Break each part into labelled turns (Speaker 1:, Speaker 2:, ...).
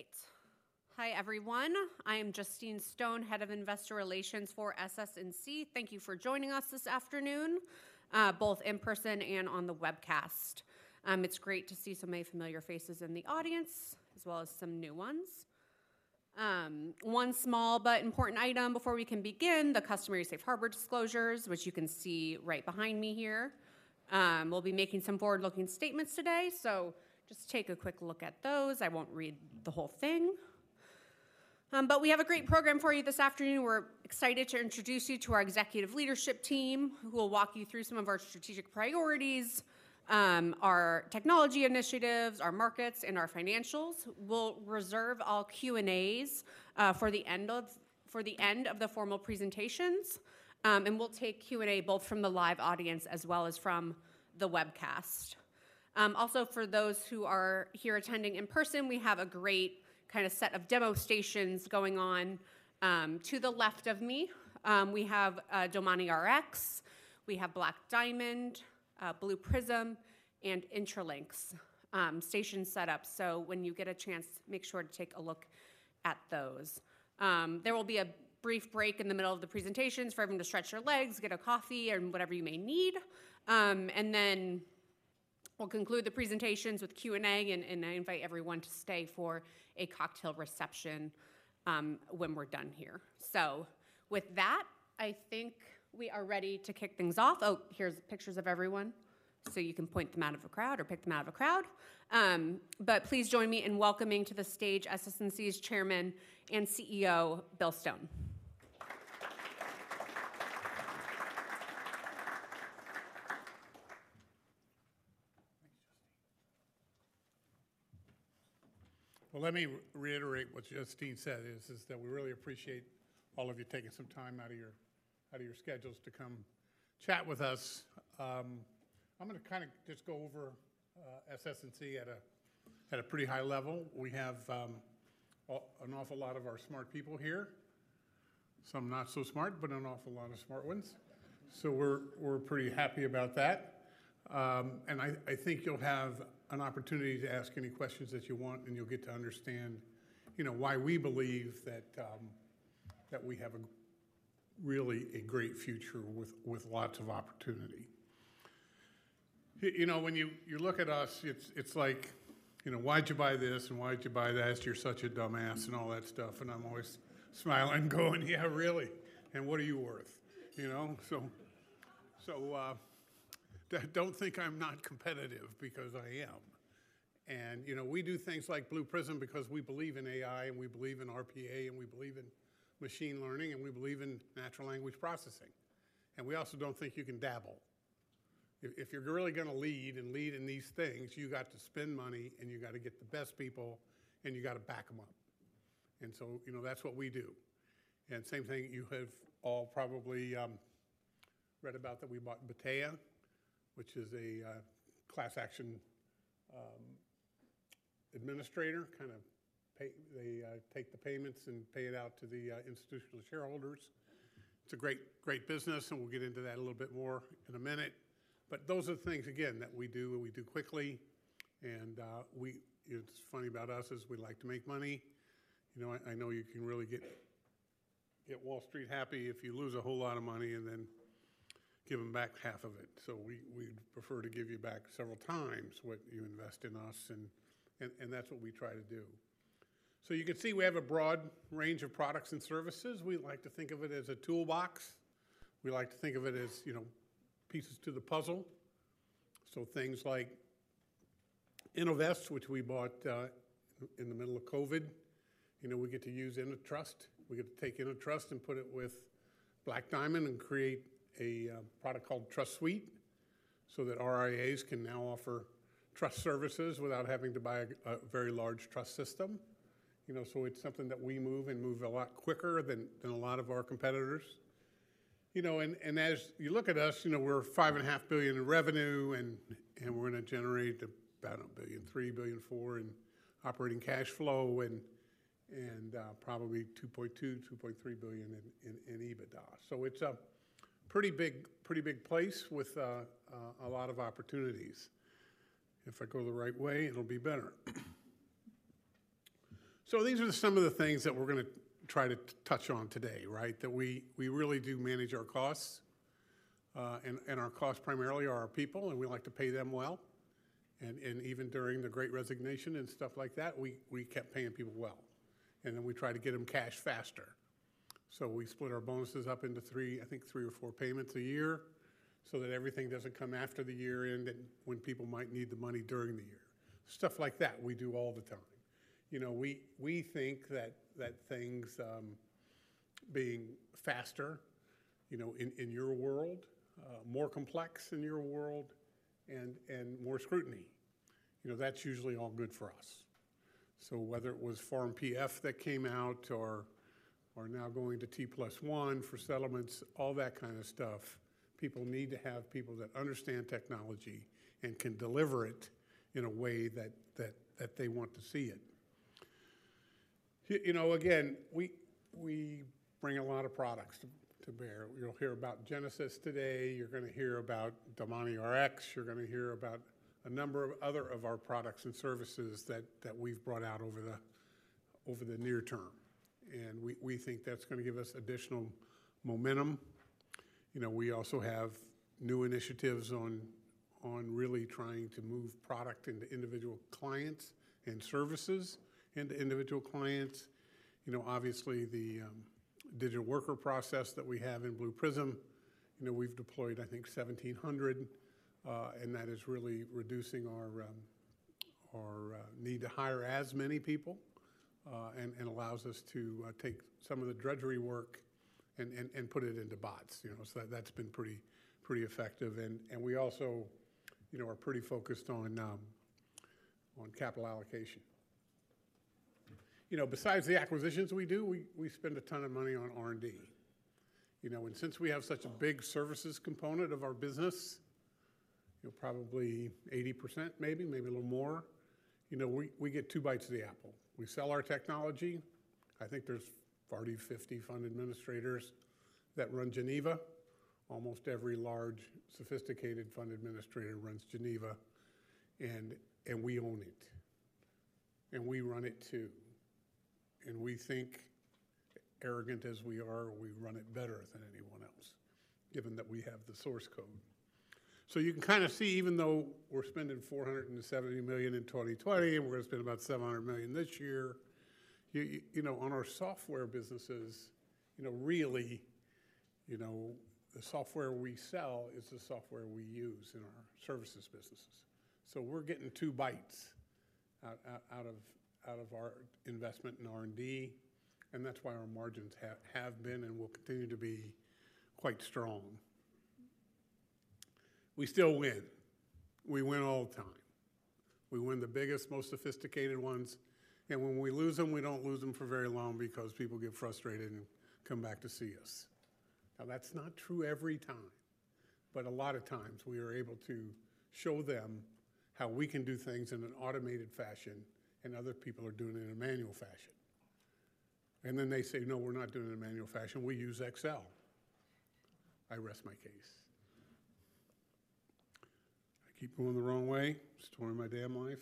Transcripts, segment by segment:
Speaker 1: All right. Hi, everyone. I am Justine Stone, Head of Investor Relations for SS&C. Thank you for joining us this afternoon, both in person and on the webcast. It's great to see so many familiar faces in the audience, as well as some new ones. One small but important item before we can begin, the customary safe harbor disclosures, which you can see right behind me here. We'll be making some forward-looking statements today, so just take a quick look at those. I won't read the whole thing. But we have a great program for you this afternoon. We're excited to introduce you to our executive leadership team, who will walk you through some of our strategic priorities, our technology initiatives, our markets, and our financials. We'll reserve all Q&As for the end of the formal presentations, and we'll take Q&A both from the live audience as well as from the webcast. Also, for those who are here attending in person, we have a great kind of set of demo stations going on. To the left of me, we have DomaniRx, we have Black Diamond, Blue Prism, and Intralinks station setup. So when you get a chance, make sure to take a look at those. There will be a brief break in the middle of the presentations for everyone to stretch their legs, get a coffee, and whatever you may need. And then we'll conclude the presentations with Q&A, and I invite everyone to stay for a cocktail reception when we're done here. So with that, I think we are ready to kick things off. Oh, here's pictures of everyone, so you can point them out of a crowd or pick them out of a crowd. But please join me in welcoming to the stage SS&C's Chairman and CEO, Bill Stone.
Speaker 2: Thanks, Justine. Well, let me reiterate what Justine said, is that we really appreciate all of you taking some time out of your schedules to come chat with us. I'm gonna kinda just go over SS&C at a pretty high level. We have an awful lot of our smart people here. Some not so smart, but an awful lot of smart ones. So we're pretty happy about that. And I think you'll have an opportunity to ask any questions that you want, and you'll get to understand, you know, why we believe that we have a really great future with lots of opportunity. You know, when you look at us, it's like, you know, "Why'd you buy this, and why'd you buy that? You're such a dumbass," and all that stuff, and I'm always smiling, going, "Yeah, really? And what are you worth?" You know? So, don't think I'm not competitive, because I am. And, you know, we do things like Blue Prism because we believe in AI, and we believe in RPA, and we believe in machine learning, and we believe in natural language processing, and we also don't think you can dabble. If you're really gonna lead, and lead in these things, you've got to spend money, and you've gotta get the best people, and you've gotta back them up, and so, you know, that's what we do. And same thing, you have all probably read about that we bought Battea, which is a class action administrator, kind of, pay. They take the payments and pay it out to the institutional shareholders. It's a great, great business, and we'll get into that a little bit more in a minute. But those are the things, again, that we do, and we do quickly, and we, it's funny about us, is we like to make money. You know, I, I know you can really get, get Wall Street happy if you lose a whole lot of money and then give them back half of it, so we, we'd prefer to give you back several times what you invest in us, and, and, and that's what we try to do. So you can see we have a broad range of products and services. We like to think of it as a toolbox. We like to think of it as, you know, pieces to the puzzle. So things like Innovest, which we bought in the middle of COVID. You know, we get to use InnoTrust. We get to take InnoTrust and put it with Black Diamond and create a product called Trust Suite, so that RIAs can now offer trust services without having to buy a very large trust system. You know, so it's something that we move a lot quicker than a lot of our competitors. You know, and as you look at us, you know, we're $5.5 billion in revenue, and we're gonna generate about $1.3 billion-$1.4 billion in operating cash flow, and probably $2.2 billion-$2.3 billion in EBITDA. So it's a pretty big place with a lot of opportunities. If I go the right way, it'll be better. So these are some of the things that we're gonna try to touch on today, right? That we really do manage our costs, and our costs primarily are our people, and we like to pay them well. And even during the Great Resignation and stuff like that, we kept paying people well, and then we try to get them cash faster. So we split our bonuses up into three, I think three or four payments a year, so that everything doesn't come after the year-end, and when people might need the money during the year. Stuff like that, we do all the time. You know, we think that things being faster, you know, in your world, more complex in your world and more scrutiny, you know, that's usually all good for us. So whether it was Form PF that came out or now going to T+1 for settlements, all that kind of stuff, people need to have people that understand technology and can deliver it in a way that they want to see it. You know, again, we bring a lot of products to bear. You'll hear about Genesis today. You're gonna hear about DomaniRx. You're gonna hear about a number of other of our products and services that we've brought out over the near term, and we think that's gonna give us additional momentum. You know, we also have new initiatives on really trying to move product into individual clients and services into individual clients. You know, obviously, the digital worker process that we have in Blue Prism, you know, we've deployed, I think, 1,700, and that is really reducing our need to hire as many people, and allows us to take some of the drudgery work and put it into bots, you know. So that's been pretty effective, and we also, you know, are pretty focused on capital allocation. You know, besides the acquisitions we do, we spend a ton of money on R&D. You know, and since we have such a big services component of our business, you know, probably 80%, maybe a little more, you know, we get two bites of the apple. We sell our technology. I think there's 40-50 fund administrators that run Geneva. Almost every large, sophisticated fund administrator runs Geneva, and we own it, and we run it, too, and we think, arrogant as we are, we run it better than anyone else, given that we have the source code, so you can kinda see, even though we're spending $470 million in 2020, and we're gonna spend about $700 million this year, you know, on our software businesses, you know, really, you know, the software we sell is the software we use in our services businesses, so we're getting two bites out of our investment in R&D, and that's why our margins have been and will continue to be quite strong. We still win. We win all the time. We win the biggest, most sophisticated ones, and when we lose them, we don't lose them for very long because people get frustrated and come back to see us. Now, that's not true every time, but a lot of times we are able to show them how we can do things in an automated fashion, and other people are doing it in a manual fashion. And then they say, "No, we're not doing it in a manual fashion. We use Excel." I rest my case. I keep going the wrong way. Story of my damn life.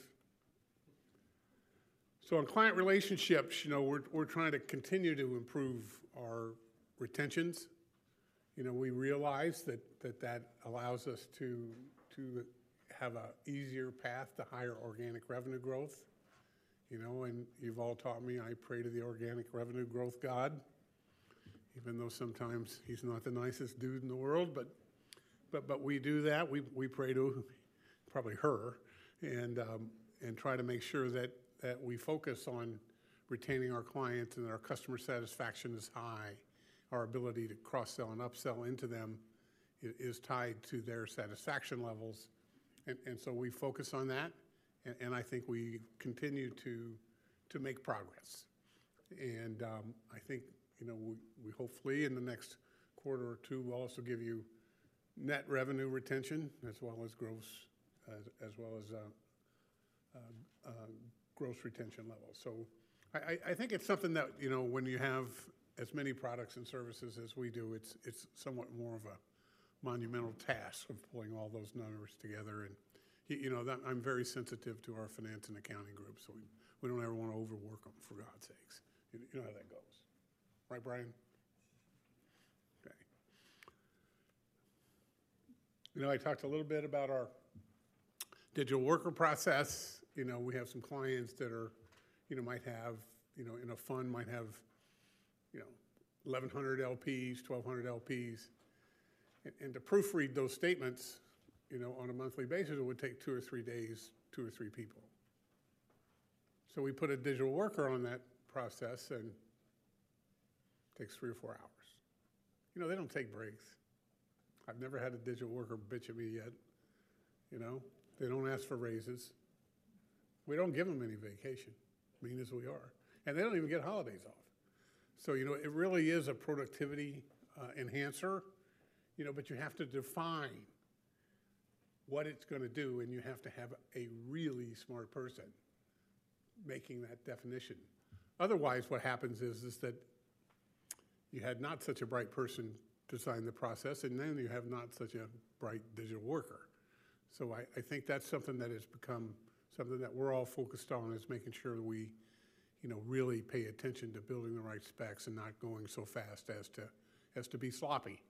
Speaker 2: So in client relationships, you know, we're trying to continue to improve our retentions. You know, we realize that allows us to have an easier path to higher organic revenue growth. You know, and you've all taught me, I pray to the organic revenue growth God, even though sometimes he's not the nicest dude in the world, but we do that. We pray to probably her and try to make sure that we focus on retaining our clients and that our customer satisfaction is high. Our ability to cross-sell and upsell into them is tied to their satisfaction levels, and so we focus on that, and I think we continue to make progress. I think, you know, we hopefully in the next quarter or two will also give you net revenue retention, as well as gross retention levels. So I think it's something that, you know, when you have as many products and services as we do, it's somewhat more of a monumental task of pulling all those numbers together and you know that. I'm very sensitive to our finance and accounting group, so we don't ever wanna overwork them, for God's sakes. You know how that goes. Right, Brian? Okay. You know, I talked a little bit about our digital worker process. You know, we have some clients that are you know might have you know in a fund might have, you know, 1100 LPs, 1200 LPs, and to proofread those statements, you know, on a monthly basis, it would take two or three days, two or three people. So we put a digital worker on that process, and it takes three or four hours. You know, they don't take breaks. I've never had a digital worker bitch at me yet, you know? They don't ask for raises. We don't give them any vacation, mean as we are, and they don't even get holidays off. So, you know, it really is a productivity enhancer, you know, but you have to define what it's gonna do, and you have to have a really smart person making that definition. Otherwise, what happens is that you had not such a bright person design the process, and then you have not such a bright digital worker. So I think that's something that has become something that we're all focused on, is making sure we, you know, really pay attention to building the right specs and not going so fast as to be sloppy.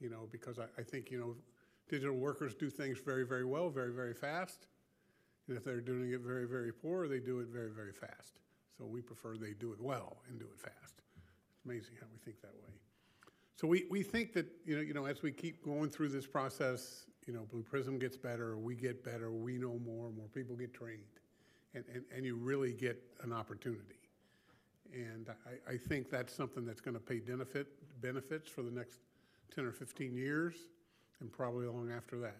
Speaker 2: You know, because I, I think, you know, digital workers do things very, very well, very, very fast, and if they're doing it very, very poor, they do it very, very fast. So we prefer they do it well and do it fast. It's amazing how we think that way. So we, we think that, you know, you know, as we keep going through this process, you know, Blue Prism gets better, we get better, we know more, more people get trained, and, and, and you really get an opportunity. And I, I think that's something that's gonna pay benefit, benefits for the next 10 or 15 years, and probably long after that.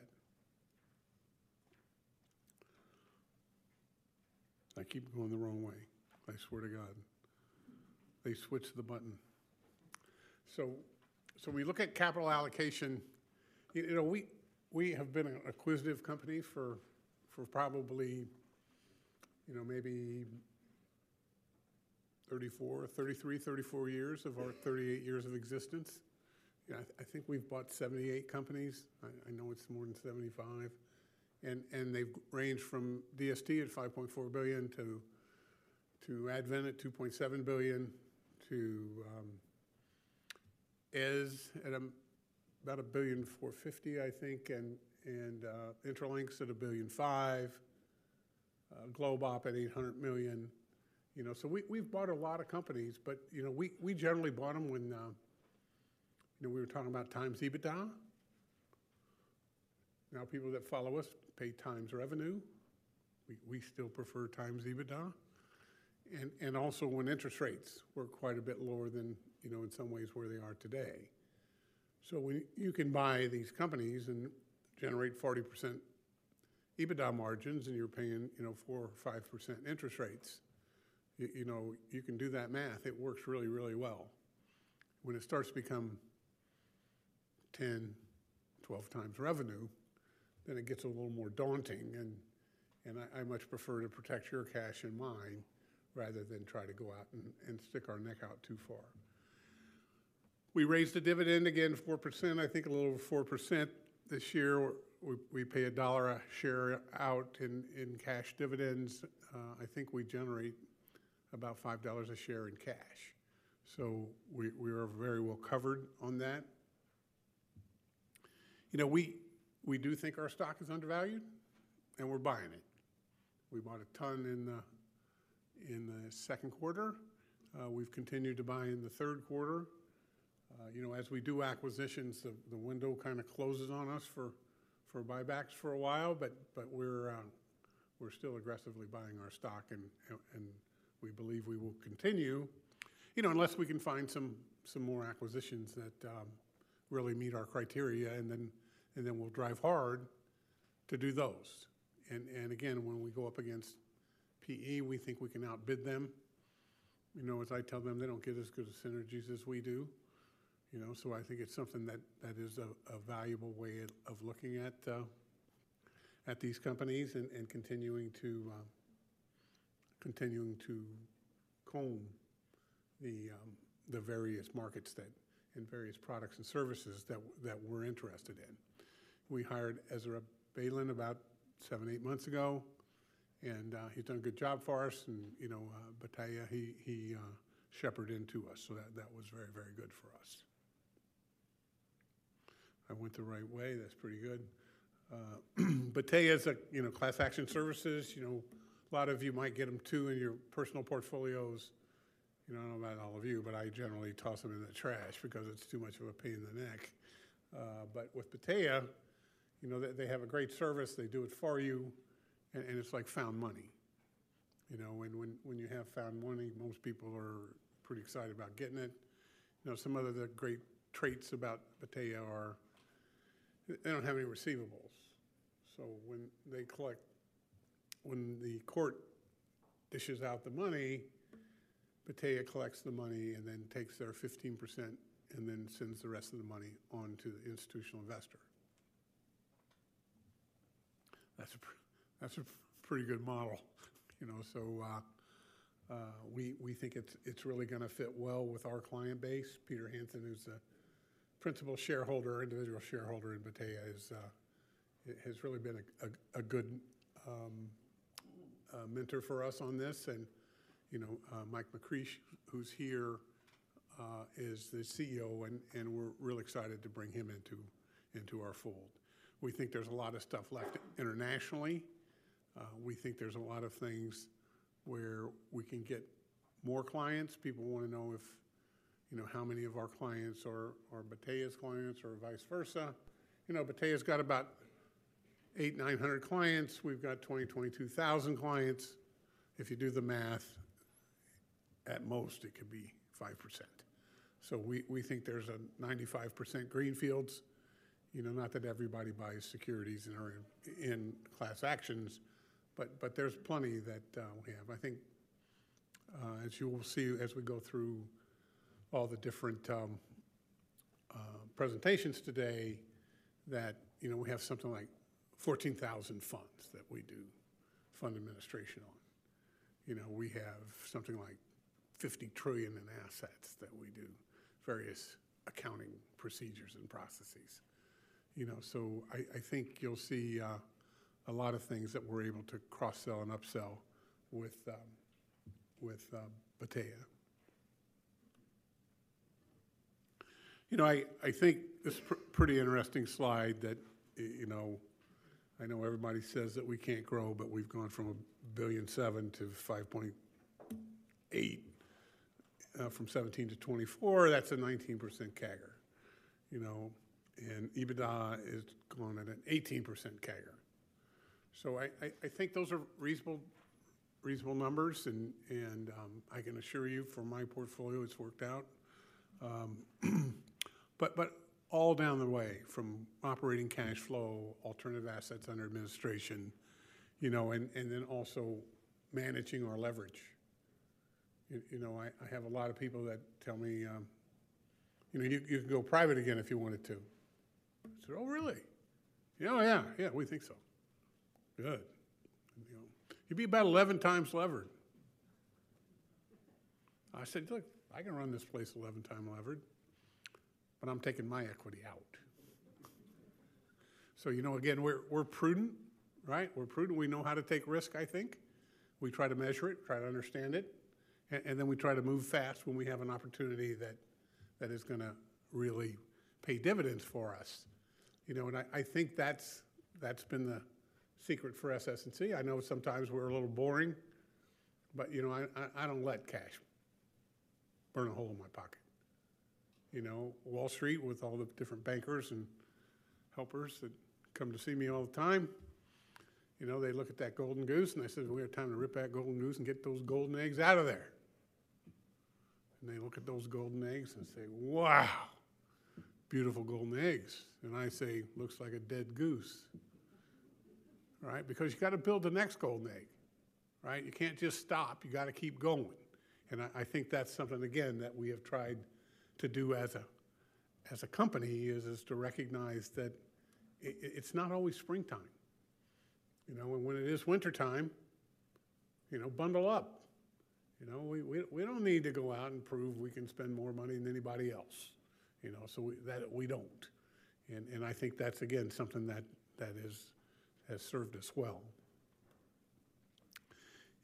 Speaker 2: I keep going the wrong way. I swear to God. They switched the button. So, so we look at capital allocation. You know, we have been an acquisitive company for probably, you know, maybe 33-34 years of our 38 years of existence. You know, I think we've bought 78 companies. I know it's more than 75, and they've ranged from DST at $5.4 billion to Advent at $2.7 billion, to Eze at about $1.45 billion, I think, and Intralinks at $1.5 billion, GlobeOp at $800 million. You know, so we've bought a lot of companies, but you know, we generally bought them when, you know, we were talking about times EBITDA. Now, people that follow us pay times revenue. We still prefer times EBITDA. And also when interest rates were quite a bit lower than, you know, in some ways where they are today. So when you can buy these companies and generate 40% EBITDA margins, and you're paying, you know, 4% or 5% interest rates, you know, you can do that math. It works really, really well. When it starts to become 10, 12 times revenue, then it gets a little more daunting and I much prefer to protect your cash and mine, rather than try to go out and stick our neck out too far. We raised the dividend again 4%, I think a little over 4% this year. We pay $1 a share out in cash dividends. I think we generate about $5 a share in cash. So we are very well covered on that. You know, we do think our stock is undervalued, and we're buying it. We bought a ton in the second quarter. We've continued to buy in the third quarter. You know, as we do acquisitions, the window kinda closes on us for buybacks for a while, but we're still aggressively buying our stock and we believe we will continue. You know, unless we can find some more acquisitions that really meet our criteria, and then we'll drive hard to do those. And again, when we go up against PE, we think we can outbid them. You know, as I tell them, they don't get as good as synergies as we do. You know, so I think it's something that is a valuable way of looking at these companies and continuing to comb the various markets and various products and services that we're interested in. We hired Ezra Bailin about seven, eight months ago, and he's done a good job for us. And, you know, Battea, he shepherded him to us, so that was very good for us. I went the right way. That's pretty good. Battea is a, you know, class action services. You know, a lot of you might get them, too, in your personal portfolios. You know, I don't know about all of you, but I generally toss them in the trash because it's too much of a pain in the neck. But with Battea, you know, they have a great service. They do it for you, and it's like found money. You know, when you have found money, most people are pretty excited about getting it. You know, some other great traits about Battea are, they don't have any receivables. So when they collect, when the court dishes out the money, Battea collects the money and then takes their 15% and then sends the rest of the money on to the institutional investor. That's a pretty good model, you know. So, we think it's really gonna fit well with our client base. Peter Hansen, who's a principal shareholder, individual shareholder in Battea, has really been a good mentor for us on this. You know, Mike McCreesh, who's here, is the CEO, and we're really excited to bring him into our fold. We think there's a lot of stuff left internationally. We think there's a lot of things where we can get more clients. People wanna know if, you know, how many of our clients are Battea's clients or vice versa. You know, Battea's got about eight, nine hundred clients. We've got 20,000 clients. If you do the math, at most, it could be 5%. So we think there's a 95% greenfields, you know, not that everybody buys securities in our class actions, but there's plenty that we have. I think, as you will see, as we go through all the different presentations today, that, you know, we have something like 14,000 funds that we do fund administration on. You know, we have something like $50 trillion in assets that we do various accounting procedures and processes. You know, so I think you'll see a lot of things that we're able to cross-sell and upsell with Battea. You know, I think this pretty interesting slide that, you know, I know everybody says that we can't grow, but we've gone from $1.7 billion-$5.8 billion, from 17%-24%. That's a 19% CAGR, you know, and EBITDA is growing at an 18% CAGR. I think those are reasonable numbers, and I can assure you from my portfolio, it's worked out. But all down the way, from operating cash flow, alternative assets under administration, you know, and then also managing our leverage. You know, I have a lot of people that tell me, "You know, you could go private again if you wanted to." I said, "Oh, really?" "Oh, yeah. Yeah, we think so." "Good." "You know, you'd be about eleven times levered." I said, "Look, I can run this place eleven times levered, but I'm taking my equity out." So, you know, again, we're prudent, right? We're prudent. We know how to take risk, I think. We try to measure it, try to understand it, and then we try to move fast when we have an opportunity that is gonna really pay dividends for us. You know, and I think that's been the secret for SS&C. I know sometimes we're a little boring, but, you know, I don't let cash burn a hole in my pocket. You know, Wall Street, with all the different bankers and helpers that come to see me all the time, you know, they look at that golden goose, and I say, "We have time to rip that golden goose and get those golden eggs out of there!" And they look at those golden eggs and say, "Wow! Beautiful golden eggs." And I say, "Looks like a dead goose," right? Because you've got to build the next golden egg, right? You can't just stop. You've got to keep going. And I think that's something, again, that we have tried to do as a company, is to recognize that it's not always springtime. You know, and when it is wintertime, you know, bundle up. You know, we don't need to go out and prove we can spend more money than anybody else, you know, so we don't. And I think that's, again, something that has served us well.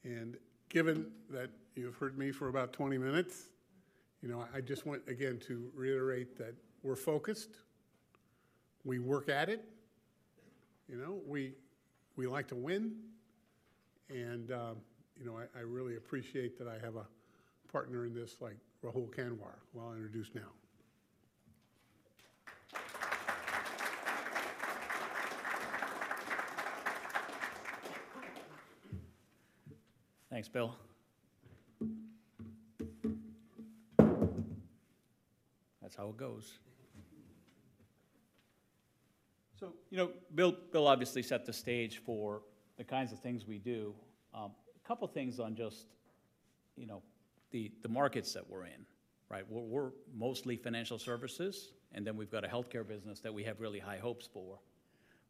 Speaker 2: And given that you've heard me for about 20 minutes, you know, I just want, again, to reiterate that we're focused. We work at it, you know, we like to win, and you know, I really appreciate that I have a partner in this, like Rahul Kanwar, who I'll introduce now.
Speaker 3: Thanks, Bill. That's how it goes. So, you know, Bill, Bill obviously set the stage for the kinds of things we do. A couple things on just, you know, the markets that we're in, right? We're mostly financial services, and then we've got a healthcare business that we have really high hopes for.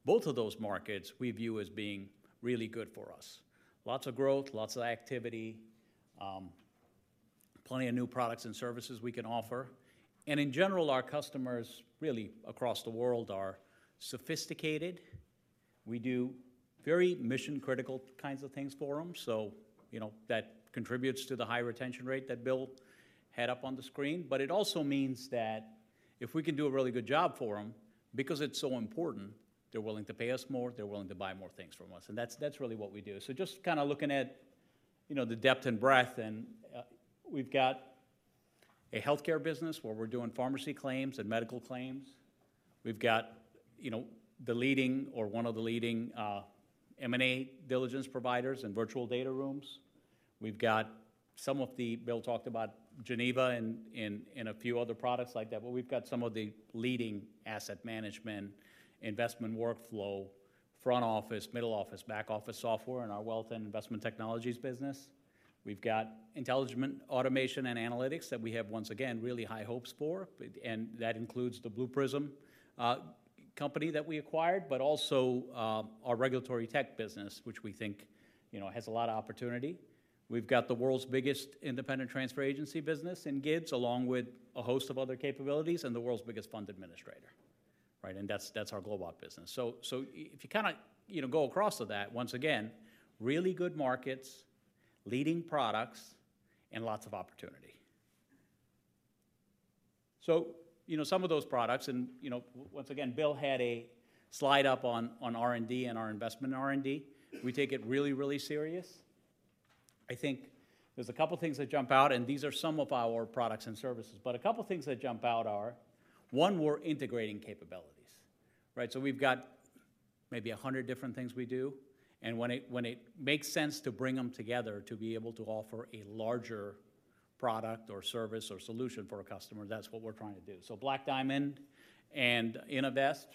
Speaker 3: Both of those markets we view as being really good for us. Lots of growth, lots of activity, plenty of new products and services we can offer. And in general, our customers, really across the world, are sophisticated. We do very mission-critical kinds of things for them. So, you know, that contributes to the high retention rate that Bill had up on the screen. But it also means that if we can do a really good job for them, because it's so important, they're willing to pay us more, they're willing to buy more things from us, and that's really what we do. So just kinda looking at, you know, the depth and breadth, and we've got a healthcare business, where we're doing pharmacy claims and medical claims. We've got, you know, the leading or one of the leading M&A diligence providers and virtual data rooms. We've got some of the, Bill talked about Geneva and a few other products like that, but we've got some of the leading asset management, investment workflow, front office, middle office, back office software in our Wealth and Investment Technologies business. We've got intelligent automation and analytics that we have, once again, really high hopes for, and that includes the Blue Prism company that we acquired, but also our regulatory tech business, which we think, you know, has a lot of opportunity. We've got the world's biggest independent transfer agency business in GIDS, along with a host of other capabilities, and the world's biggest fund administrator, right? And that's our GlobeOp business. So if you kinda, you know, go across to that, once again, really good markets, leading products, and lots of opportunity. So, you know, some of those products, and, you know, once again, Bill had a slide up on R&D and our investment in R&D. We take it really, really serious. I think there's a couple things that jump out, and these are some of our products and services. But a couple things that jump out are, one, we're integrating capabilities, right? So we've got maybe a hundred different things we do, and when it makes sense to bring them together to be able to offer a larger product or service or solution for a customer, that's what we're trying to do. So Black Diamond and Innovest,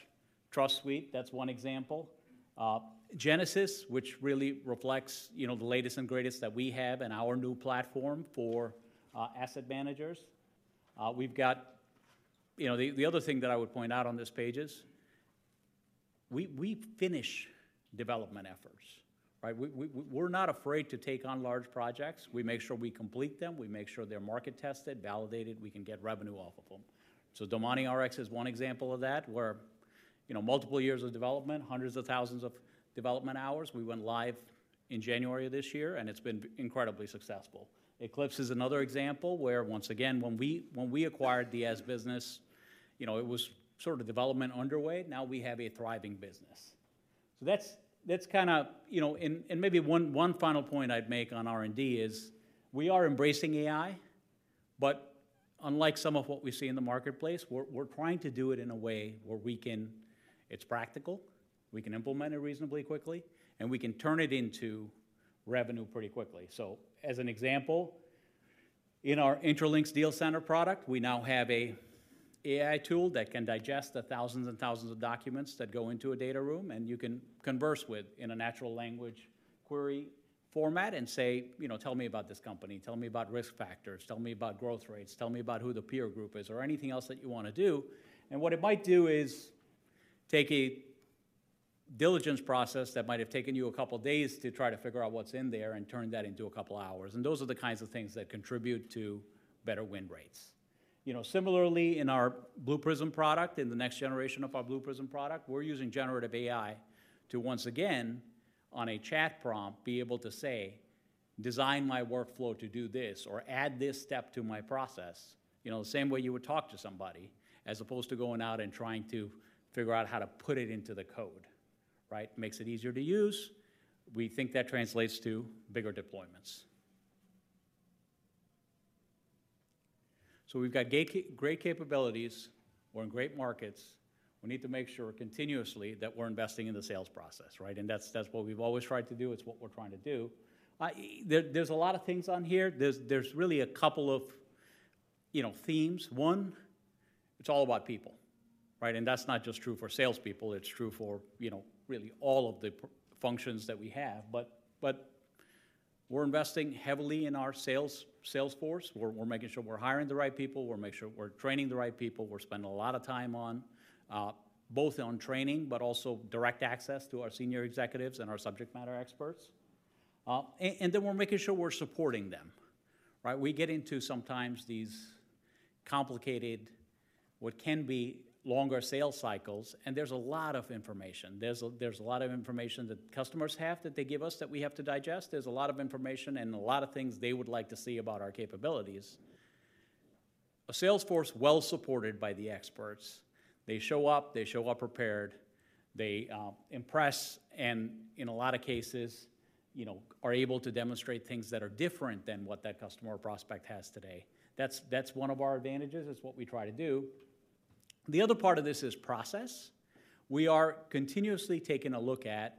Speaker 3: Trust Suite, that's one example. Genesis, which really reflects, you know, the latest and greatest that we have in our new platform for asset managers. We've got, you know, the other thing that I would point out on this page is, we're not afraid to take on large projects. We make sure we complete them. We make sure they're market-tested, validated, we can get revenue off of them. DomaniRx is one example of that, where, you know, multiple years of development, hundreds of thousands of development hours, we went live in January of this year, and it's been incredibly successful. Eclipse is another example where, once again, when we acquired the Eze business, you know, it was sort of development underway. Now we have a thriving business. That's kinda, you know. And maybe one final point I'd make on R&D is, we are embracing AI, but unlike some of what we see in the marketplace, we're trying to do it in a way where we can. It's practical, we can implement it reasonably quickly, and we can turn it into revenue pretty quickly. As an example, in our Intralinks Deal Center product, we now have an AI tool that can digest the thousands and thousands of documents that go into a data room, and you can converse with in a natural language query format and say, you know, "Tell me about this company, tell me about risk factors, tell me about growth rates, tell me about who the peer group is," or anything else that you want to do. And what it might do is take a diligence process that might have taken you a couple days to try to figure out what's in there and turn that into a couple hours. And those are the kinds of things that contribute to better win rates. You know, similarly, in our Blue Prism product, in the next generation of our Blue Prism product, we're using Generative AI to once again, on a chat prompt, be able to say, "Design my workflow to do this," or, "Add this step to my process." You know, the same way you would talk to somebody, as opposed to going out and trying to figure out how to put it into the code, right? Makes it easier to use. We think that translates to bigger deployments. So we've got great capabilities. We're in great markets. We need to make sure continuously that we're investing in the sales process, right? And that's what we've always tried to do, it's what we're trying to do. There, there's a lot of things on here. There's really a couple of, you know, themes. One, it's all about people, right? That's not just true for salespeople. It's true for, you know, really all of the professional functions that we have. But we're investing heavily in our sales force. We're making sure we're hiring the right people. We're making sure we're training the right people. We're spending a lot of time on both training, but also direct access to our senior executives and our subject matter experts. And then we're making sure we're supporting them, right? We get into sometimes these complicated, what can be longer sales cycles, and there's a lot of information. There's a lot of information that customers have that they give us, that we have to digest. There's a lot of information and a lot of things they would like to see about our capabilities. A sales force well-supported by the experts. They show up, they show up prepared, they impress and, in a lot of cases, you know, are able to demonstrate things that are different than what that customer or prospect has today. That's one of our advantages. It's what we try to do. The other part of this is process. We are continuously taking a look at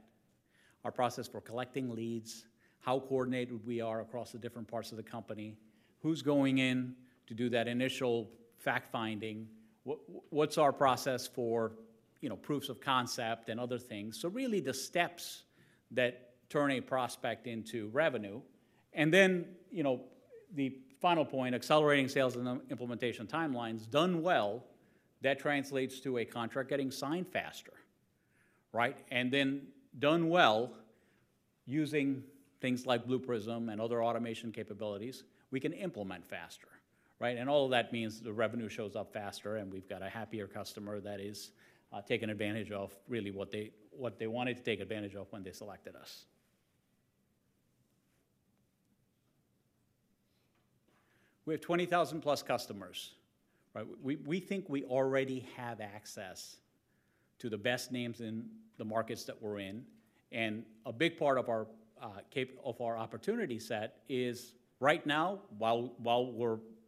Speaker 3: our process for collecting leads, how coordinated we are across the different parts of the company, who's going in to do that initial fact-finding, what's our process for, you know, proofs of concept and other things? So really, the steps that turn a prospect into revenue, and then, you know, the final point, accelerating sales and implementation timelines, done well, that translates to a contract getting signed faster, right? And then done well, using things like Blue Prism and other automation capabilities, we can implement faster, right? And all of that means the revenue shows up faster and we've got a happier customer that is taking advantage of really what they wanted to take advantage of when they selected us. We have 20,000-plus customers, right? We think we already have access to the best names in the markets that we're in. And a big part of our opportunity set is right now, while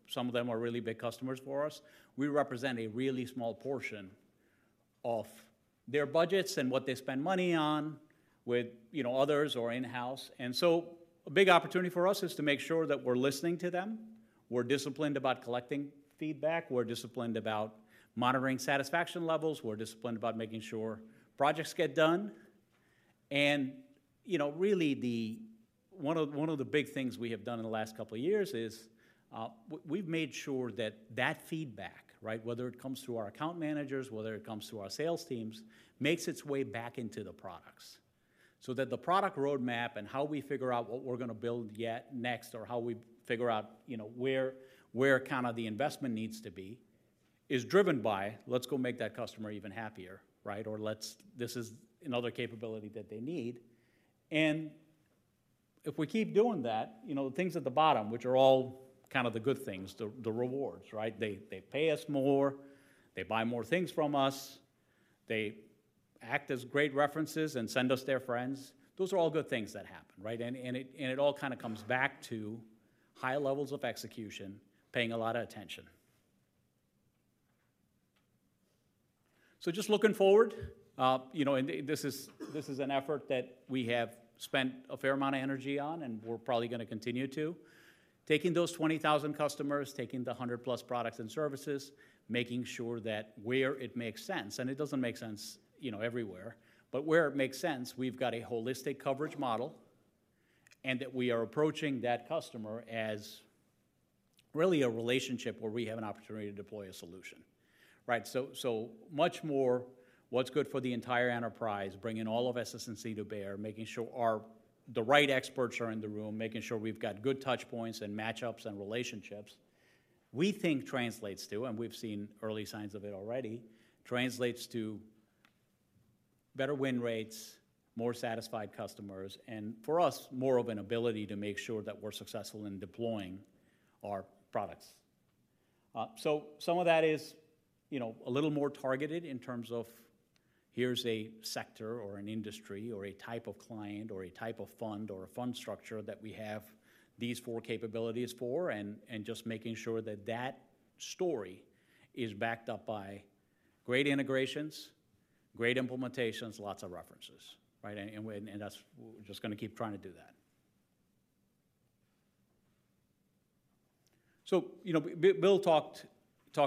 Speaker 3: some of them are really big customers for us, we represent a really small portion of their budgets and what they spend money on with, you know, others or in-house. And so a big opportunity for us is to make sure that we're listening to them, we're disciplined about collecting feedback, we're disciplined about monitoring satisfaction levels, we're disciplined about making sure projects get done. And, you know, really, one of the big things we have done in the last couple of years is, we've made sure that that feedback, right, whether it comes through our account managers, whether it comes through our sales teams, makes its way back into the products, so that the product roadmap and how we figure out what we're going to build next, or how we figure out, you know, where kind of the investment needs to be, is driven by, "Let's go make that customer even happier," right? Or "Let's. This is another capability that they need." And if we keep doing that, you know, the things at the bottom, which are all kind of the good things, the rewards, right? They pay us more, they buy more things from us, they act as great references and send us their friends. Those are all good things that happen, right? And it all kind of comes back to high levels of execution, paying a lot of attention. So just looking forward, you know, and this is an effort that we have spent a fair amount of energy on, and we're probably gonna continue to. Taking those 20,000 customers, taking the hundred plus products and services, making sure that where it makes sense, and it doesn't make sense, you know, everywhere, but where it makes sense, we've got a holistic coverage model, and that we are approaching that customer as really a relationship where we have an opportunity to deploy a solution, right? So, so much more what's good for the entire enterprise, bringing all of SS&C to bear, making sure our, the right experts are in the room, making sure we've got good touch points and match-ups and relationships, we think translates to, and we've seen early signs of it already, translates to better win rates, more satisfied customers, and for us, more of an ability to make sure that we're successful in deploying our products. So, some of that is, you know, a little more targeted in terms of, here's a sector or an industry or a type of client or a type of fund or a fund structure that we have these four capabilities for, and just making sure that that story is backed up by great integrations, great implementations, lots of references, right? And that's - we're just gonna keep trying to do that. You know, Bill talked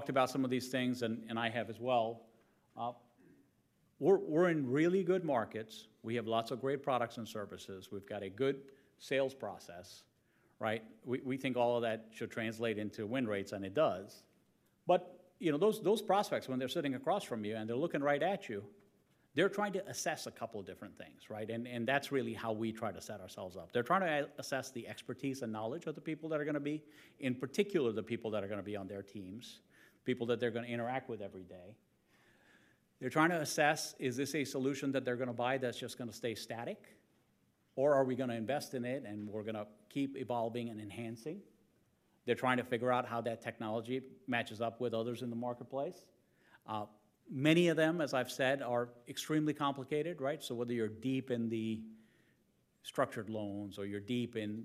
Speaker 3: about some of these things, and I have as well. We're in really good markets. We have lots of great products and services. We've got a good sales process, right? We think all of that should translate into win rates, and it does. But, you know, those prospects, when they're sitting across from you, and they're looking right at you, they're trying to assess a couple of different things, right? And that's really how we try to set ourselves up. They're trying to assess the expertise and knowledge of the people that are gonna b in particular, the people that are gonna be on their teams, people that they're gonna interact with every day. They're trying to assess, is this a solution that they're gonna buy that's just gonna stay static, or are we gonna invest in it, and we're gonna keep evolving and enhancing? They're trying to figure out how that technology matches up with others in the marketplace. Many of them, as I've said, are extremely complicated, right? So whether you're deep in the structured loans, or you're deep in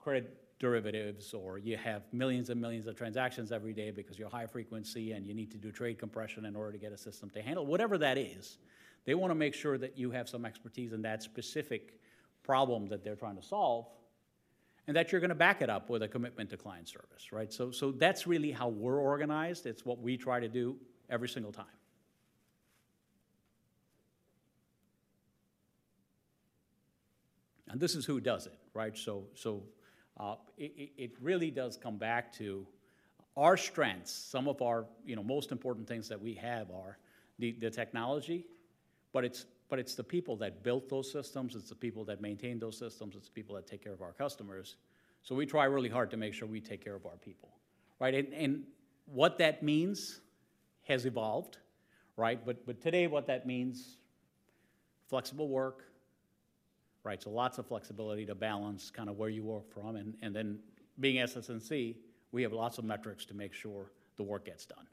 Speaker 3: credit derivatives, or you have millions and millions of transactions every day because you're high frequency and you need to do trade compression in order to get a system to handle whatever that is, they wanna make sure that you have some expertise in that specific problem that they're trying to solve, and that you're gonna back it up with a commitment to client service, right? That's really how we're organized. It's what we try to do every single time, and this is who does it, right? It really does come back to our strengths. Some of our, you know, most important things that we have are the, the technology, but it's but it's the people that built those systems, it's the people that maintain those systems, it's the people that take care of our customers. So we try really hard to make sure we take care of our people, right? And, and what that means has evolved, right? But, but today, what that means, flexible work, right? So lots of flexibility to balance kinda where you work from. And, and then being SS&C, we have lots of metrics to make sure the work gets done,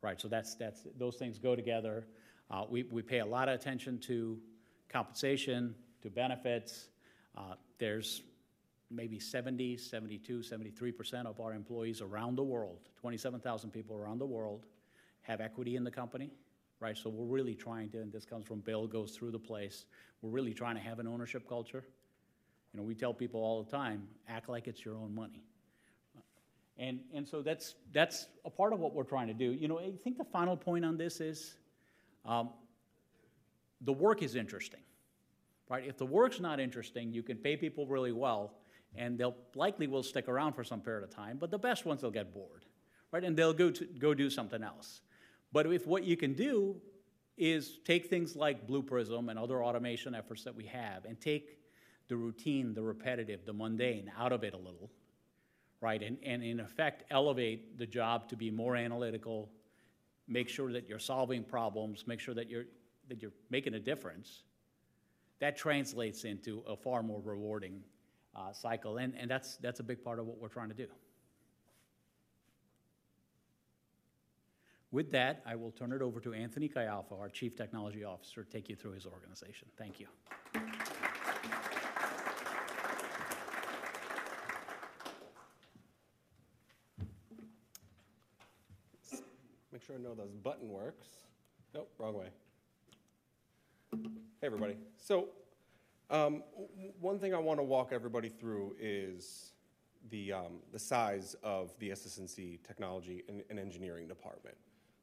Speaker 3: right? So that's, that's. Those things go together. We, we pay a lot of attention to compensation, to benefits. There's maybe 70%-73% of our employees around the world, 27,000 people around the world, have equity in the company, right? So we're really trying to, and this comes from Bill, goes through the place, we're really trying to have an ownership culture. You know, we tell people all the time, "Act like it's your own money." And so that's a part of what we're trying to do. You know, I think the final point on this is the work is interesting, right? If the work's not interesting, you can pay people really well, and they'll likely will stick around for some period of time, but the best ones will get bored, right? And they'll go do something else. But if what you can do is take things like Blue Prism and other automation efforts that we have, and take the routine, the repetitive, the mundane out of it a little, right? And in effect, elevate the job to be more analytical, make sure that you're solving problems, make sure that you're making a difference, that translates into a far more rewarding cycle. And that's a big part of what we're trying to do. With that, I will turn it over to Anthony Caiafa, our Chief Technology Officer, take you through his organization. Thank you.
Speaker 4: Make sure I know this button works. Nope, wrong way. Hey, everybody. So, one thing I wanna walk everybody through is the size of the SS&C technology and engineering department.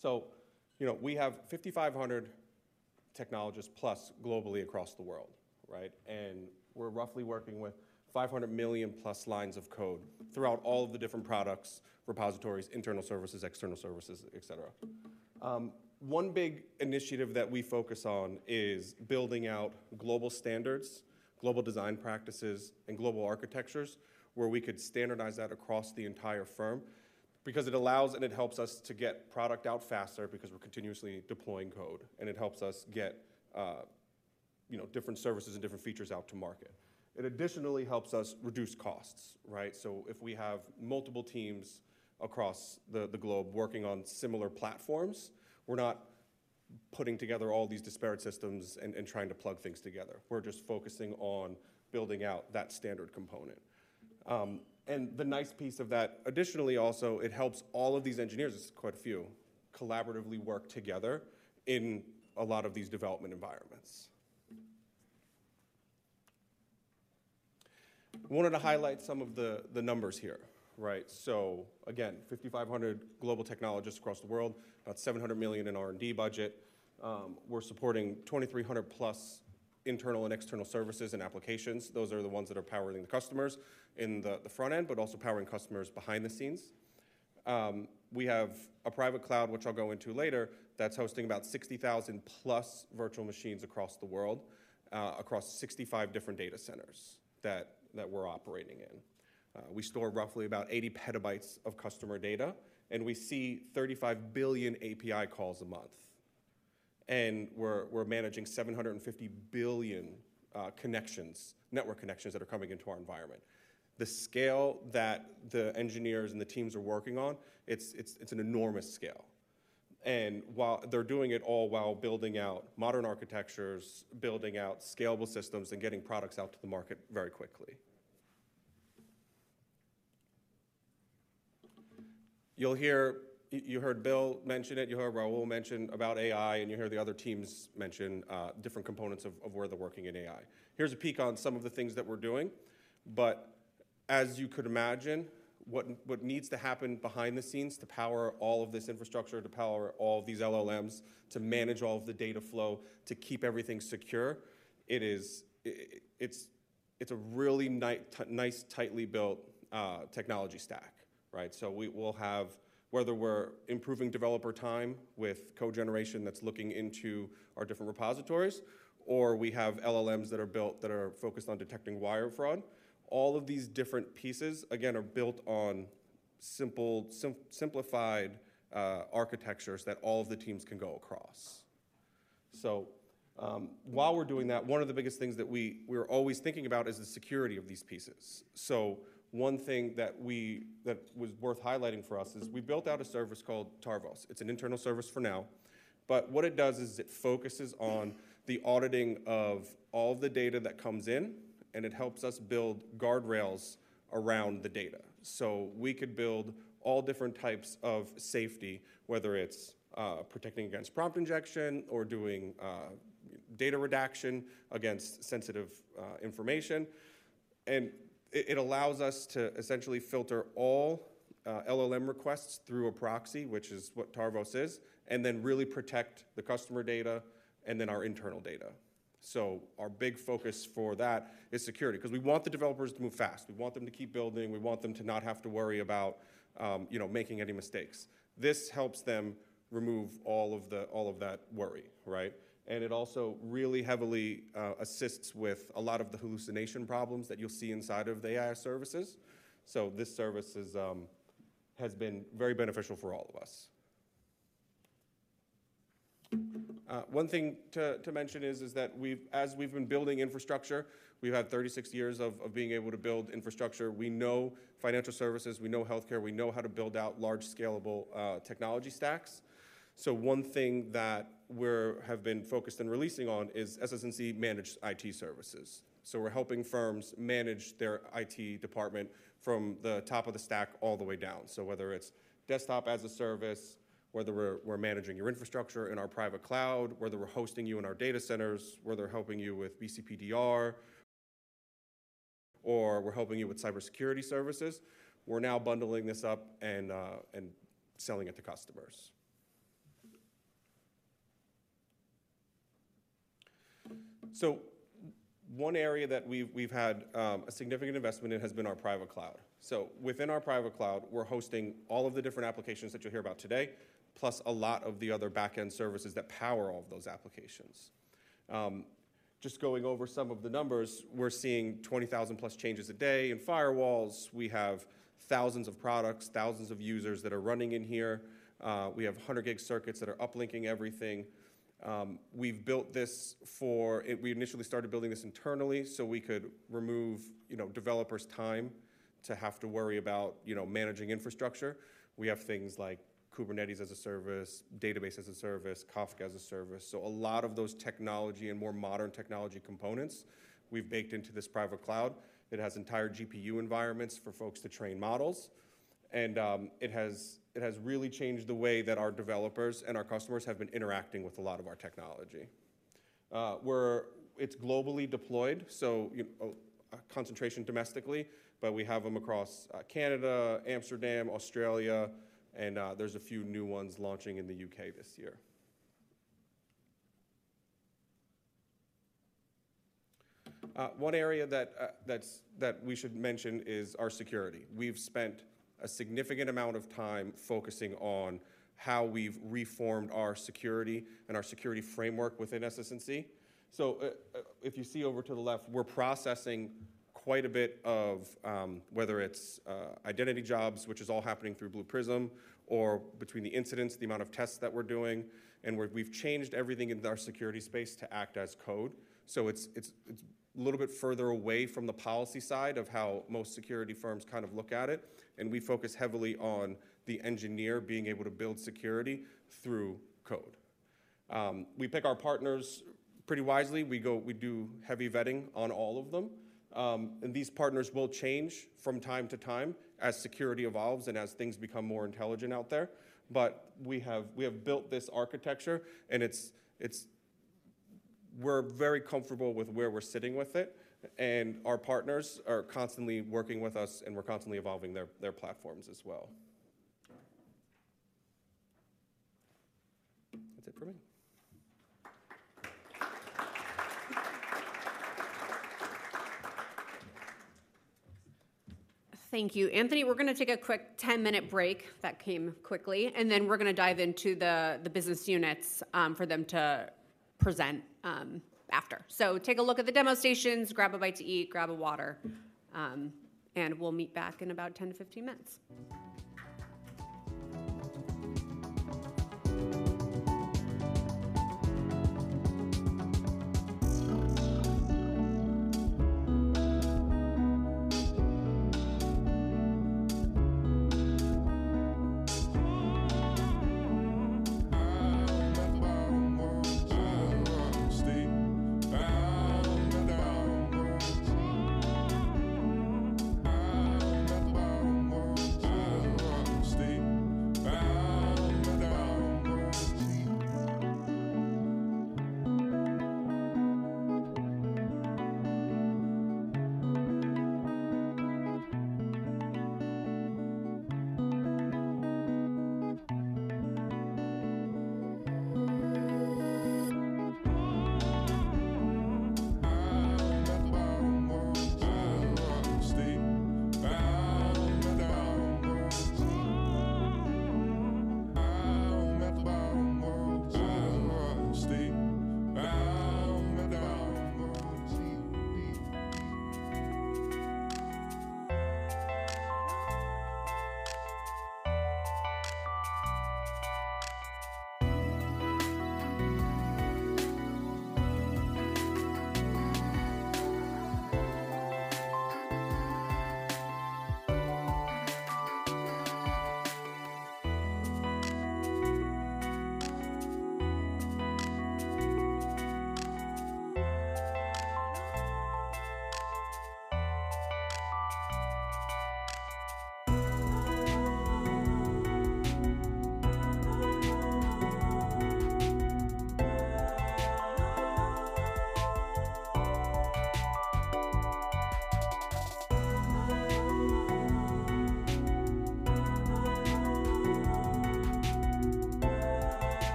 Speaker 4: So, you know, we have 5,500 technologists plus globally across the world, right? And we're roughly working with 500 million plus lines of code throughout all of the different products, repositories, internal services, external services, etc. One big initiative that we focus on is building out global standards, global design practices, and global architectures, where we could standardize that across the entire firm, because it allows and it helps us to get product out faster, because we're continuously deploying code, and it helps us get, you know, different services and different features out to market. It additionally helps us reduce costs, right? If we have multiple teams across the globe working on similar platforms, we're not putting together all these disparate systems and trying to plug things together. We're just focusing on building out that standard component. The nice piece of that, additionally, also, it helps all of these engineers, it's quite a few, collaboratively work together in a lot of these development environments. Wanted to highlight some of the numbers here, right? Again, 5,500 global technologists across the world, about $700 million in R&D budget. We're supporting 2,300+ internal and external services and applications. Those are the ones that are powering the customers in the front end, but also powering customers behind the scenes. We have a private cloud, which I'll go into later, that's hosting about 60,000-plus virtual machines across the world, across 65 different data centers that we're operating in. We store roughly about 80 PB of customer data, and we see 35 billion API calls a month. And we're managing 750 billion connections, network connections that are coming into our environment. The scale that the engineers and the teams are working on, it's an enormous scale. And while they're doing it all while building out modern architectures, building out scalable systems, and getting products out to the market very quickly. You'll hear, you heard Bill mention it, you heard Rahul mention about AI, and you hear the other teams mention different components of where they're working in AI. Here's a peek on some of the things that we're doing, but as you could imagine, what needs to happen behind the scenes to power all of this infrastructure, to power all of these LLMs, to manage all of the data flow, to keep everything secure. It is, it's a really nice, tightly built technology stack, right? So we will have, whether we're improving developer time with code generation that's looking into our different repositories, or we have LLMs that are built, that are focused on detecting wire fraud, all of these different pieces, again, are built on simple, simplified architectures that all of the teams can go across. So, while we're doing that, one of the biggest things that we're always thinking about is the security of these pieces. So one thing that was worth highlighting for us is we built out a service called TARVOS. It's an internal service for now, but what it does is it focuses on the auditing of all the data that comes in, and it helps us build guardrails around the data. We could build all different types of safety, whether it's protecting against prompt injection or doing data redaction against sensitive information. And it allows us to essentially filter all LLM requests through a proxy, which is what TARVOS is, and then really protect the customer data, and then our internal data. Our big focus for that is security, 'cause we want the developers to move fast. We want them to keep building. We want them to not have to worry about, you know, making any mistakes. This helps them remove all of that worry, right? And it also really heavily assists with a lot of the hallucination problems that you'll see inside of the AI services. So this service is has been very beneficial for all of us. One thing to mention is that as we've been building infrastructure, we've had 36 years of being able to build infrastructure. We know financial services, we know healthcare, we know how to build out large, scalable technology stacks. So one thing that we're have been focused on releasing on is SS&C-managed IT services. So we're helping firms manage their IT department from the top of the stack all the way down. So whether it's desktop as a service, whether we're managing your infrastructure in our private cloud, whether we're hosting you in our data centers, whether we're helping you with BC/DR, or we're helping you with cybersecurity services, we're now bundling this up and selling it to customers. One area that we've had a significant investment in has been our private cloud. Within our private cloud, we're hosting all of the different applications that you'll hear about today, plus a lot of the other back-end services that power all of those applications. Just going over some of the numbers, we're seeing 20,000+ changes a day in firewalls. We have thousands of products, thousands of users that are running in here. We have 100-gig circuits that are uplinking everything. We've built this for. We initially started building this internally, so we could remove, you know, developers' time to have to worry about, you know, managing infrastructure. We have things like Kubernetes as a Service, Database as a Service, Kafka as a Service. So a lot of those technology and more modern technology components we've baked into this private cloud. It has entire GPU environments for folks to train models, and it has really changed the way that our developers and our customers have been interacting with a lot of our technology. It's globally deployed, so concentration domestically, but we have them across Canada, Amsterdam, Australia, and there's a few new ones launching in the U.K. this year. One area that we should mention is our security. We've spent a significant amount of time focusing on how we've reformed our security and our security framework within SS&C. So, if you see over to the left, we're processing quite a bit of whether it's identity jobs, which is all happening through Blue Prism, or between the incidents, the amount of tests that we're doing, and we've changed everything in our security space to infrastructure as code. So it's a little bit further away from the policy side of how most security firms kind of look at it, and we focus heavily on the engineer being able to build security through code. We pick our partners pretty wisely. We do heavy vetting on all of them, and these partners will change from time to time as security evolves and as things become more intelligent out there. But we have built this architecture, and it's. We're very comfortable with where we're sitting with it, and our partners are constantly working with us, and we're constantly evolving their platforms as well. That's it for me.
Speaker 1: Thank you, Anthony. We're gonna take a quick 10-minute break. That came quickly, and then we're gonna dive into the business units for them to present after. So take a look at the demo stations, grab a bite to eat, grab a water, and we'll meet back in about 10 to 15 minutes.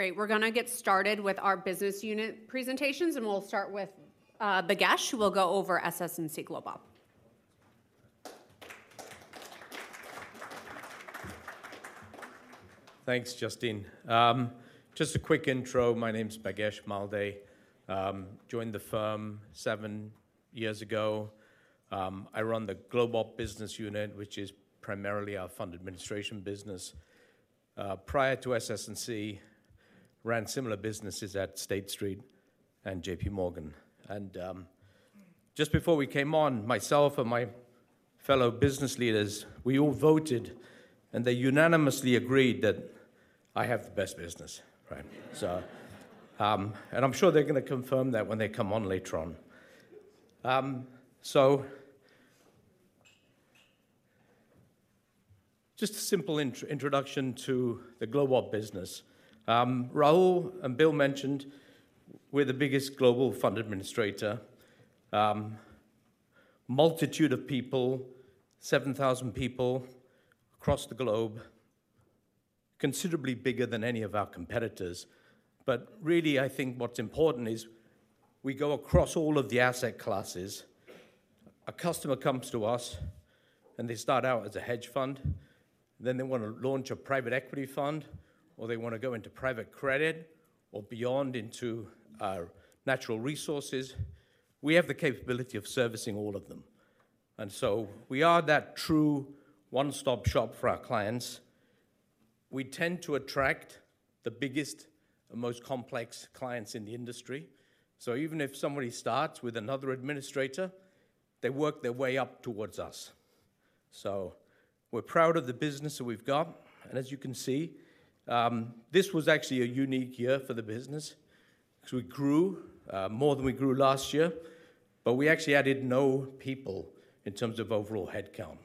Speaker 1: Great! We're gonna get started with our business unit presentations, and we'll start with Bhagesh, who will go over SS&C GlobeOp.
Speaker 5: Thanks, Justine. Just a quick intro. My name is Bhagesh Malde. Joined the firm seven years ago. I run the GlobeOp Business unit, which is primarily our fund administration business. Prior to SS&C, ran similar businesses at State Street and JPMorgan. And just before we came on, myself and my fellow business leaders, we all voted, and they unanimously agreed that I have the best business, right? So, and I'm sure they're gonna confirm that when they come on later on. So just a simple introduction to the GlobeOp Business. Rahul and Bill mentioned we're the biggest global fund administrator. Multitude of people, 7,000 people across the globe. Considerably bigger than any of our competitors. But really, I think what's important is we go across all of the asset classes. A customer comes to us, and they start out as a hedge fund, then they wanna launch a private equity fund, or they wanna go into private credit or beyond into natural resources. We have the capability of servicing all of them, and so we are that true one-stop shop for our clients. We tend to attract the biggest and most complex clients in the industry. So even if somebody starts with another administrator, they work their way up towards us. So we're proud of the business that we've got. And as you can see, this was actually a unique year for the business 'cause we grew more than we grew last year, but we actually added no people in terms of overall headcount.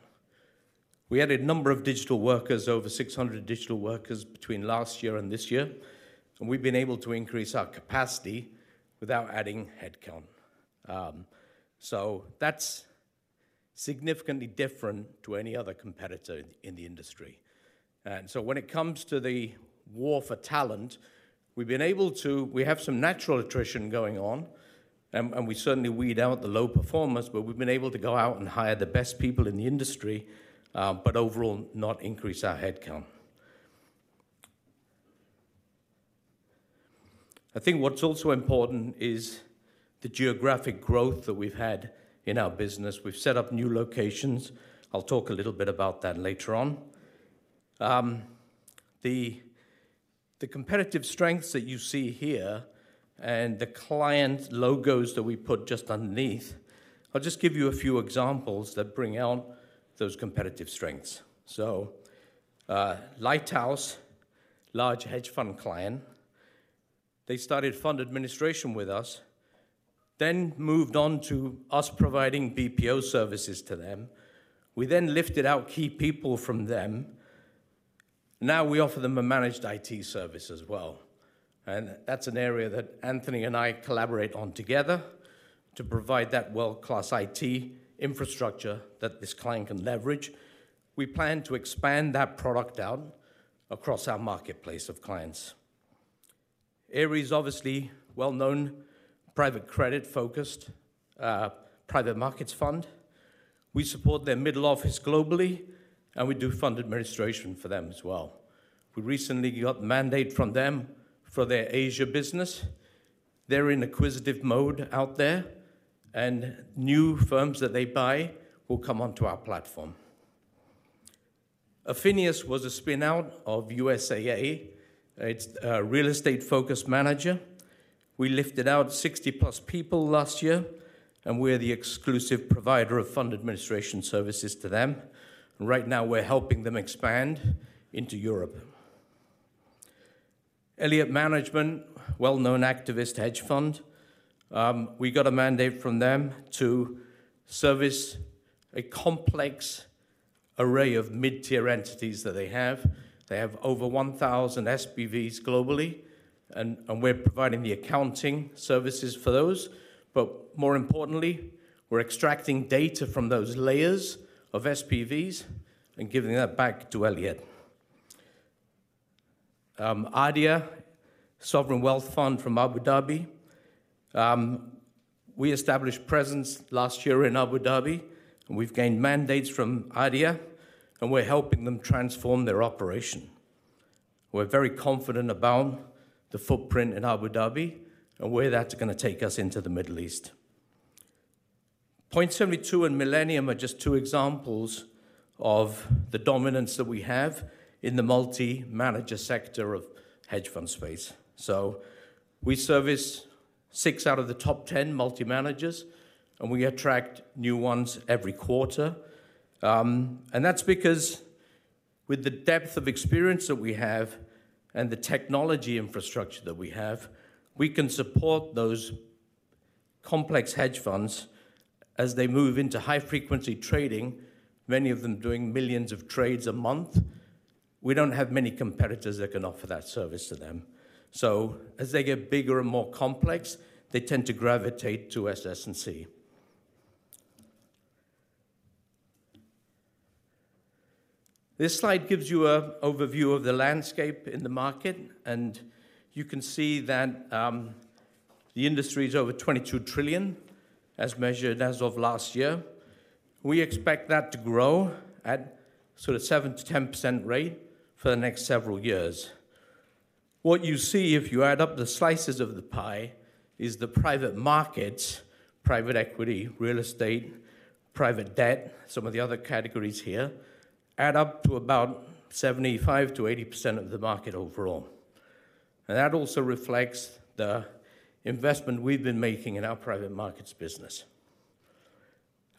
Speaker 5: We added a number of digital workers, over 600 digital workers between last year and this year, and we've been able to increase our capacity without adding headcount. So that's significantly different to any other competitor in the industry. And so when it comes to the war for talent, we've been able to, we have some natural attrition going on, and we certainly weed out the low performers, but we've been able to go out and hire the best people in the industry, but overall, not increase our headcount. I think what's also important is the geographic growth that we've had in our business. We've set up new locations. I'll talk a little bit about that later on. The competitive strengths that you see here and the client logos that we put just underneath, I'll just give you a few examples that bring out those competitive strengths. So, Lighthouse, large hedge fund client, they started fund administration with us, then moved on to us providing BPO services to them. We then lifted out key people from them. Now we offer them a managed IT service as well, and that's an area that Anthony and I collaborate on together to provide that world-class IT infrastructure that this client can leverage. We plan to expand that product out across our marketplace of clients. Ares, obviously well-known, private credit-focused, private markets fund. We support their middle office globally, and we do fund administration for them as well. We recently got mandate from them for their Asia business. They're in acquisitive mode out there, and new firms that they buy will come onto our platform. Affinius was a spin-out of USAA. It's a real estate-focused manager. We lifted out 60+ people last year, and we're the exclusive provider of fund administration services to them. Right now, we're helping them expand into Europe. Elliott Management, well-known activist hedge fund. We got a mandate from them to service a complex array of mid-tier entities that they have. They have over 1,000 SPVs globally, and we're providing the accounting services for those, but more importantly, we're extracting data from those layers of SPVs and giving that back to Elliott. ADIA, sovereign wealth fund from Abu Dhabi. We established presence last year in Abu Dhabi, and we've gained mandates from ADIA, and we're helping them transform their operation. We're very confident about the footprint in Abu Dhabi and where that's gonna take us into the Middle East. Point72 and Millennium are just two examples of the dominance that we have in the multi-manager sector of hedge fund space. So we service six out of the top 10 multi-managers, and we attract new ones every quarter. And that's because with the depth of experience that we have and the technology infrastructure that we have, we can support those complex hedge funds, as they move into high-frequency trading, many of them doing millions of trades a month. We don't have many competitors that can offer that service to them. So as they get bigger and more complex, they tend to gravitate to SS&C. This slide gives you an overview of the landscape in the market, and you can see that, the industry is over $22 trillion, as measured as of last year. We expect that to grow at sort of 7%-10% rate for the next several years. What you see, if you add up the slices of the pie, is the private markets, private equity, real estate, private debt, some of the other categories here, add up to about 75%-80% of the market overall, and that also reflects the investment we've been making in our private markets business.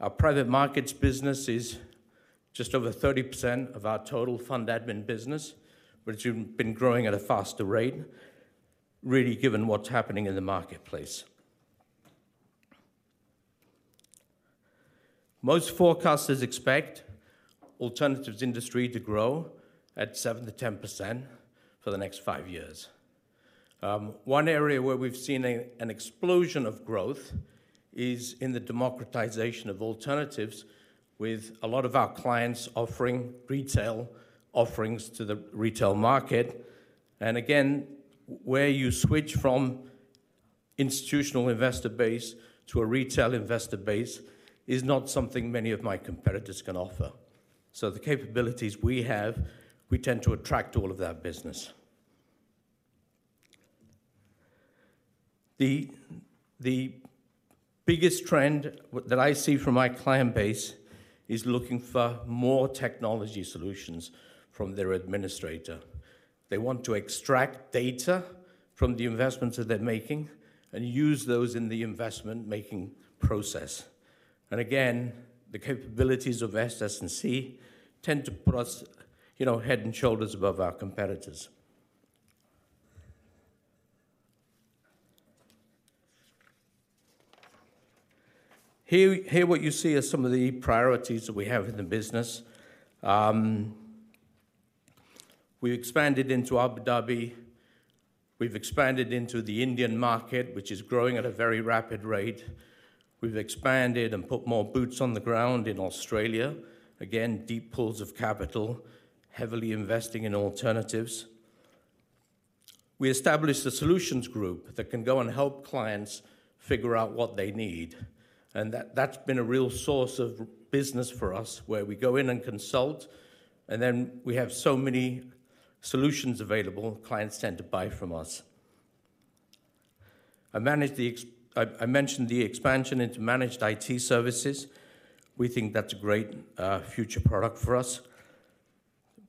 Speaker 5: Our private markets business is just over 30% of our total fund admin business, which has been growing at a faster rate, really, given what's happening in the marketplace. Most forecasters expect alternatives industry to grow at 7%-10% for the next five years. One area where we've seen an explosion of growth is in the democratization of alternatives, with a lot of our clients offering retail offerings to the retail market. And again, where you switch from institutional investor base to a retail investor base is not something many of my competitors can offer. So the capabilities we have, we tend to attract all of that business. The biggest trend that I see from my client base is looking for more technology solutions from their administrator. They want to extract data from the investments that they're making and use those in the investment-making process. And again, the capabilities of SS&C tend to put us, you know, head and shoulders above our competitors. Here what you see are some of the priorities that we have in the business. We've expanded into Abu Dhabi. We've expanded into the Indian market, which is growing at a very rapid rate. We've expanded and put more boots on the ground in Australia. Again, deep pools of capital, heavily investing in alternatives. We established a solutions group that can go and help clients figure out what they need, and that, that's been a real source of business for us, where we go in and consult, and then we have so many solutions available, clients tend to buy from us. I mentioned the expansion into managed IT services. We think that's a great future product for us.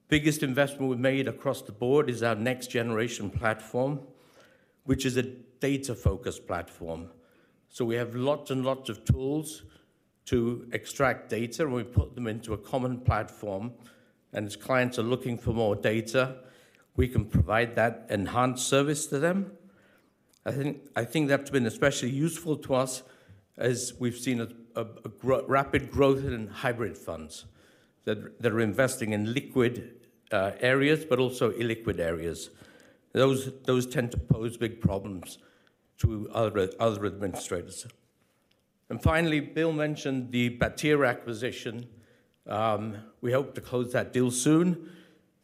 Speaker 5: Biggest investment we've made across the board is our next-generation platform, which is a data-focused platform. So we have lots and lots of tools to extract data, and we've put them into a common platform, and as clients are looking for more data, we can provide that enhanced service to them. I think that's been especially useful to us as we've seen a rapid growth in hybrid funds that are investing in liquid areas, but also illiquid areas. Those tend to pose big problems to other administrators. And finally, Bill mentioned the Battea acquisition. We hope to close that deal soon.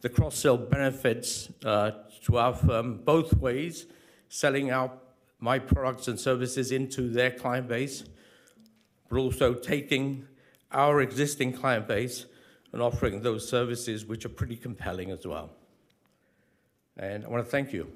Speaker 5: The cross-sell benefits to our firm both ways, selling our products and services into their client base, but also taking our existing client base and offering those services, which are pretty compelling as well. And I wanna thank you.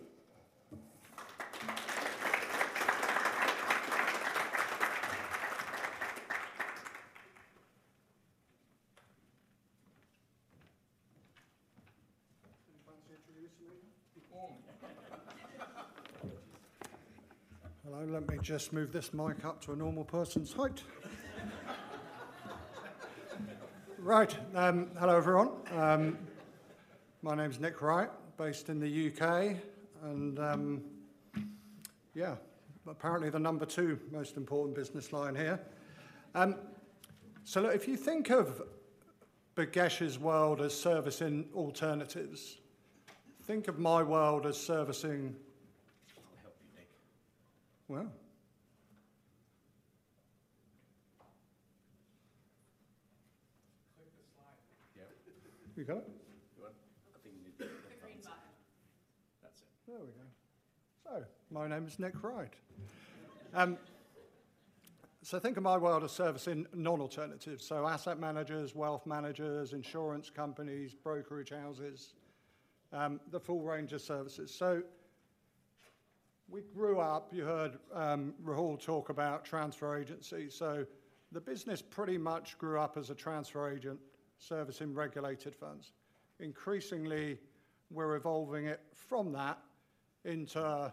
Speaker 6: Do you fancy introducing him?
Speaker 7: Oh. Hello, let me just move this mic up to a normal person's height. Right. Hello, everyone. My name is Nick Wright, based in the U.K., and, yeah, apparently the number two most important business line here. So look, if you think of Bhagesh's world as service in alternatives, think of my world as servicing.
Speaker 6: I'll help you, Nick.
Speaker 7: Well...
Speaker 6: Click the slide. Yeah.
Speaker 7: You got it?
Speaker 6: You want it? I think you need.
Speaker 4: The green button.
Speaker 6: That's it.
Speaker 7: There we go. So, my name is Nick Wright. So think of my world as servicing non-alternatives, so asset managers, wealth managers, insurance companies, brokerage houses, the full range of services. So we grew up. You heard, Rahul talk about transfer agency. So the business pretty much grew up as a transfer agent servicing regulated funds. Increasingly, we're evolving it from that into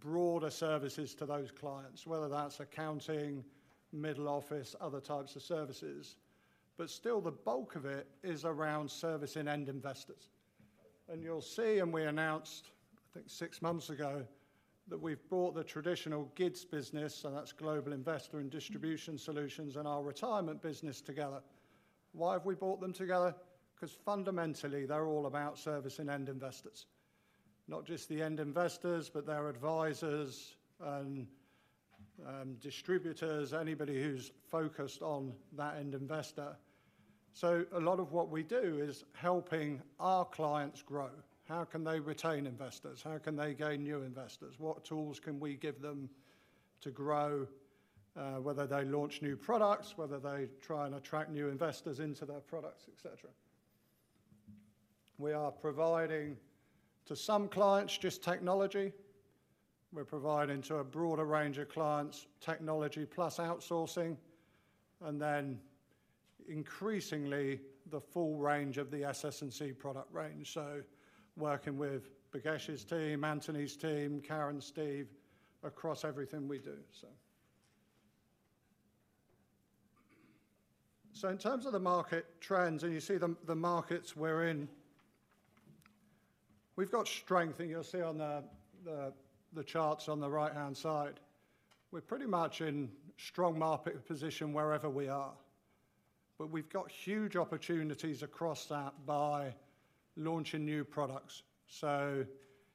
Speaker 7: broader services to those clients, whether that's accounting, middle office, other types of services. But still, the bulk of it is around servicing end investors. And you'll see, and we announced, I think six months ago, that we've brought the traditional GIDS business, and that's Global Investor and Distribution Solutions, and our retirement business together. Why have we brought them together? 'Cause fundamentally, they're all about servicing end investors. Not just the end investors, but their advisors and, distributors, anybody who's focused on that end investor. So a lot of what we do is helping our clients grow. How can they retain investors? How can they gain new investors? What tools can we give them to grow, whether they launch new products, whether they try and attract new investors into their products, et cetera. We are providing, to some clients, just technology. We're providing to a broader range of clients, technology plus outsourcing, and then increasingly, the full range of the SS&C product range. So working with Bhagesh's team, Anthony's team, Karen, Steve, across everything we do, so. So in terms of the market trends, and you see the markets we're in, we've got strength, and you'll see on the charts on the right-hand side, we're pretty much in strong market position wherever we are. But we've got huge opportunities across that by launching new products. So,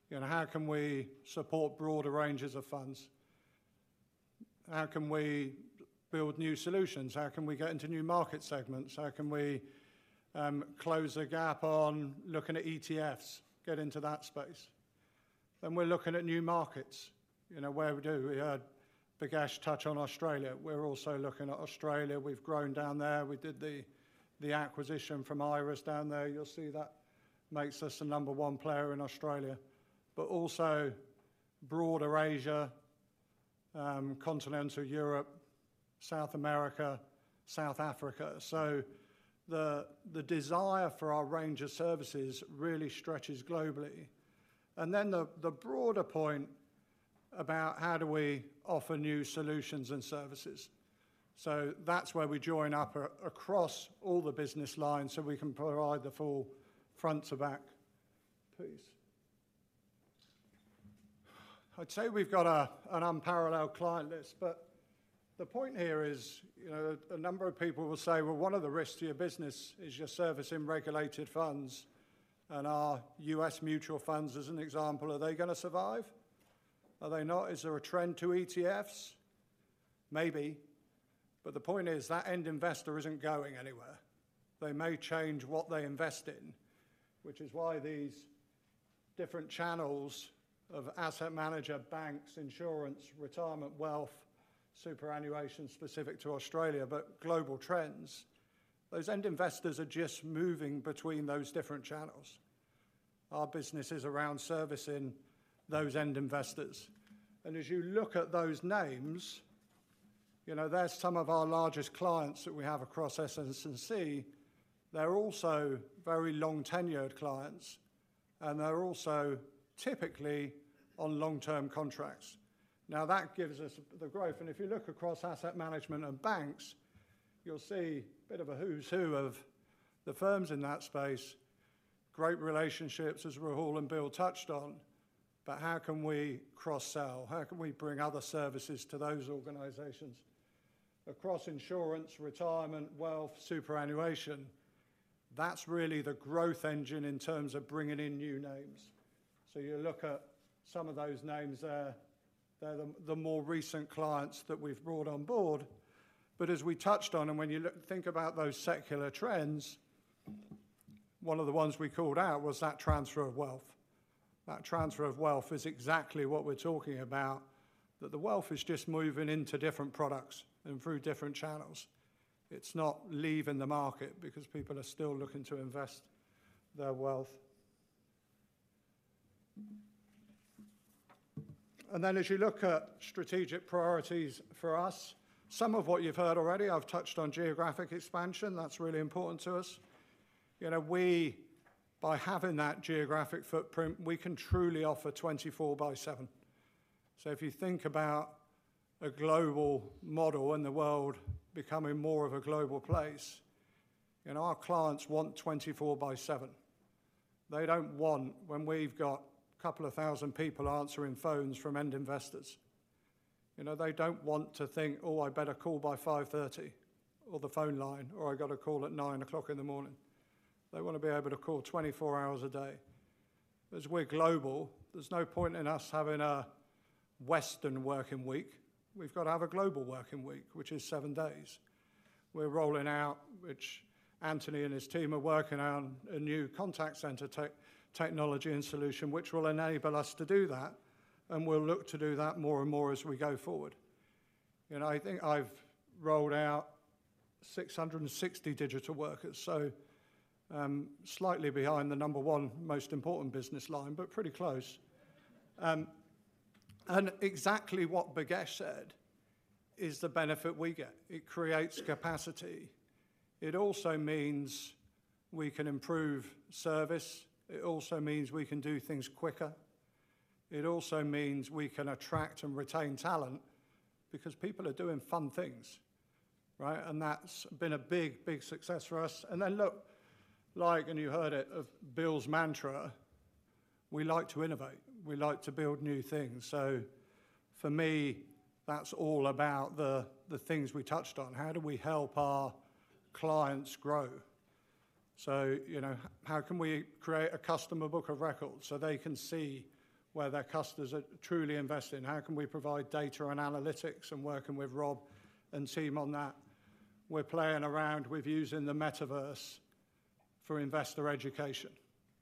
Speaker 7: you know, how can we support broader ranges of funds? How can we build new solutions? How can we get into new market segments? How can we close the gap on looking at ETFs, get into that space? Then we're looking at new markets. You know, where we do. We heard Bhagesh touch on Australia. We're also looking at Australia. We've grown down there. We did the acquisition from Iress down there. You'll see that makes us the number one player in Australia, but also broader Asia, continental Europe, South America, South Africa. So the desire for our range of services really stretches globally. And then the broader point about how do we offer new solutions and services. So that's where we join up across all the business lines, so we can provide the full front to back piece. I'd say we've got an unparalleled client list, but the point here is, you know, a number of people will say, "Well, one of the risks to your business is you're servicing regulated funds, and our US Mutual Funds, as an example, are they gonna survive? Are they not? Is there a trend to ETFs?" Maybe, but the point is, that end investor isn't going anywhere. They may change what they invest in, which is why these different channels of asset manager, banks, insurance, retirement, wealth, superannuation specific to Australia but global trends. Those end investors are just moving between those different channels. Our business is around servicing those end investors, and as you look at those names, you know, they're some of our largest clients that we have across SS&C. They're also very long-tenured clients, and they're also typically on long-term contracts. Now, that gives us the growth, and if you look across asset management and banks, you'll see a bit of a who's who of the firms in that space. Great relationships, as Rahul and Bill touched on, but how can we cross-sell? How can we bring other services to those organizations? Across insurance, retirement, wealth, superannuation, that's really the growth engine in terms of bringing in new names. So you look at some of those names there, they're the more recent clients that we've brought on board. But as we touched on, and when you think about those secular trends, one of the ones we called out was that transfer of wealth. That transfer of wealth is exactly what we're talking about, that the wealth is just moving into different products and through different channels. It's not leaving the market, because people are still looking to invest their wealth. And then as you look at strategic priorities for us, some of what you've heard already, I've touched on geographic expansion, that's really important to us. You know, we, by having that geographic footprint, we can truly offer 24/7. So if you think about a global model and the world becoming more of a global place, and our clients want 24/7. They don't want, when we've got a couple of thousand people answering phones from end investors, you know, they don't want to think, "Oh, I better call by 5:30 PM or the phone line, or I've got to call at 9:00 AM" They want to be able to call twenty-four hours a day. As we're global, there's no point in us having a Western working week. We've got to have a global working week, which is seven days. We're rolling out, which Anthony and his team are working on, a new contact center technology and solution, which will enable us to do that, and we'll look to do that more and more as we go forward. You know, I think I've rolled out 660 digital workers, so, slightly behind the number one most important business line, but pretty close. And exactly what Bhagesh said is the benefit we get. It creates capacity. It also means we can improve service. It also means we can do things quicker. It also means we can attract and retain talent, because people are doing fun things, right? And that's been a big, big success for us. And then look, like, and you heard it, of Bill's mantra, we like to innovate. We like to build new things. So for me, that's all about the things we touched on. How do we help our clients grow? So, you know, how can we create a customer book of records so they can see where their customers are truly invested in? How can we provide data and analytics, and working with Rob and team on that? We're playing around with using the metaverse for investor education.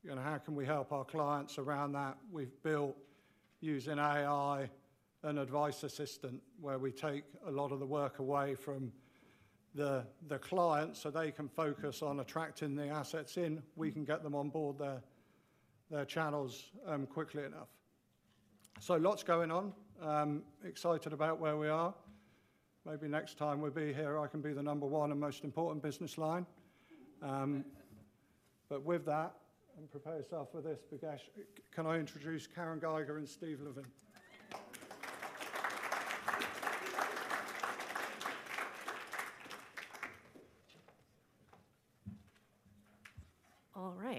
Speaker 7: You know, how can we help our clients around that? We've built, using AI, an advice assistant, where we take a lot of the work away from the client, so they can focus on attracting the assets in. We can get them on board their channels quickly enough. So lots going on. Excited about where we are. Maybe next time we'll be here, I can be the number one and most important business line. But with that, and prepare yourself for this, Bhagesh, can I introduce Karen Geiger and Steve Leivent?
Speaker 8: All right,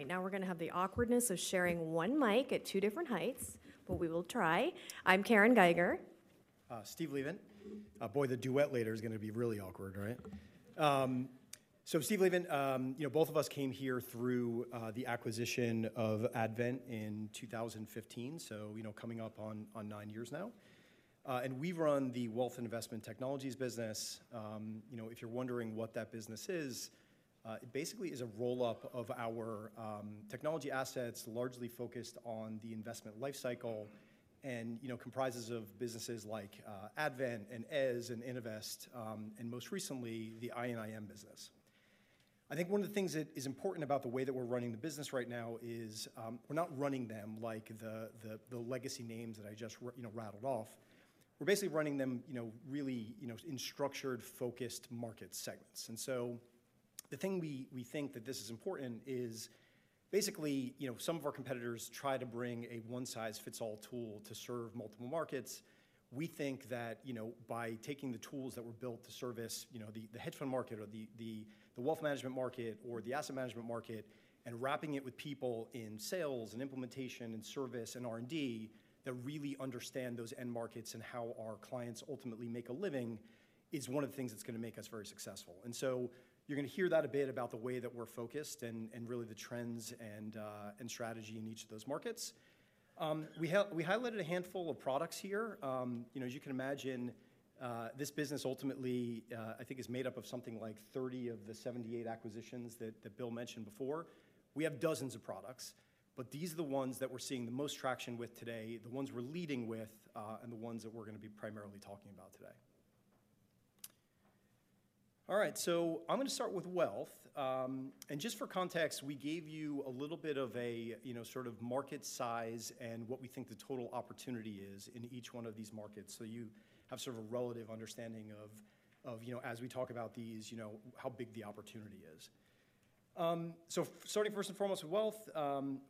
Speaker 8: now we're gonna have the awkwardness of sharing one mic at two different heights, but we will try. I'm Karen Geiger.
Speaker 9: Steve Leivent. Boy, the duet later is gonna be really awkward, right? So Steve Leivent, you know, both of us came here through the acquisition of Advent in 2015, so, you know, coming up on nine years now, and we run the Wealth and Investment Technologies business. You know, if you're wondering what that business is, it basically is a roll-up of our technology assets, largely focused on the investment life cycle and, you know, comprises of businesses like Advent and Eze and Innovest, and most recently, the I&IM business. I think one of the things that is important about the way that we're running the business right now is, we're not running them like the legacy names that I just, you know, rattled off. We're basically running them, you know, really, you know, in structured, focused market segments, and so the thing we think that this is important is basically, you know, some of our competitors try to bring a one-size-fits-all tool to serve multiple markets. We think that, you know, by taking the tools that were built to service, you know, the hedge fund market or the wealth management market or the asset management market, and wrapping it with people in sales and implementation and service and R&D, that really understand those end markets and how our clients ultimately make a living, is one of the things that's gonna make us very successful, and so you're gonna hear that a bit about the way that we're focused and really the trends and strategy in each of those markets. We highlighted a handful of products here. You know, as you can imagine, this business ultimately, I think, is made up of something like thirty of the seventy-eight acquisitions that Bill mentioned before. We have dozens of products, but these are the ones that we're seeing the most traction with today, the ones we're leading with, and the ones that we're gonna be primarily talking about today. All right, so I'm gonna start with wealth, and just for context, we gave you a little bit of a, you know, sort of market size and what we think the total opportunity is in each one of these markets, so you have sort of a relative understanding of you know as we talk about these, you know, how big the opportunity is. Starting first and foremost with wealth,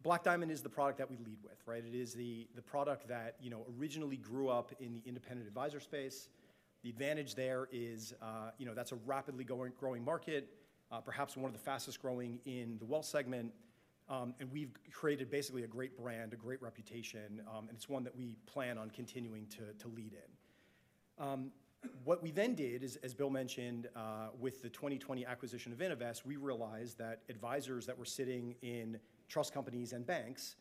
Speaker 9: Black Diamond is the product that we lead with, right? It is the product that, you know, originally grew up in the independent advisor space. The advantage there is, you know, that's a rapidly growing market, perhaps one of the fastest growing in the wealth segment. And we've created basically a great brand, a great reputation, and it's one that we plan on continuing to lead in. What we then did is, as Bill mentioned, with the 2020 acquisition of Innovest, we realized that advisors that were sitting in trust companies and banks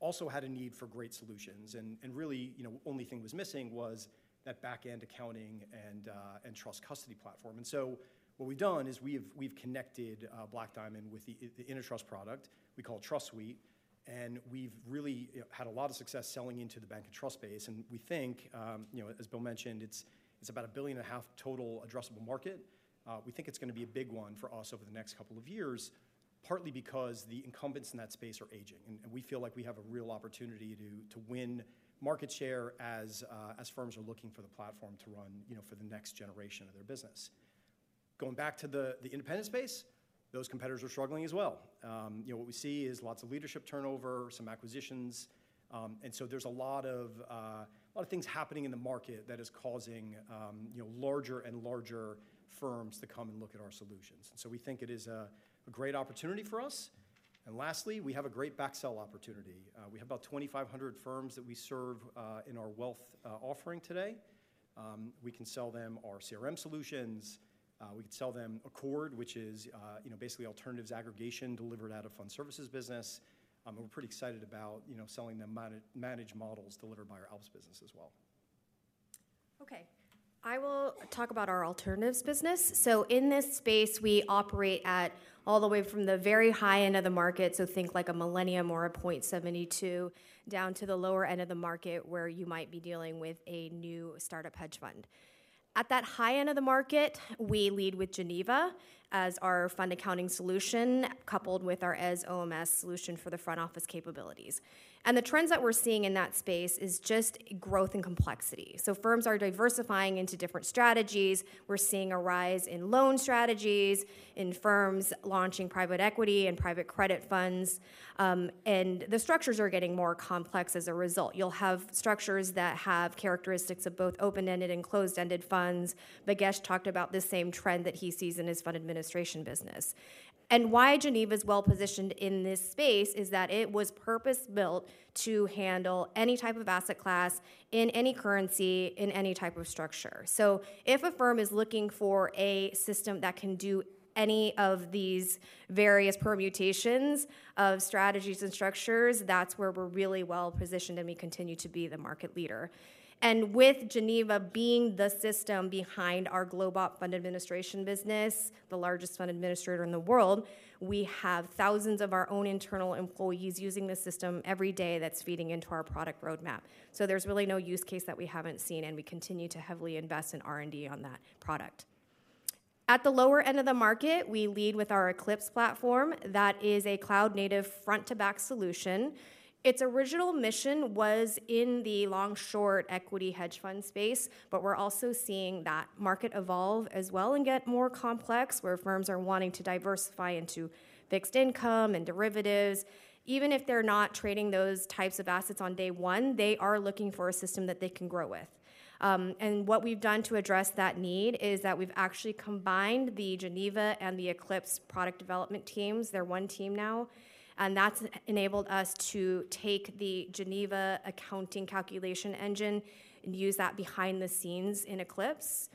Speaker 9: also had a need for great solutions, and really, you know, only thing was missing was that back-end accounting and trust custody platform. And so what we've done is we've connected Black Diamond with the InnoTrust product we call Trust Suite, and we've really had a lot of success selling into the bank and trust space, and we think, you know, as Bill mentioned, it's about $1.5 billion total addressable market. We think it's gonna be a big one for us over the next couple of years, partly because the incumbents in that space are aging, and we feel like we have a real opportunity to win market share as firms are looking for the platform to run, you know, for the next generation of their business. Going back to the independent space, those competitors are struggling as well. You know, what we see is lots of leadership turnover, some acquisitions, and so there's a lot of things happening in the market that is causing you know, larger and larger firms to come and look at our solutions. So we think it is a great opportunity for us. And lastly, we have a great back sell opportunity. We have about 2,500 firms that we serve in our wealth offering today. We can sell them our CRM solutions. We can sell them Accord, which is you know, basically alternatives aggregation delivered out of fund services business. And we're pretty excited about you know, selling them managed models delivered by our ALPS business as well.
Speaker 8: Okay, I will talk about our alternatives business. So in this space, we operate all the way from the very high end of the market, so think like a Millennium or a Point72, down to the lower end of the market, where you might be dealing with a new startup hedge fund, so in this space, at that high end of the market, we lead with Geneva as our fund accounting solution, coupled with our Eze OMS solution for the front office capabilities, and the trends that we're seeing in that space is just growth and complexity, so firms are diversifying into different strategies. We're seeing a rise in loan strategies, in firms launching private equity and private credit funds, and the structures are getting more complex as a result. You'll have structures that have characteristics of both open-ended and closed-ended funds. Bhagesh talked about the same trend that he sees in his fund administration business, and why Geneva is well-positioned in this space, is that it was purpose-built to handle any type of asset class, in any currency, in any type of structure. So if a firm is looking for a system that can do any of these various permutations of strategies and structures, that's where we're really well-positioned, and we continue to be the market leader, and with Geneva being the system behind our Global Fund Administration business, the largest fund administrator in the world, we have thousands of our own internal employees using this system every day that's feeding into our product roadmap. So there's really no use case that we haven't seen, and we continue to heavily invest in R&D on that product. At the lower end of the market, we lead with our Eclipse platform. That is a cloud-native front-to-back solution. Its original mission was in the long-short equity hedge fund space, but we're also seeing that market evolve as well and get more complex, where firms are wanting to diversify into fixed income and derivatives. Even if they're not trading those types of assets on day one, they are looking for a system that they can grow with. And what we've done to address that need is that we've actually combined the Geneva and the Eclipse product development teams. They're one team now, and that's enabled us to take the Geneva accounting calculation engine and use that behind the scenes in Eclipse.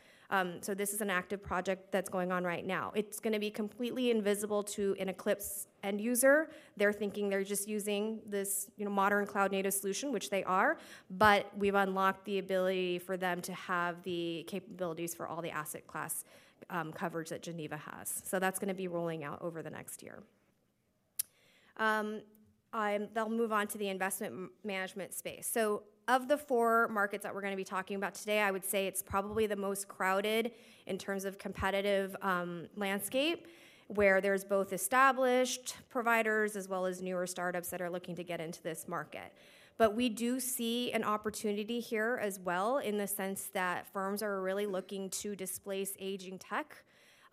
Speaker 8: So this is an active project that's going on right now. It's gonna be completely invisible to an Eclipse end user. They're thinking they're just using this, you know, modern cloud-native solution, which they are, but we've unlocked the ability for them to have the capabilities for all the asset class coverage that Geneva has. So that's gonna be rolling out over the next year. I'll move on to the investment management space. So of the four markets that we're gonna be talking about today, I would say it's probably the most crowded in terms of competitive landscape, where there's both established providers as well as newer startups that are looking to get into this market. But we do see an opportunity here as well, in the sense that firms are really looking to displace aging tech,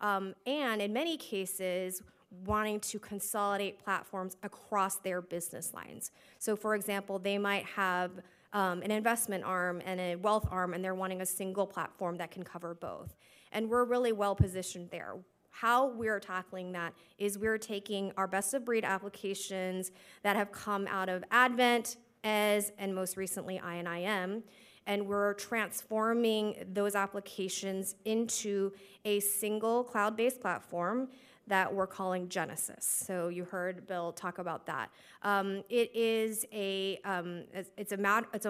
Speaker 8: and in many cases, wanting to consolidate platforms across their business lines. So for example, they might have an investment arm and a wealth arm, and they're wanting a single platform that can cover both. And we're really well-positioned there. How we're tackling that is we're taking our best-of-breed applications that have come out of Advent, Eze, and most recently, Innovest, and we're transforming those applications into a single cloud-based platform that we're calling Genesis. So you heard Bill talk about that. It is a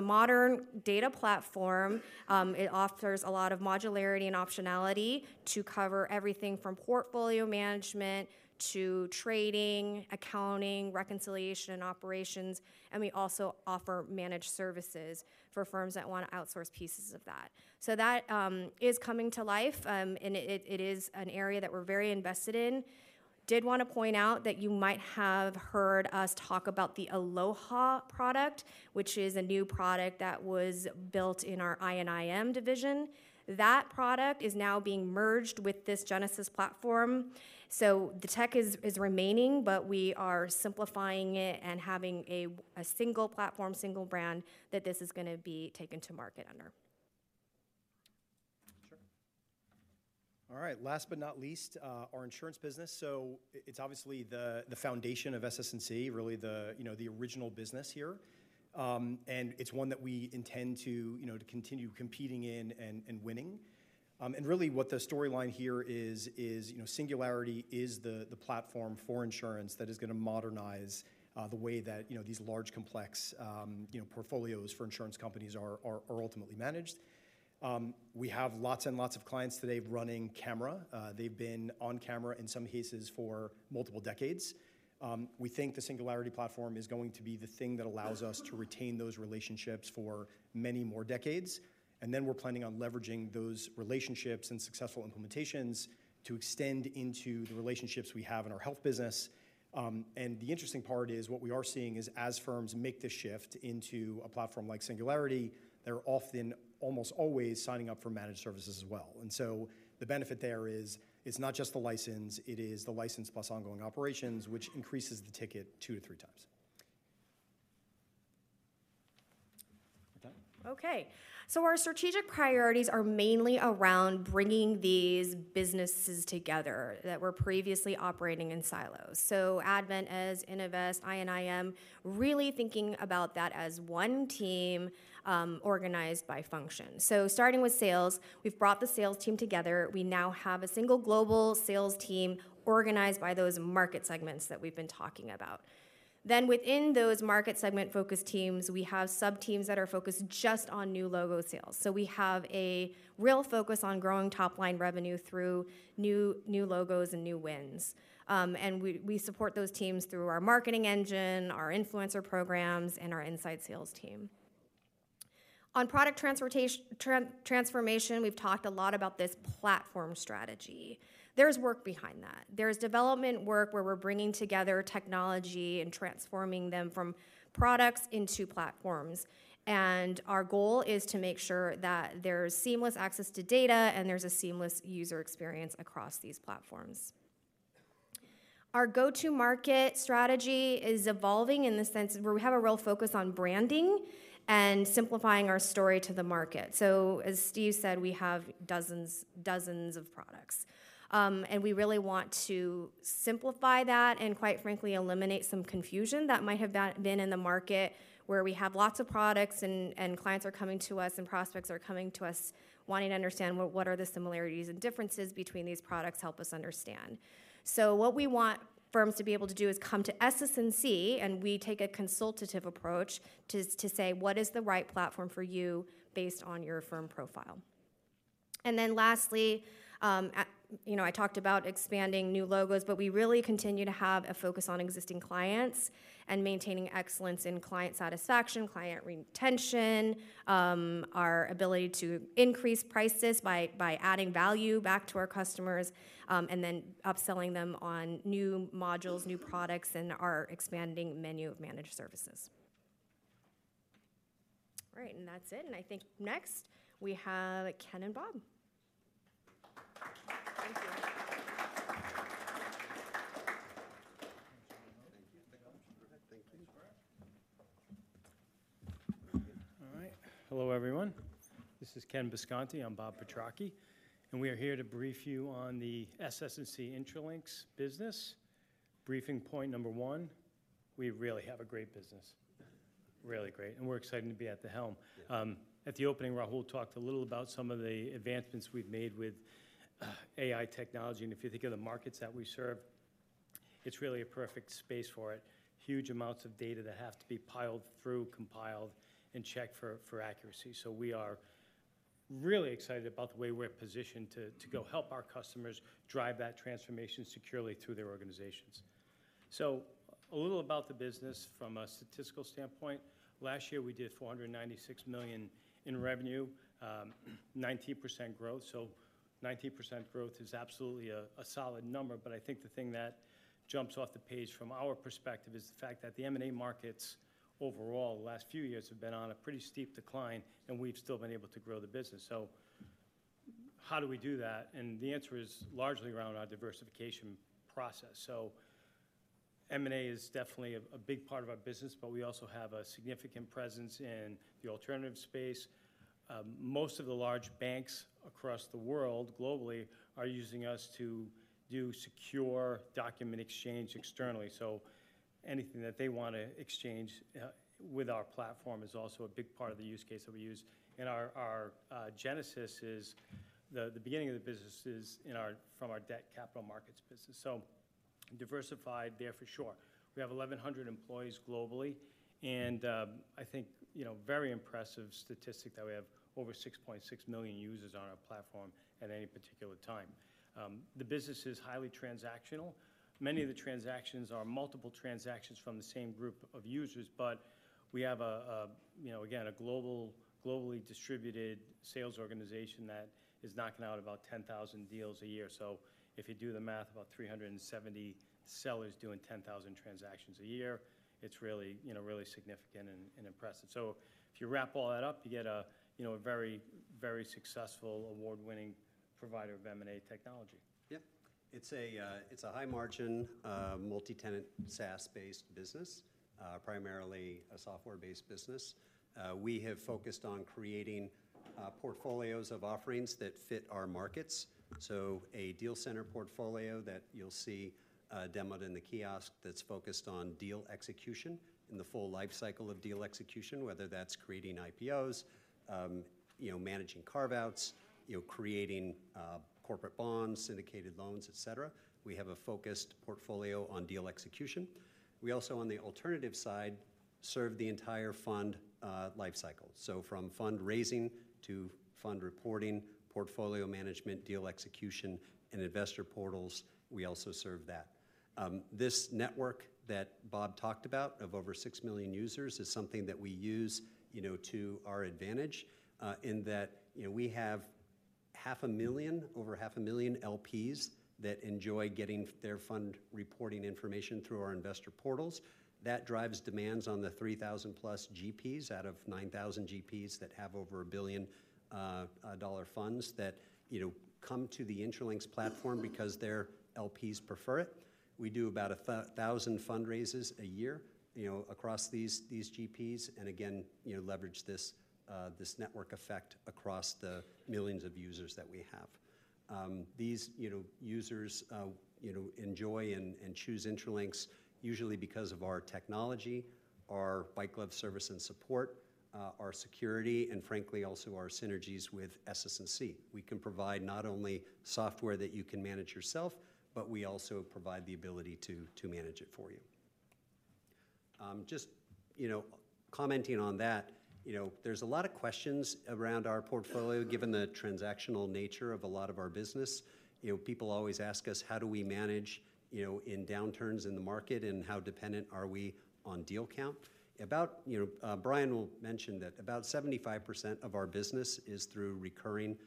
Speaker 8: modern data platform. It offers a lot of modularity and optionality to cover everything from portfolio management to trading, accounting, reconciliation, and operations, and we also offer managed services for firms that wanna outsource pieces of that. So that is coming to life, and it is an area that we're very invested in. Want to point out that you might have heard us talk about the Aloha product, which is a new product that was built in our I&IM division. That product is now being merged with this Genesis platform, so the tech is remaining, but we are simplifying it and having a single platform, single brand, that this is gonna be taken to market under.
Speaker 9: Sure. All right, last but not least, our insurance business. So it's obviously the foundation of SS&C, really the, you know, the original business here. And it's one that we intend to, you know, to continue competing in and winning. And really, what the storyline here is, you know, Singularity is the platform for insurance that is gonna modernize the way that, you know, these large, complex portfolios for insurance companies are ultimately managed. We have lots and lots of clients today running CAMRA. They've been on CAMRA, in some cases, for multiple decades. We think the Singularity platform is going to be the thing that allows us to retain those relationships for many more decades, and then we're planning on leveraging those relationships and successful implementations to extend into the relationships we have in our health business. And the interesting part is, what we are seeing is as firms make the shift into a platform like Singularity, they're often, almost always, signing up for managed services as well. And so the benefit there is, it's not just the license, it is the license plus ongoing operations, which increases the ticket two to three times. With that?
Speaker 8: Okay. So our strategic priorities are mainly around bringing these businesses together that were previously operating in silos. So Advent, Eze, Innovest, I&IM, really thinking about that as one team, organized by function. So starting with sales, we've brought the sales team together. We now have a single global sales team organized by those market segments that we've been talking about. Then within those market segment focus teams, we have subteams that are focused just on new logo sales. So we have a real focus on growing top-line revenue through new logos and new wins. And we support those teams through our marketing engine, our influencer programs, and our inside sales team. On product transformation, we've talked a lot about this platform strategy. There's work behind that. There's development work where we're bringing together technology and transforming them from products into platforms. Our goal is to make sure that there's seamless access to data, and there's a seamless user experience across these platforms. Our go-to-market strategy is evolving in the sense where we have a real focus on branding and simplifying our story to the market. As Steve said, we have dozens of products. And we really want to simplify that, and quite frankly, eliminate some confusion that might have been in the market, where we have lots of products and clients are coming to us, and prospects are coming to us, wanting to understand what are the similarities and differences between these products, help us understand. What we want firms to be able to do is come to SS&C, and we take a consultative approach to say: What is the right platform for you based on your firm profile? And then lastly, you know, I talked about expanding new logos, but we really continue to have a focus on existing clients and maintaining excellence in client satisfaction, client retention, our ability to increase prices by adding value back to our customers, and then upselling them on new modules, new products, and our expanding menu of managed services. All right, and that's it, and I think next, we have Ken and Bob. Thank you.
Speaker 10: Thank you.
Speaker 11: Thank you.
Speaker 10: All right. Hello, everyone. This is Ken Bisconti, and Bob Petrocchi, and we are here to brief you on the SS&C Intralinks business. Briefing point number one: we really have a great business, really great, and we're excited to be at the helm. At the opening, Rahul talked a little about some of the advancements we've made with AI technology, and if you think of the markets that we serve, it's really a perfect space for it. Huge amounts of data that have to be piled through, compiled, and checked for accuracy, so we are really excited about the way we're positioned to go help our customers drive that transformation securely through their organizations, so a little about the business from a statistical standpoint. Last year, we did $496 million in revenue, 19% growth. So 19% growth is absolutely a solid number, but I think the thing that jumps off the page from our perspective is the fact that the M&A markets overall, the last few years, have been on a pretty steep decline, and we've still been able to grow the business. So how do we do that? And the answer is largely around our diversification process. So M&A is definitely a big part of our business, but we also have a significant presence in the alternative space. Most of the large banks across the world, globally, are using us to do secure document exchange externally. So anything that they wanna exchange with our platform is also a big part of the use case that we use. And our Genesis is the beginning of the business from our debt capital markets business. So diversified there for sure. We have 1,100 employees globally, and I think, you know, very impressive statistic that we have over 6.6 million users on our platform at any particular time. The business is highly transactional. Many of the transactions are multiple transactions from the same group of users, but we have a, you know, again, a globally distributed sales organization that is knocking out about 10,000 deals a year. So if you do the math, about 370 sellers doing 10,000 transactions a year, it's really, you know, really significant and impressive. So if you wrap all that up, you get a, you know, a very, very successful, award-winning provider of M&A technology. Yeah. It's a, it's a high-margin, multi-tenant, SaaS-based business, primarily a software-based business. We have focused on creating portfolios of offerings that fit our markets. So a Deal Center portfolio that you'll see, demoed in the kiosk that's focused on deal execution, and the full life cycle of deal execution, whether that's creating IPOs, you know, managing carve-outs, you know, creating, corporate bonds, syndicated loans, etc. We have a focused portfolio on deal execution. We also, on the alternative side, serve the entire fund, life cycle. So from fundraising to fund reporting, portfolio management, deal execution, and investor portals, we also serve that. This network that Bob talked about of over 6 million users is something that we use, you know, to our advantage, in that, you know, we have 500,000, over 500,000 LPs, that enjoy getting their fund reporting information through our investor portals. That drives demands on the 3,000 plus GPs out of 9,000 GPs that have over $1 billion dollar funds that, you know, come to the Intralinks platform because their LPs prefer it. We do about 1,000 fundraisers a year, you know, across these GPs, and again, you know, leverage this network effect across the millions of users that we have. These, you know, users enjoy and choose Intralinks, usually because of our technology, our white glove service and support, our security, and frankly, also our synergies with SS&C. We can provide not only software that you can manage yourself, but we also provide the ability to manage it for you. Just, you know, commenting on that, you know, there's a lot of questions around our portfolio, given the transactional nature of a lot of our business. You know, people always ask us, how do we manage, you know, in downturns in the market, and how dependent are we on deal count? You know, Brian will mention that about 75% of our business is through recurring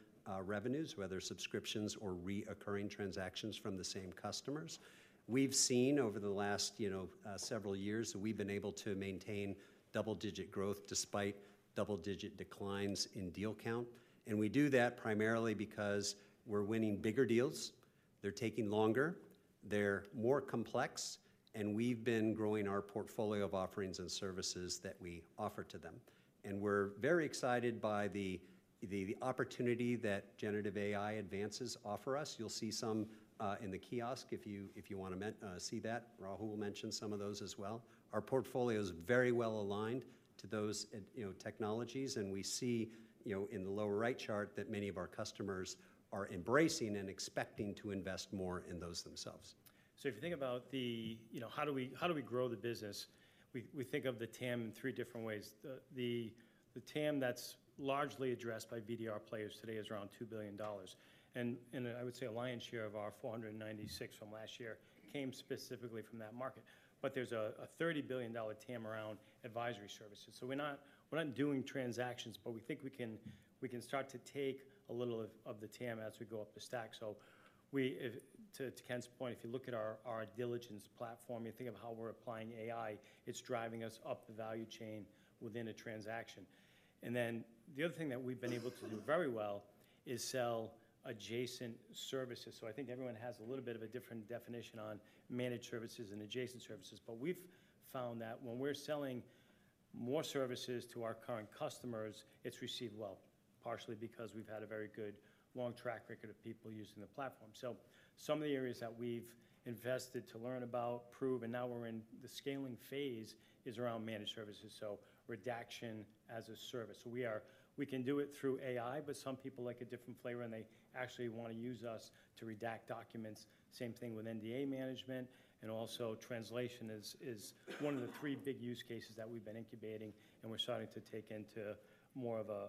Speaker 10: revenues, whether subscriptions or recurring transactions from the same customers. We've seen over the last, you know, several years, we've been able to maintain double-digit growth despite double-digit declines in deal count, and we do that primarily because we're winning bigger deals, they're taking longer, they're more complex, and we've been growing our portfolio of offerings and services that we offer to them, and we're very excited by the opportunity that generative AI advances offer us. You'll see some in the kiosk if you, if you wanna see that. Rahul will mention some of those as well. Our portfolio is very well aligned to those AI, you know, technologies, and we see, you know, in the lower right chart, that many of our customers are embracing and expecting to invest more in those themselves.
Speaker 11: So if you think about the, you know, how do we grow the business? We think of the TAM in three different ways. The TAM that's largely addressed by VDR players today is around $2 billion. And I would say a lion's share of our $496 million from last year came specifically from that market. But there's a $30 billion TAM around advisory services. So we're not doing transactions, but we think we can start to take a little of the TAM as we go up the stack. So to Ken's point, if you look at our diligence platform, you think of how we're applying AI, it's driving us up the value chain within a transaction. Then the other thing that we've been able to do very well is sell adjacent services. I think everyone has a little bit of a different definition on managed services and adjacent services, but we've found that when we're selling more services to our current customers, it's received well, partially because we've had a very good long track record of people using the platform. Some of the areas that we've invested to learn about, prove, and now we're in the scaling phase, is around managed services, so redaction as a service. We can do it through AI, but some people like a different flavor, and they actually wanna use us to redact documents. Same thing with NDA management, and also translation is one of the three big use cases that we've been incubating, and we're starting to take into more of a,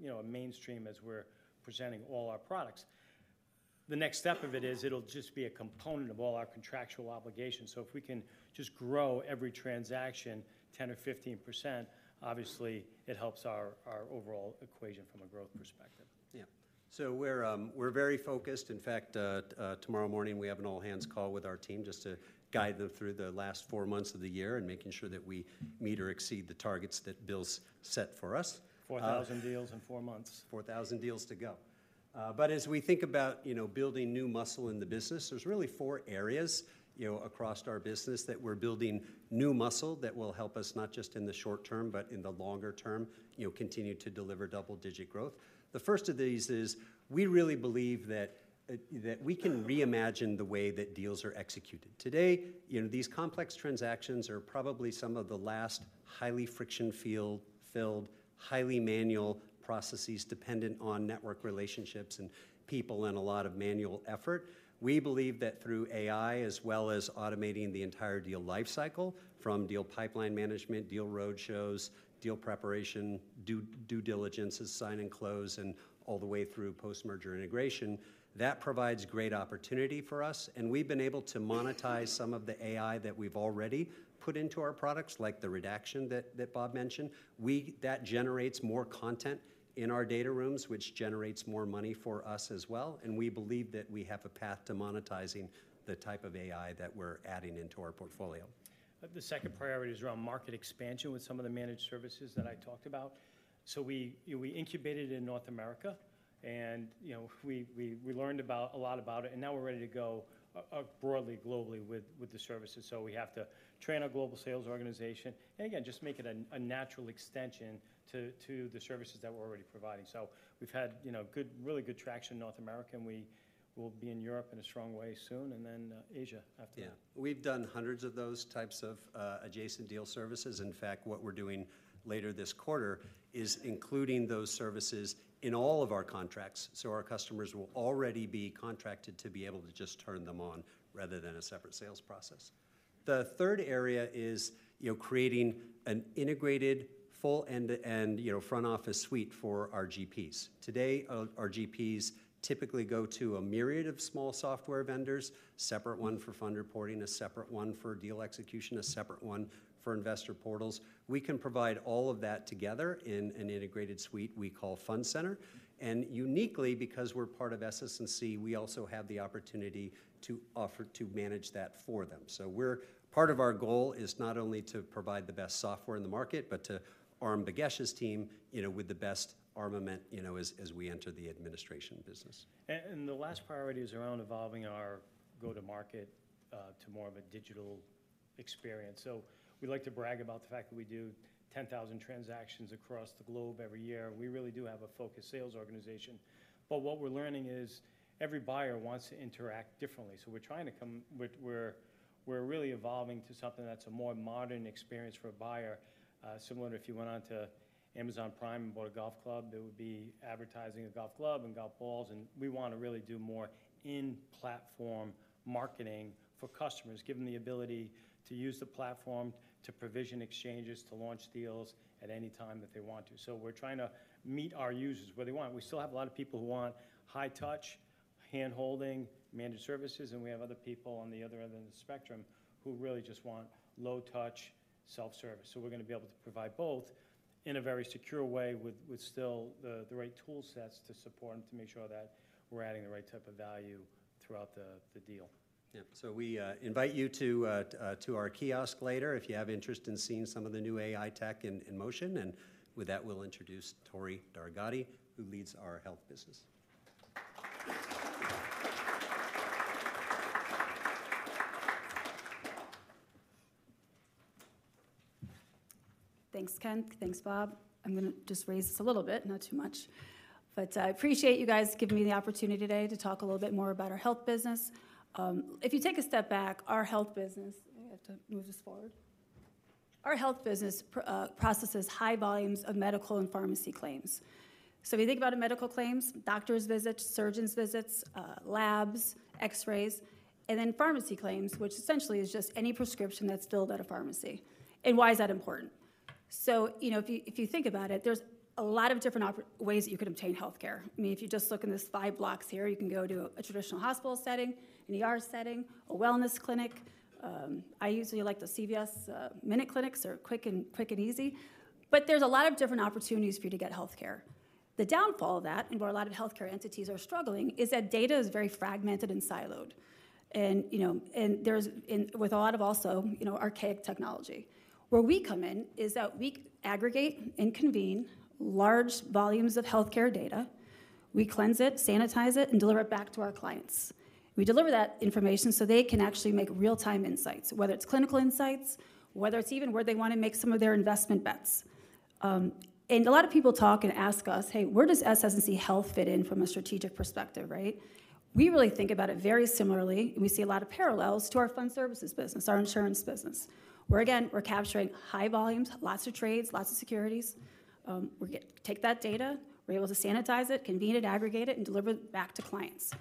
Speaker 11: you know, a mainstream as we're presenting all our products. The next step of it is, it'll just be a component of all our contractual obligations. So if we can just grow every transaction 10 or 15%, obviously, it helps our overall equation from a growth perspective.
Speaker 10: Yeah, so we're very focused. In fact, tomorrow morning, we have an all hands call with our team just to guide them through the last four months of the year and making sure that we meet or exceed the targets that Bill's set for us.
Speaker 11: 4,000 deals in four months.
Speaker 10: Four thousand deals to go. But as we think about, you know, building new muscle in the business, there's really four areas, you know, across our business, that we're building new muscle that will help us not just in the short term, but in the longer term, you know, continue to deliver double-digit growth. The first of these is, we really believe that, that we can reimagine the way that deals are executed. Today, you know, these complex transactions are probably some of the last highly friction-filled, highly manual processes dependent on network relationships and people, and a lot of manual effort. We believe that through AI, as well as automating the entire deal life cycle, from deal pipeline management, deal roadshows, deal preparation, due diligence, signing and close, and all the way through post-merger integration, that provides great opportunity for us, and we've been able to monetize some of the AI that we've already put into our products, like the redaction that that Bob mentioned. That generates more content in our data rooms, which generates more money for us as well, and we believe that we have a path to monetizing the type of AI that we're adding into our portfolio.
Speaker 11: The second priority is around market expansion with some of the managed services that I talked about. So we incubated in North America, and, you know, we learned a lot about it, and now we're ready to go broadly, globally with the services. So we have to train our global sales organization, and again, just make it a natural extension to the services that we're already providing. So we've had, you know, good, really good traction in North America, and we will be in Europe in a strong way soon, and then, Asia after that.
Speaker 10: Yeah. We've done hundreds of those types of adjacent deal services. In fact, what we're doing later this quarter is including those services in all of our contracts, so our customers will already be contracted to be able to just turn them on, rather than a separate sales process. The third area is, you know, creating an integrated, full end-to-end, you know, front office suite for our GPs. Today, our GPs typically go to a myriad of small software vendors, separate one for fund reporting, a separate one for deal execution, a separate one for investor portals. We can provide all of that together in an integrated suite we call Fund Center. And uniquely, because we're part of SS&C, we also have the opportunity to offer to manage that for them. Part of our goal is not only to provide the best software in the market, but to arm Bhagesh's team, you know, with the best armament, you know, as we enter the administration business.
Speaker 11: And the last priority is around evolving our go-to-market to more of a digital experience. So we like to brag about the fact that we do 10,000 transactions across the globe every year. We really do have a focused sales organization, but what we're learning is, every buyer wants to interact differently. We're really evolving to something that's a more modern experience for a buyer. Similar to if you went on to Amazon Prime and bought a golf club, there would be advertising of golf club and golf balls, and we wanna really do more in-platform marketing for customers, give them the ability to use the platform to provision exchanges, to launch deals at any time that they want to. So we're trying to meet our users where they want. We still have a lot of people who want high touch, handholding, managed services, and we have other people on the other end of the spectrum who really just want low-touch self-service, so we're gonna be able to provide both in a very secure way with still the right tool sets to support and to make sure that we're adding the right type of value throughout the deal.
Speaker 10: Yeah. So we invite you to our kiosk later if you have interest in seeing some of the new AI tech in motion. And with that, we'll introduce Tori Dargahi, who leads our health business.
Speaker 12: Thanks, Ken. Thanks, Bob. I'm gonna just raise this a little bit, not too much. But, I appreciate you guys giving me the opportunity today to talk a little bit more about our health business. If you take a step back, our health business. I have to move this forward. Our health business processes high volumes of medical and pharmacy claims. So if you think about medical claims, doctor's visits, surgeon's visits, labs, X-rays, and then pharmacy claims, which essentially is just any prescription that's filled at a pharmacy. And why is that important? So, you know, if you think about it, there's a lot of different ways that you could obtain healthcare. I mean, if you just look in these five blocks here, you can go to a traditional hospital setting, an ER setting, a wellness clinic. I usually like the CVS MinuteClinics. They are quick and easy. But there's a lot of different opportunities for you to get healthcare. The downfall of that, and where a lot of healthcare entities are struggling, is that data is very fragmented and siloed, and there's also a lot of, you know, archaic technology. Where we come in is that we aggregate and convene large volumes of healthcare data. We cleanse it, sanitize it, and deliver it back to our clients. We deliver that information so they can actually make real-time insights, whether it's clinical insights, whether it's even where they want to make some of their investment bets. And a lot of people talk and ask us: Hey, where does SS&C Health fit in from a strategic perspective, right? We really think about it very similarly, and we see a lot of parallels to our fund services business, our insurance business, where again, we're capturing high volumes, lots of trades, lots of securities. We take that data, we're able to sanitize it, convene it, aggregate it, and deliver it back to clients.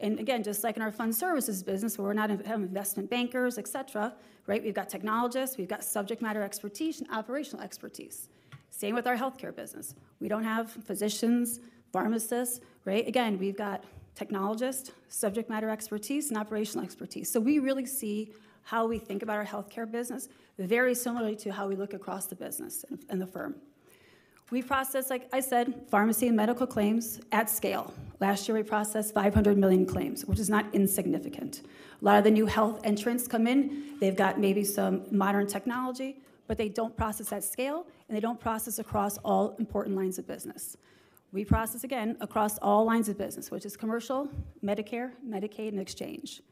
Speaker 12: And again, just like in our fund services business, where we're not have investment bankers, etc, right? We've got technologists, we've got subject matter expertise and operational expertise. Same with our healthcare business. We don't have physicians, pharmacists, right? Again, we've got technologists, subject matter expertise, and operational expertise. So we really see how we think about our healthcare business very similarly to how we look across the business and the firm. We process, like I said, pharmacy and medical claims at scale. Last year, we processed 500 million claims, which is not insignificant. A lot of the new health entrants come in, they've got maybe some modern technology, but they don't process at scale, and they don't process across all important lines of business. We process, again, across all lines of business, which is commercial, Medicare, Medicaid, and exchange.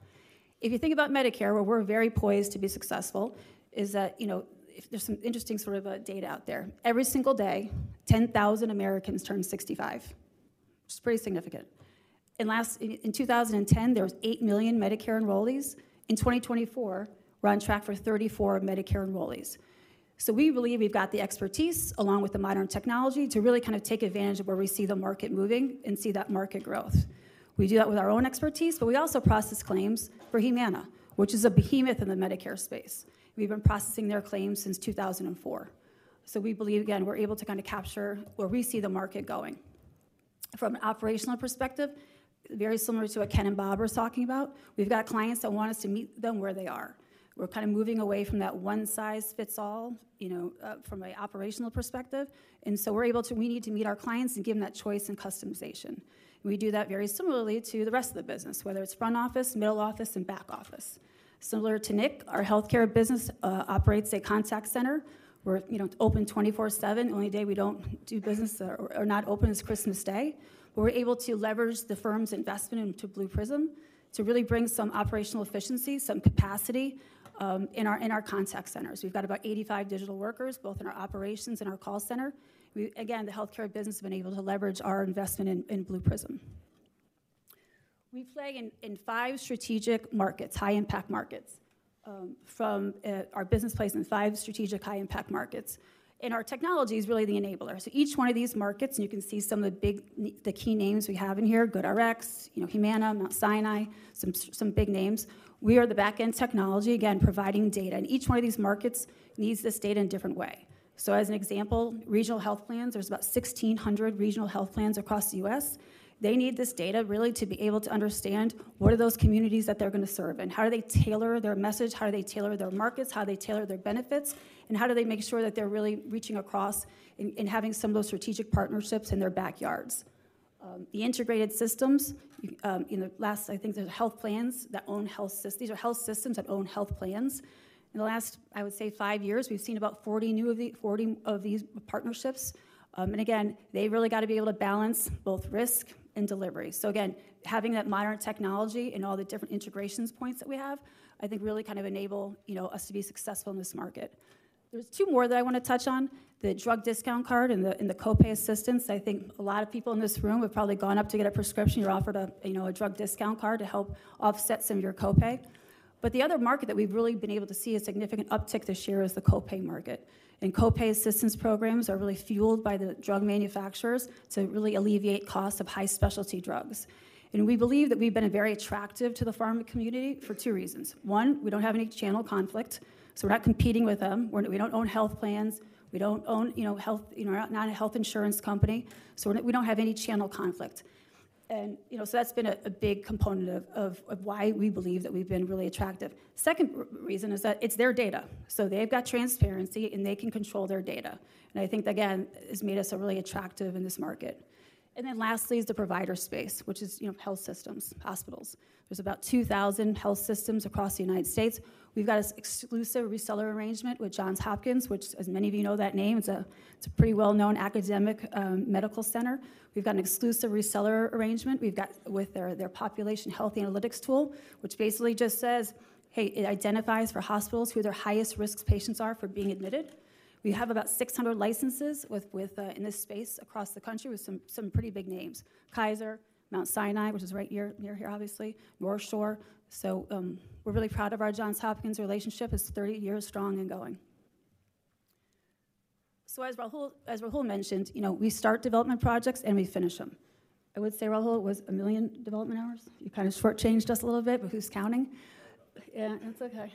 Speaker 12: If you think about Medicare, where we're very poised to be successful, is that, you know, if there's some interesting sort of data out there. Every single day, 10,000 Americans turn 65, which is pretty significant. In 2010, there was 8 million Medicare enrollees. In 2024, we're on track for 34 Medicare enrollees. So we believe we've got the expertise, along with the modern technology, to really kind of take advantage of where we see the market moving and see that market growth. We do that with our own expertise, but we also process claims for Humana, which is a behemoth in the Medicare space. We've been processing their claims since two thousand and four. So we believe, again, we're able to kind of capture where we see the market going. From an operational perspective, very similar to what Ken and Bob were talking about, we've got clients that want us to meet them where they are. We're kind of moving away from that one size fits all, you know, from an operational perspective, and so we're able to. We need to meet our clients and give them that choice and customization. We do that very similarly to the rest of the business, whether it's front office, middle office, and back office. Similar to Nick, our healthcare business operates a contact center. We're, you know, open 24/7 The only day we don't do business or not open is Christmas Day. We're able to leverage the firm's investment into Blue Prism to really bring some operational efficiency, some capacity, in our contact centers. We've got about 85 digital workers, both in our operations and our call center. Again, the healthcare business has been able to leverage our investment in Blue Prism. We play in five strategic markets, high-impact markets. Our business plays in five strategic, high-impact markets, and our technology is really the enabler. So each one of these markets, and you can see some of the big names, the key names we have in here, GoodRx, you know, Humana, Mount Sinai, some big names. We are the back-end technology, again, providing data, and each one of these markets needs this data in a different way. So as an example, regional health plans, there's about 1,600 regional health plans across the U.S. They need this data really to be able to understand what are those communities that they're going to serve, and how do they tailor their message, how do they tailor their markets, how they tailor their benefits, and how do they make sure that they're really reaching across and having some of those strategic partnerships in their backyards? The integrated systems, in the last. I think these are health systems that own health plans. In the last, I would say, five years, we've seen about 40 of these partnerships. And again, they've really got to be able to balance both risk and delivery. So again, having that modern technology and all the different integrations points that we have, I think really kind of enable, you know, us to be successful in this market. There are two more that I want to touch on, the drug discount card and the, and the copay assistance. I think a lot of people in this room have probably gone up to get a prescription. You're offered a, you know, a drug discount card to help offset some of your copay. But the other market that we've really been able to see a significant uptick this year is the copay market. And copay assistance programs are really fueled by the drug manufacturers to really alleviate costs of high specialty drugs. And we believe that we've been very attractive to the pharma community for two reasons. One, we don't have any channel conflict, so we're not competing with them. We don't own health plans. We don't own, you know, health. You know, we're not a health insurance company, so we don't have any channel conflict, and, you know, so that's been a big component of why we believe that we've been really attractive. Second reason is that it's their data, so they've got transparency, and they can control their data. And I think that, again, has made us really attractive in this market. And then lastly is the provider space, which is, you know, health systems, hospitals. There's about 2,000 health systems across the United States. We've got an exclusive reseller arrangement with Johns Hopkins, which, as many of you know that name, it's a pretty well-known academic medical center. We've got an exclusive reseller arrangement. We've got with their population health analytics tool, which basically just says, "Hey," it identifies for hospitals who their highest-risk patients are for being admitted. We have about 600 licenses with in this space across the country, with some pretty big names: Kaiser, Mount Sinai, which is right here, near here, obviously, North Shore. So we're really proud of our Johns Hopkins relationship. It's 30 years strong and going. So as Rahul mentioned, you know, we start development projects, and we finish them. I would say, Rahul, it was 1 million development hours? You kind of shortchanged us a little bit, but who's counting? Yeah, it's okay.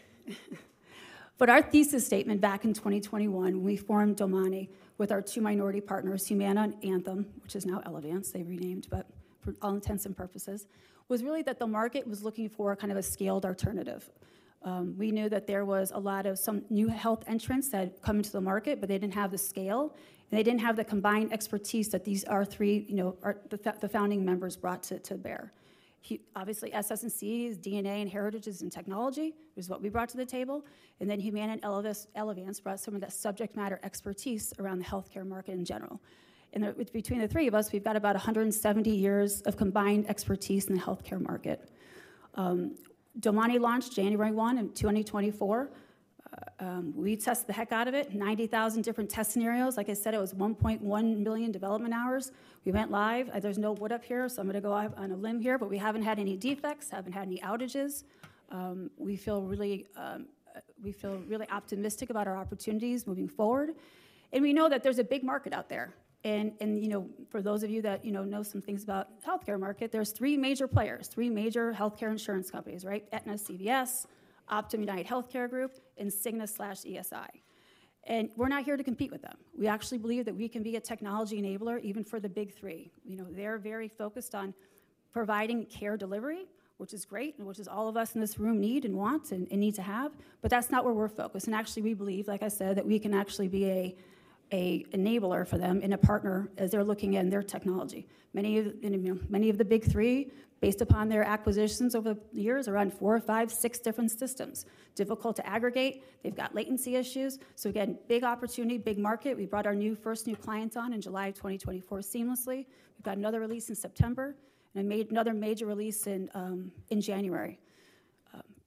Speaker 12: But our thesis statement back in 2021 when we formed Domani with our two minority partners, Humana and Anthem, which is now Elevance, they renamed, but for all intents and purposes, was really that the market was looking for kind of a scaled alternative. We knew that there was a lot of some new health entrants that had come into the market, but they didn't have the scale, and they didn't have the combined expertise that these, our three, you know, the founding members brought to bear. Obviously, SS&C's DNA and heritage is in technology, is what we brought to the table, and then Humana and Elevance brought some of that subject matter expertise around the healthcare market in general. And, between the three of us, we've got about 170 years of combined expertise in the healthcare market. DomaniRx launched January 1, 2024. We tested the heck out of it, 90,000 different test scenarios. Like I said, it was 1.1 million development hours. We went live. There's no wood up here, so I'm going to go out on a limb here, but we haven't had any defects, haven't had any outages. We feel really optimistic about our opportunities moving forward, and we know that there's a big market out there. And, you know, for those of you that, you know, know some things about the healthcare market, there's three major players, three major healthcare insurance companies, right? Aetna/CVS, Optum/UnitedHealth Group, and Cigna/ESI. And we're not here to compete with them. We actually believe that we can be a technology enabler, even for the Big Three. You know, they're very focused on providing care delivery, which is great, and which is all of us in this room need and want and, and need to have, but that's not where we're focused. Actually, we believe, like I said, that we can actually be a enabler for them and a partner as they're looking in their technology. Many of the, you know, many of the Big Three, based upon their acquisitions over the years, around four, five, six different systems, difficult to aggregate. They've got latency issues, so again, big opportunity, big market. We brought our first new clients on in July of twenty twenty-four seamlessly. We've got another release in September and another major release in January.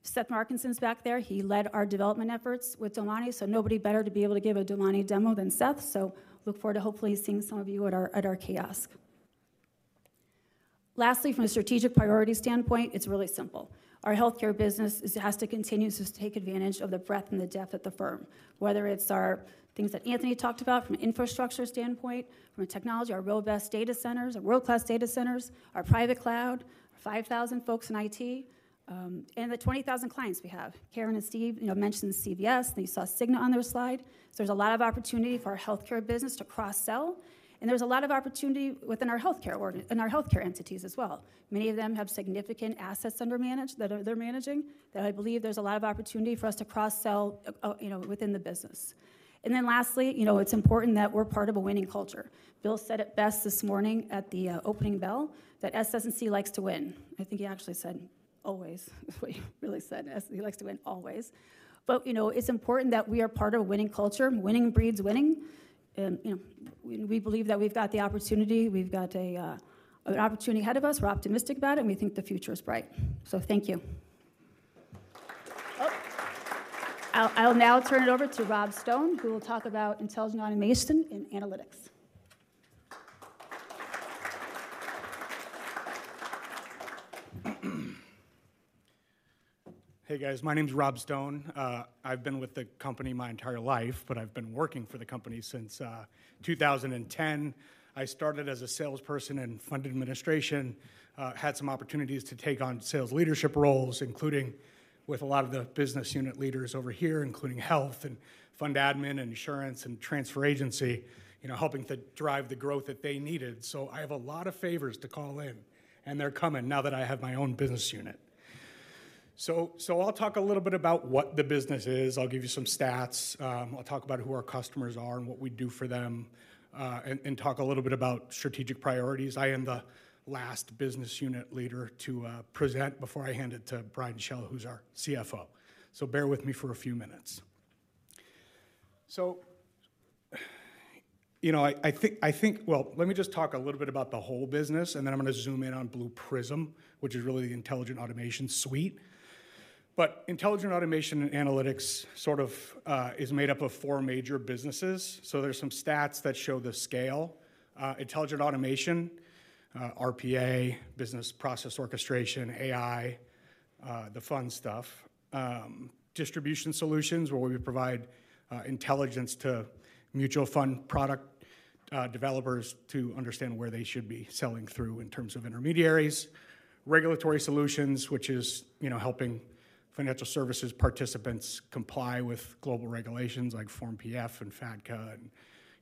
Speaker 12: Seth Markinson's back there. He led our development efforts with Domani, so nobody better to be able to give a Domani demo than Seth, so look forward to hopefully seeing some of you at our kiosk. Lastly, from a strategic priority standpoint, it's really simple. Our healthcare business is, it has to continue to take advantage of the breadth and the depth of the firm, whether it's our things that Anthony talked about from an infrastructure standpoint, from a technology, our world-best data centers, our world-class data centers, our private cloud, five thousand folks in IT, and the twenty thousand clients we have. Karen and Steve, you know, mentioned CVS, and you saw Cigna on their slide. So there's a lot of opportunity for our healthcare business to cross-sell, and there's a lot of opportunity within our healthcare org in our healthcare entities as well. Many of them have significant assets under management, that they're managing, that I believe there's a lot of opportunity for us to cross-sell, you know, within the business. And then lastly, you know, it's important that we're part of a winning culture. Bill said it best this morning at the opening bell that SS&C likes to win. I think he actually said always, is what he really said. SS&C likes to win always. But, you know, it's important that we are part of a winning culture. Winning breeds winning, and, you know, we, we believe that we've got the opportunity. We've got a, an opportunity ahead of us. We're optimistic about it, and we think the future is bright. So thank you. Oh, I'll, I'll now turn it over to Rob Stone, who will talk about intelligent automation and analytics.
Speaker 6: Hey, guys. My name's Rob Stone. I've been with the company my entire life, but I've been working for the company since 2010. I started as a salesperson in fund administration. Had some opportunities to take on sales leadership roles, including with a lot of the business unit leaders over here, including health and fund admin and insurance and transfer agency, you know, helping to drive the growth that they needed. So I have a lot of favors to call in, and they're coming now that I have my own business unit. So I'll talk a little bit about what the business is. I'll give you some stats. I'll talk about who our customers are and what we do for them, and talk a little bit about strategic priorities. I am the last business unit leader to present before I hand it to Brian Schell, who's our CFO. Bear with me for a few minutes. You know, I think. Well, let me just talk a little bit about the whole business, and then I'm going to zoom in on Blue Prism, which is really the intelligent automation suite. But intelligent automation and analytics sort of is made up of four major businesses, so there's some stats that show the scale. Intelligent automation, RPA, business process orchestration, AI, the fun stuff. Distribution solutions, where we provide intelligence to mutual fund product developers to understand where they should be selling through in terms of intermediaries. Regulatory solutions, which is, you know, helping financial services participants comply with global regulations like Form PF and FATC and,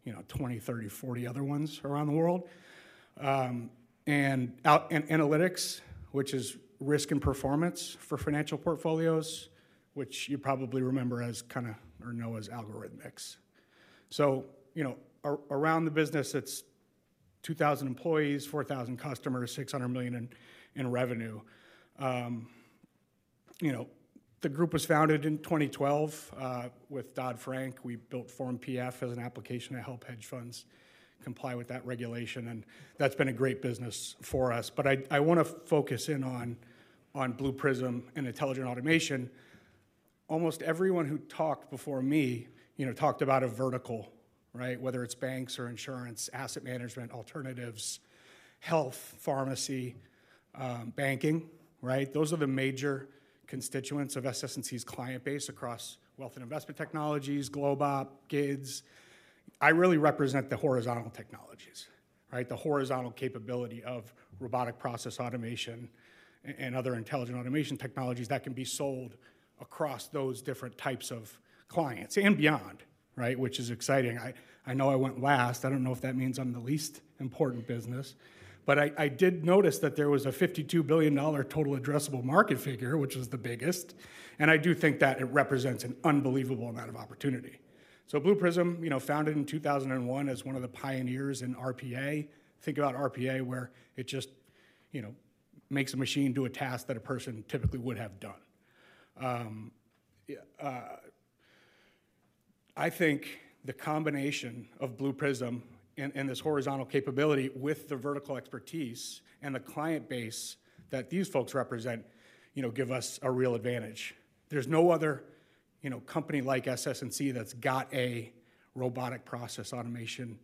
Speaker 6: you know, 20, 30, 40 other ones around the world. And analytics, which is risk and performance for financial portfolios, which you probably remember as kinda, or know as Algorithmics. So, you know, around the business, it's 2,000 employees, 4,000 customers, $600 million in revenue. You know, the group was founded in 2012 with Dodd-Frank. We built Form PF as an application to help hedge funds comply with that regulation, and that's been a great business for us. But I wanna focus in on Blue Prism and intelligent automation. Almost everyone who talked before me, you know, talked about a vertical, right? Whether it's banks or insurance, asset management, alternatives, health, pharmacy, banking, right? Those are the major constituents of SS&C's client base across Wealth and Investment Technologies, GlobeOp, GIDS. I really represent the horizontal technologies, right? The horizontal capability of robotic process automation and other intelligent automation technologies that can be sold across those different types of clients and beyond, right? Which is exciting. I know I went last. I don't know if that means I'm the least important business, but I did notice that there was a $52 billion total addressable market figure, which is the biggest, and I do think that it represents an unbelievable amount of opportunity. So Blue Prism, you know, founded in 2001, is one of the pioneers in RPA. Think about RPA, where it just, you know, makes a machine do a task that a person typically would have done. Yeah, I think the combination of Blue Prism and this horizontal capability with the vertical expertise and the client base that these folks represent, you know, give us a real advantage. There's no other, you know, company like SS&C that's got a robotic process automation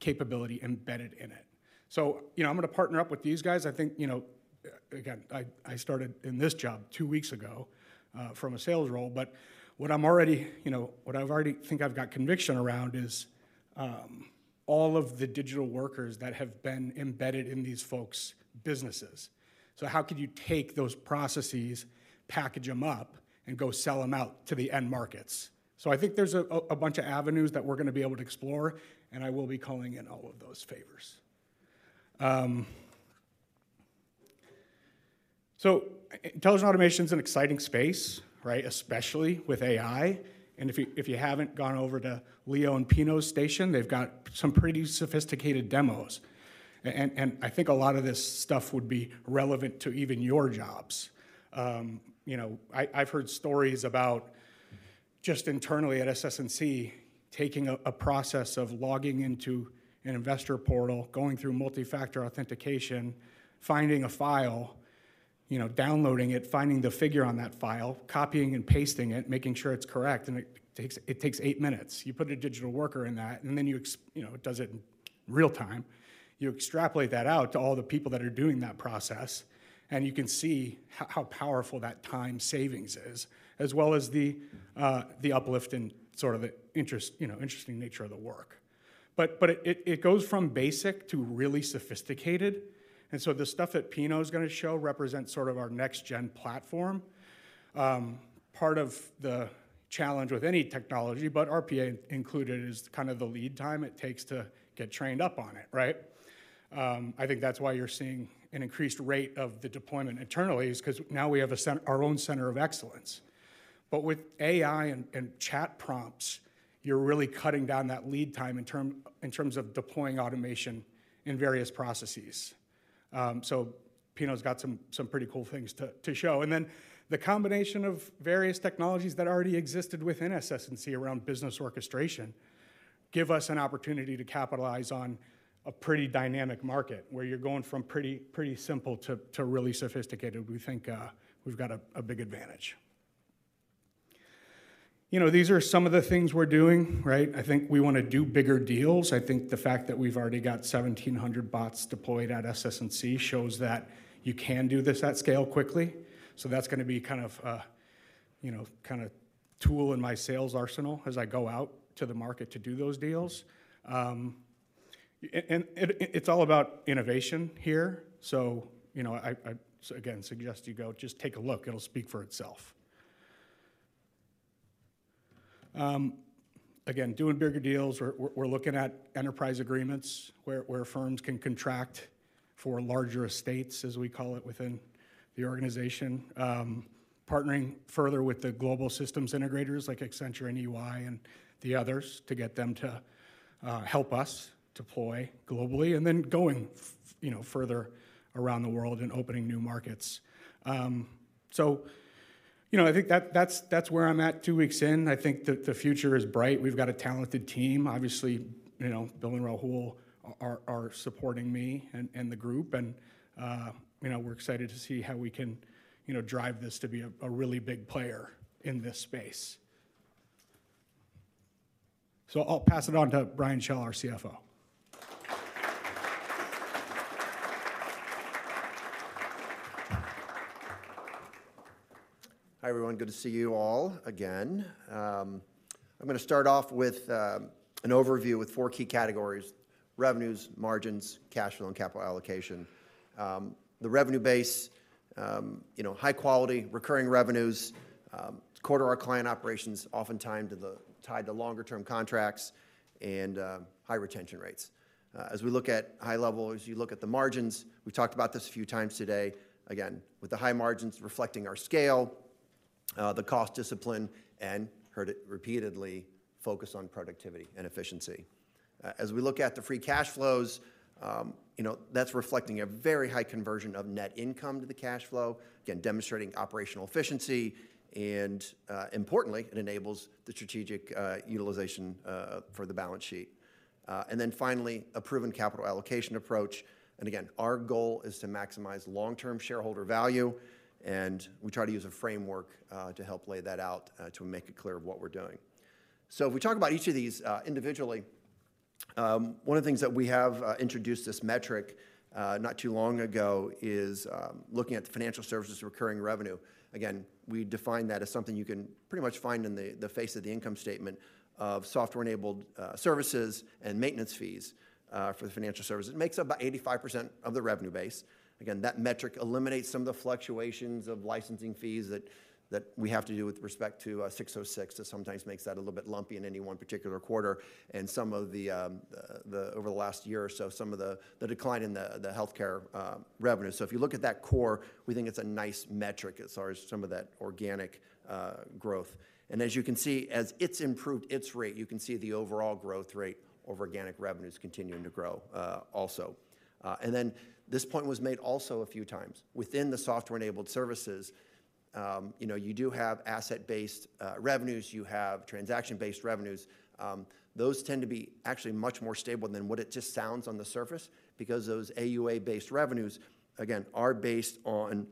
Speaker 6: capability embedded in it. So, you know, I'm gonna partner up with these guys. I think, you know. Again, I started in this job two weeks ago from a sales role, but what I'm already, you know, what I've already think I've got conviction around is all of the digital workers that have been embedded in these folks' businesses. So how could you take those processes, package them up, and go sell them out to the end markets? So I think there's a bunch of avenues that we're gonna be able to explore, and I will be calling in all of those favors. Intelligent automation's an exciting space, right? Especially with AI. And if you haven't gone over to Leo and Pino's station, they've got some pretty sophisticated demos. And I think a lot of this stuff would be relevant to even your jobs. You know, I've heard stories about just internally at SS&C, taking a process of logging into an investor portal, going through multi-factor authentication, finding a file, you know, downloading it, finding the figure on that file, copying and pasting it, making sure it's correct, and it takes eight minutes. You put a digital worker in that, and then you know, it does it in real time. You extrapolate that out to all the people that are doing that process, and you can see how powerful that time savings is, as well as the uplift in sort of the interest, you know, interesting nature of the work. But it goes from basic to really sophisticated, and so the stuff that Pino's gonna show represents sort of our next-gen platform. Part of the challenge with any technology, but RPA included, is kind of the lead time it takes to get trained up on it, right? I think that's why you're seeing an increased rate of the deployment internally, is 'cause now we have our own center of excellence. But with AI and chat prompts, you're really cutting down that lead time in terms of deploying automation in various processes. So Pino's got some pretty cool things to show. And then the combination of various technologies that already existed within SS&C around business orchestration give us an opportunity to capitalize on a pretty dynamic market, where you're going from pretty simple to really sophisticated. We think we've got a big advantage. You know, these are some of the things we're doing, right? I think we wanna do bigger deals. I think the fact that we've already got 1,700 bots deployed at SS&C shows that you can do this at scale quickly. So that's gonna be kind of you know, kind tool in my sales arsenal as I go out to the market to do those deals. And it's all about innovation here, so you know, I again suggest you go just take a look. It'll speak for itself. Again, doing bigger deals. We're looking at enterprise agreements, where firms can contract for larger estates, as we call it within the organization. Partnering further with the global systems integrators like Accenture and EY and the others to get them to help us deploy globally, and then going, you know, further around the world and opening new markets, so you know, I think that's where I'm at two weeks in. I think the future is bright. We've got a talented team. Obviously, you know, Bill and Rahul are supporting me and the group, and you know, we're excited to see how we can, you know, drive this to be a really big player in this space, so I'll pass it on to Brian Schell, our CFO.
Speaker 13: Hi, everyone. Good to see you all again. I'm gonna start off with an overview with four key categories: revenues, margins, cash flow, and capital allocation. The revenue base, you know, high quality, recurring revenues, core to our client operations, oftentimes tied to longer-term contracts and high retention rates. As we look at high level, as you look at the margins, we've talked about this a few times today, again, with the high margins reflecting our scale, the cost discipline, and heard it repeatedly, focus on productivity and efficiency. As we look at the free cash flows, you know, that's reflecting a very high conversion of net income to the cash flow, again, demonstrating operational efficiency, and importantly, it enables the strategic utilization for the balance sheet. And then finally, a proven capital allocation approach, and again, our goal is to maximize long-term shareholder value, and we try to use a framework to help lay that out to make it clear of what we're doing. So if we talk about each of these individually, one of the things that we have introduced this metric not too long ago is looking at the financial services recurring revenue. Again, we define that as something you can pretty much find in the face of the income statement of software-enabled services and maintenance fees for the financial services. It makes up about 85% of the revenue base. Again, that metric eliminates some of the fluctuations of licensing fees that we have to do with respect to 606. That sometimes makes that a little bit lumpy in any one particular quarter, and some of the over the last year or so, some of the decline in the healthcare revenue. So if you look at that core, we think it's a nice metric as far as some of that organic growth. And as you can see, as it's improved its rate, you can see the overall growth rate of organic revenues continuing to grow also. And then this point was made also a few times. Within the software-enabled services, you know, you do have asset-based revenues, you have transaction-based revenues. Those tend to be actually much more stable than what it just sounds on the surface, because those AUA-based revenues, again, are based on,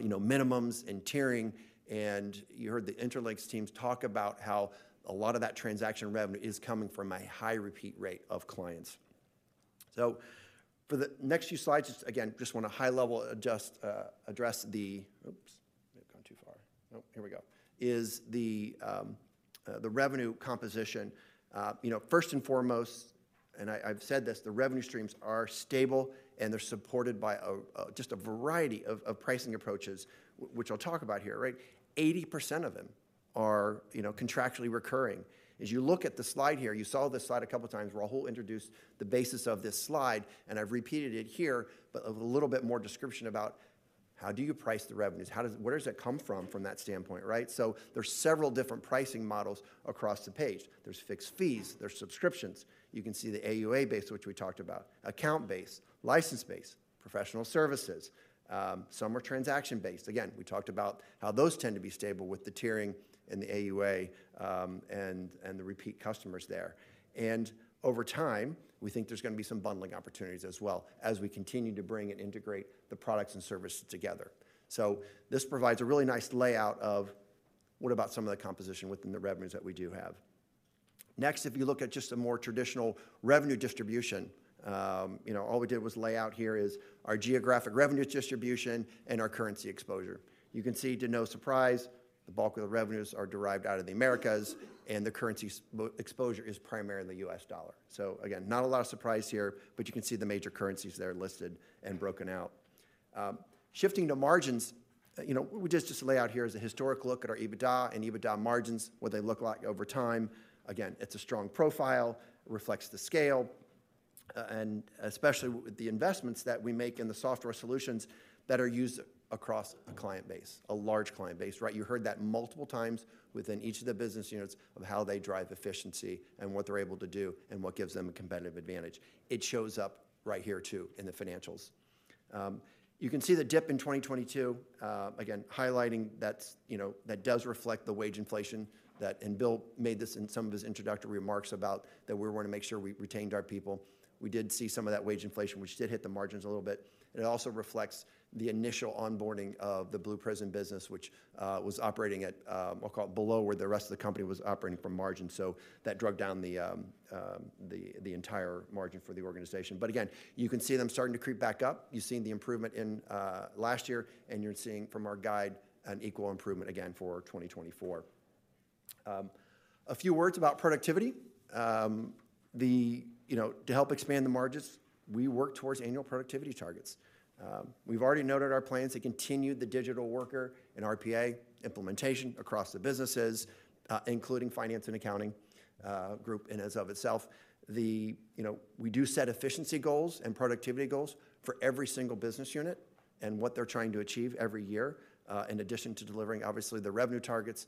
Speaker 13: you know, minimums and tiering, and you heard the Intralinks teams talk about how a lot of that transaction revenue is coming from a high repeat rate of clients. So for the next few slides, just again, just want to high level address the, oops, may have gone too far. Oh, here we go. Is the revenue composition. You know, first and foremost, and I, I've said this, the revenue streams are stable, and they're supported by a, a, just a variety of, of pricing approaches, which I'll talk about here, right? 80% of them are, you know, contractually recurring. As you look at the slide here, you saw this slide a couple times. Rahul introduced the basis of this slide, and I've repeated it here, but of a little bit more description about how do you price the revenues? How does, where does that come from, from that standpoint, right? So there's several different pricing models across the page. There's fixed fees, there's subscriptions. You can see the AUA base, which we talked about, account base, license base, professional services, some are transaction-based. Again, we talked about how those tend to be stable with the tiering and the AUA, and the repeat customers there. And over time, we think there's gonna be some bundling opportunities as well, as we continue to bring and integrate the products and services together. So this provides a really nice layout of what about some of the composition within the revenues that we do have. Next, if you look at just a more traditional revenue distribution, you know, all we did was lay out here is our geographic revenues distribution and our currency exposure. You can see, to no surprise, the bulk of the revenues are derived out of the Americas, and the currency exposure is primarily U.S. dollar. So again, not a lot of surprise here, but you can see the major currencies there listed and broken out. Shifting to margins, you know, we just lay out here is a historic look at our EBITDA and EBITDA margins, what they look like over time. Again, it's a strong profile, reflects the scale, and especially with the investments that we make in the software solutions that are used across a client base, a large client base, right? You heard that multiple times within each of the business units of how they drive efficiency and what they're able to do, and what gives them a competitive advantage. It shows up right here, too, in the financials. You can see the dip in 2022. Again, highlighting that's, you know, that does reflect the wage inflation that, and Bill made this in some of his introductory remarks about that we were wanting to make sure we retained our people. We did see some of that wage inflation, which did hit the margins a little bit. It also reflects the initial onboarding of the Blue Prism business, which was operating at, I'll call it below, where the rest of the company was operating from margin. So that drove down the entire margin for the organization. But again, you can see them starting to creep back up. You've seen the improvement in last year, and you're seeing from our guide, an equal improvement again for 2024. A few words about productivity. The, you know, to help expand the margins, we work towards annual productivity targets. We've already noted our plans to continue the digital worker and RPA implementation across the businesses, including finance and accounting group in and of itself. The, you know, we do set efficiency goals and productivity goals for every single business unit and what they're trying to achieve every year, in addition to delivering, obviously, the revenue targets,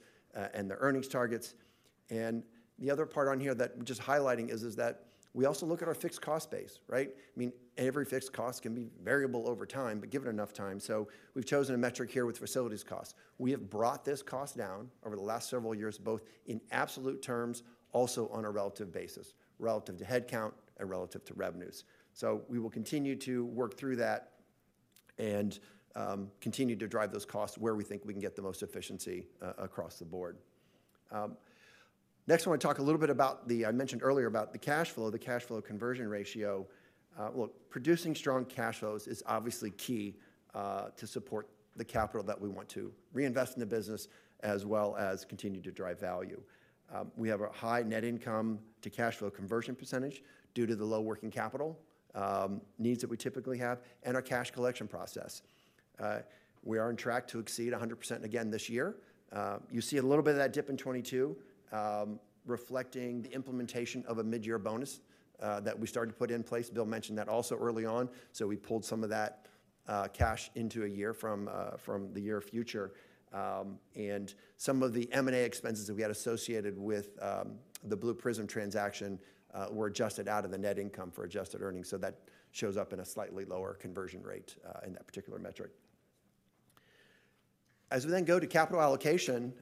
Speaker 13: and the earnings targets. And the other part on here that just highlighting is that we also look at our fixed cost base, right? I mean, every fixed cost can be variable over time, but give it enough time. So we've chosen a metric here with facilities cost. We have brought this cost down over the last several years, both in absolute terms, also on a relative basis, relative to headcount and relative to revenues. So we will continue to work through that and continue to drive those costs where we think we can get the most efficiency across the board. Next, I want to talk a little bit about the. I mentioned earlier about the cash flow, the cash flow conversion ratio. Look, producing strong cash flows is obviously key to support the capital that we want to reinvest in the business, as well as continue to drive value. We have a high net income to cash flow conversion percentage due to the low working capital needs that we typically have, and our cash collection process. We are on track to exceed 100% again this year. You see a little bit of that dip in 2022, reflecting the implementation of a mid-year bonus that we started to put in place. Bill mentioned that also early on. So we pulled some of that cash into a year from the year future. And some of the M&A expenses that we had associated with the Blue Prism transaction were adjusted out of the net income for adjusted earnings, so that shows up in a slightly lower conversion rate in that particular metric. As we then go to capital allocation,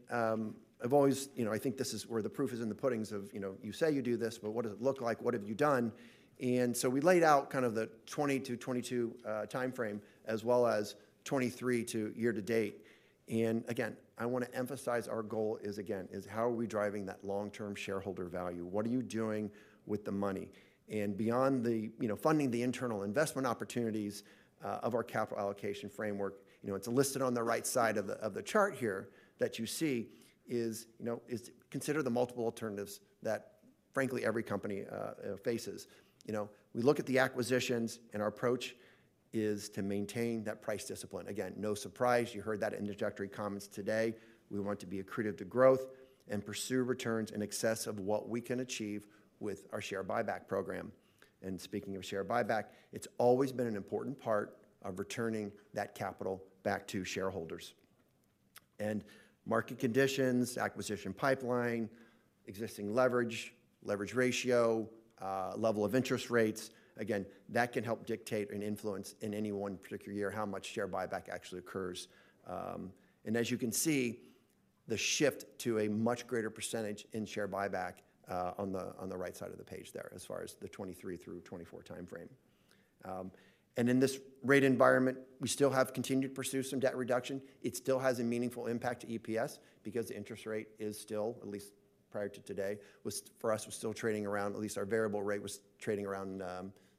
Speaker 13: I've always. You know, I think this is where the proof is in the puddings of, you know, you say you do this, but what does it look like? What have you done? And so we laid out kind of the 2020 to 2022 timeframe, as well as 2023 to year-to-date. And again, I want to emphasize our goal is, again, is how are we driving that long-term shareholder value? What are you doing with the money? And beyond the, you know, funding the internal investment opportunities of our capital allocation framework, you know, it's listed on the right side of the chart here, that you see is, you know, is consider the multiple alternatives that, frankly, every company faces. You know, we look at the acquisitions, and our approach is to maintain that price discipline. Again, no surprise, you heard that in the introductory comments today. We want to be accretive to growth and pursue returns in excess of what we can achieve with our share buyback program. And speaking of share buyback, it's always been an important part of returning that capital back to shareholders. And market conditions, acquisition pipeline, existing leverage, leverage ratio, level of interest rates, again, that can help dictate and influence in any one particular year, how much share buyback actually occurs. And as you can see, the shift to a much greater percentage in share buyback, on the right side of the page there, as far as the 2023 through 2024 time frame. And in this rate environment, we still have continued to pursue some debt reduction. It still has a meaningful impact to EPS because the interest rate is still, at least prior to today, was for us, was still trading around. At least our variable rate was trading around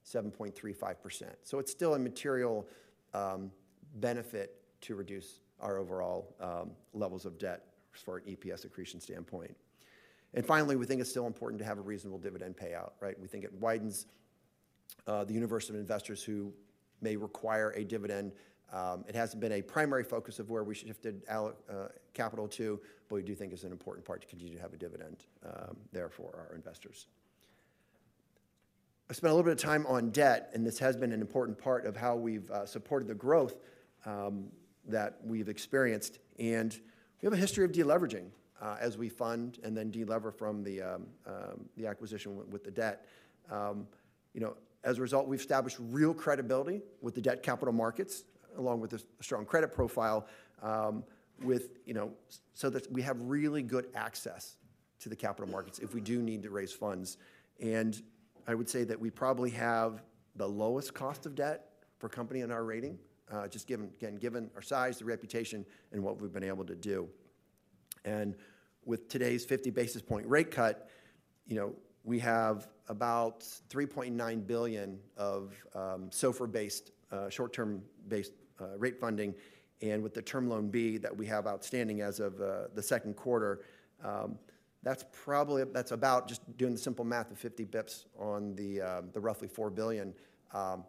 Speaker 13: 7.35%. So it's still a material benefit to reduce our overall levels of debt for an EPS accretion standpoint. And finally, we think it's still important to have a reasonable dividend payout, right? We think it widens the universe of investors who may require a dividend. It hasn't been a primary focus of where we should shift our capital to, but we do think it's an important part to continue to have a dividend there for our investors. I spent a little bit of time on debt, and this has been an important part of how we've supported the growth that we've experienced. And we have a history of deleveraging as we fund and then delever from the acquisition with the debt. You know, as a result, we've established real credibility with the debt capital markets, along with a strong credit profile, with, you know, so that we have really good access to the capital markets if we do need to raise funds. And I would say that we probably have the lowest cost of debt for a company in our rating, just given again, given our size, the reputation, and what we've been able to do. With today's 50 basis point rate cut, you know, we have about $3.9 billion of SOFR-based short-term-based rate funding. With the Term Loan B that we have outstanding as of the second quarter, that's probably - that's about, just doing the simple math of 50 basis points on the roughly $4 billion,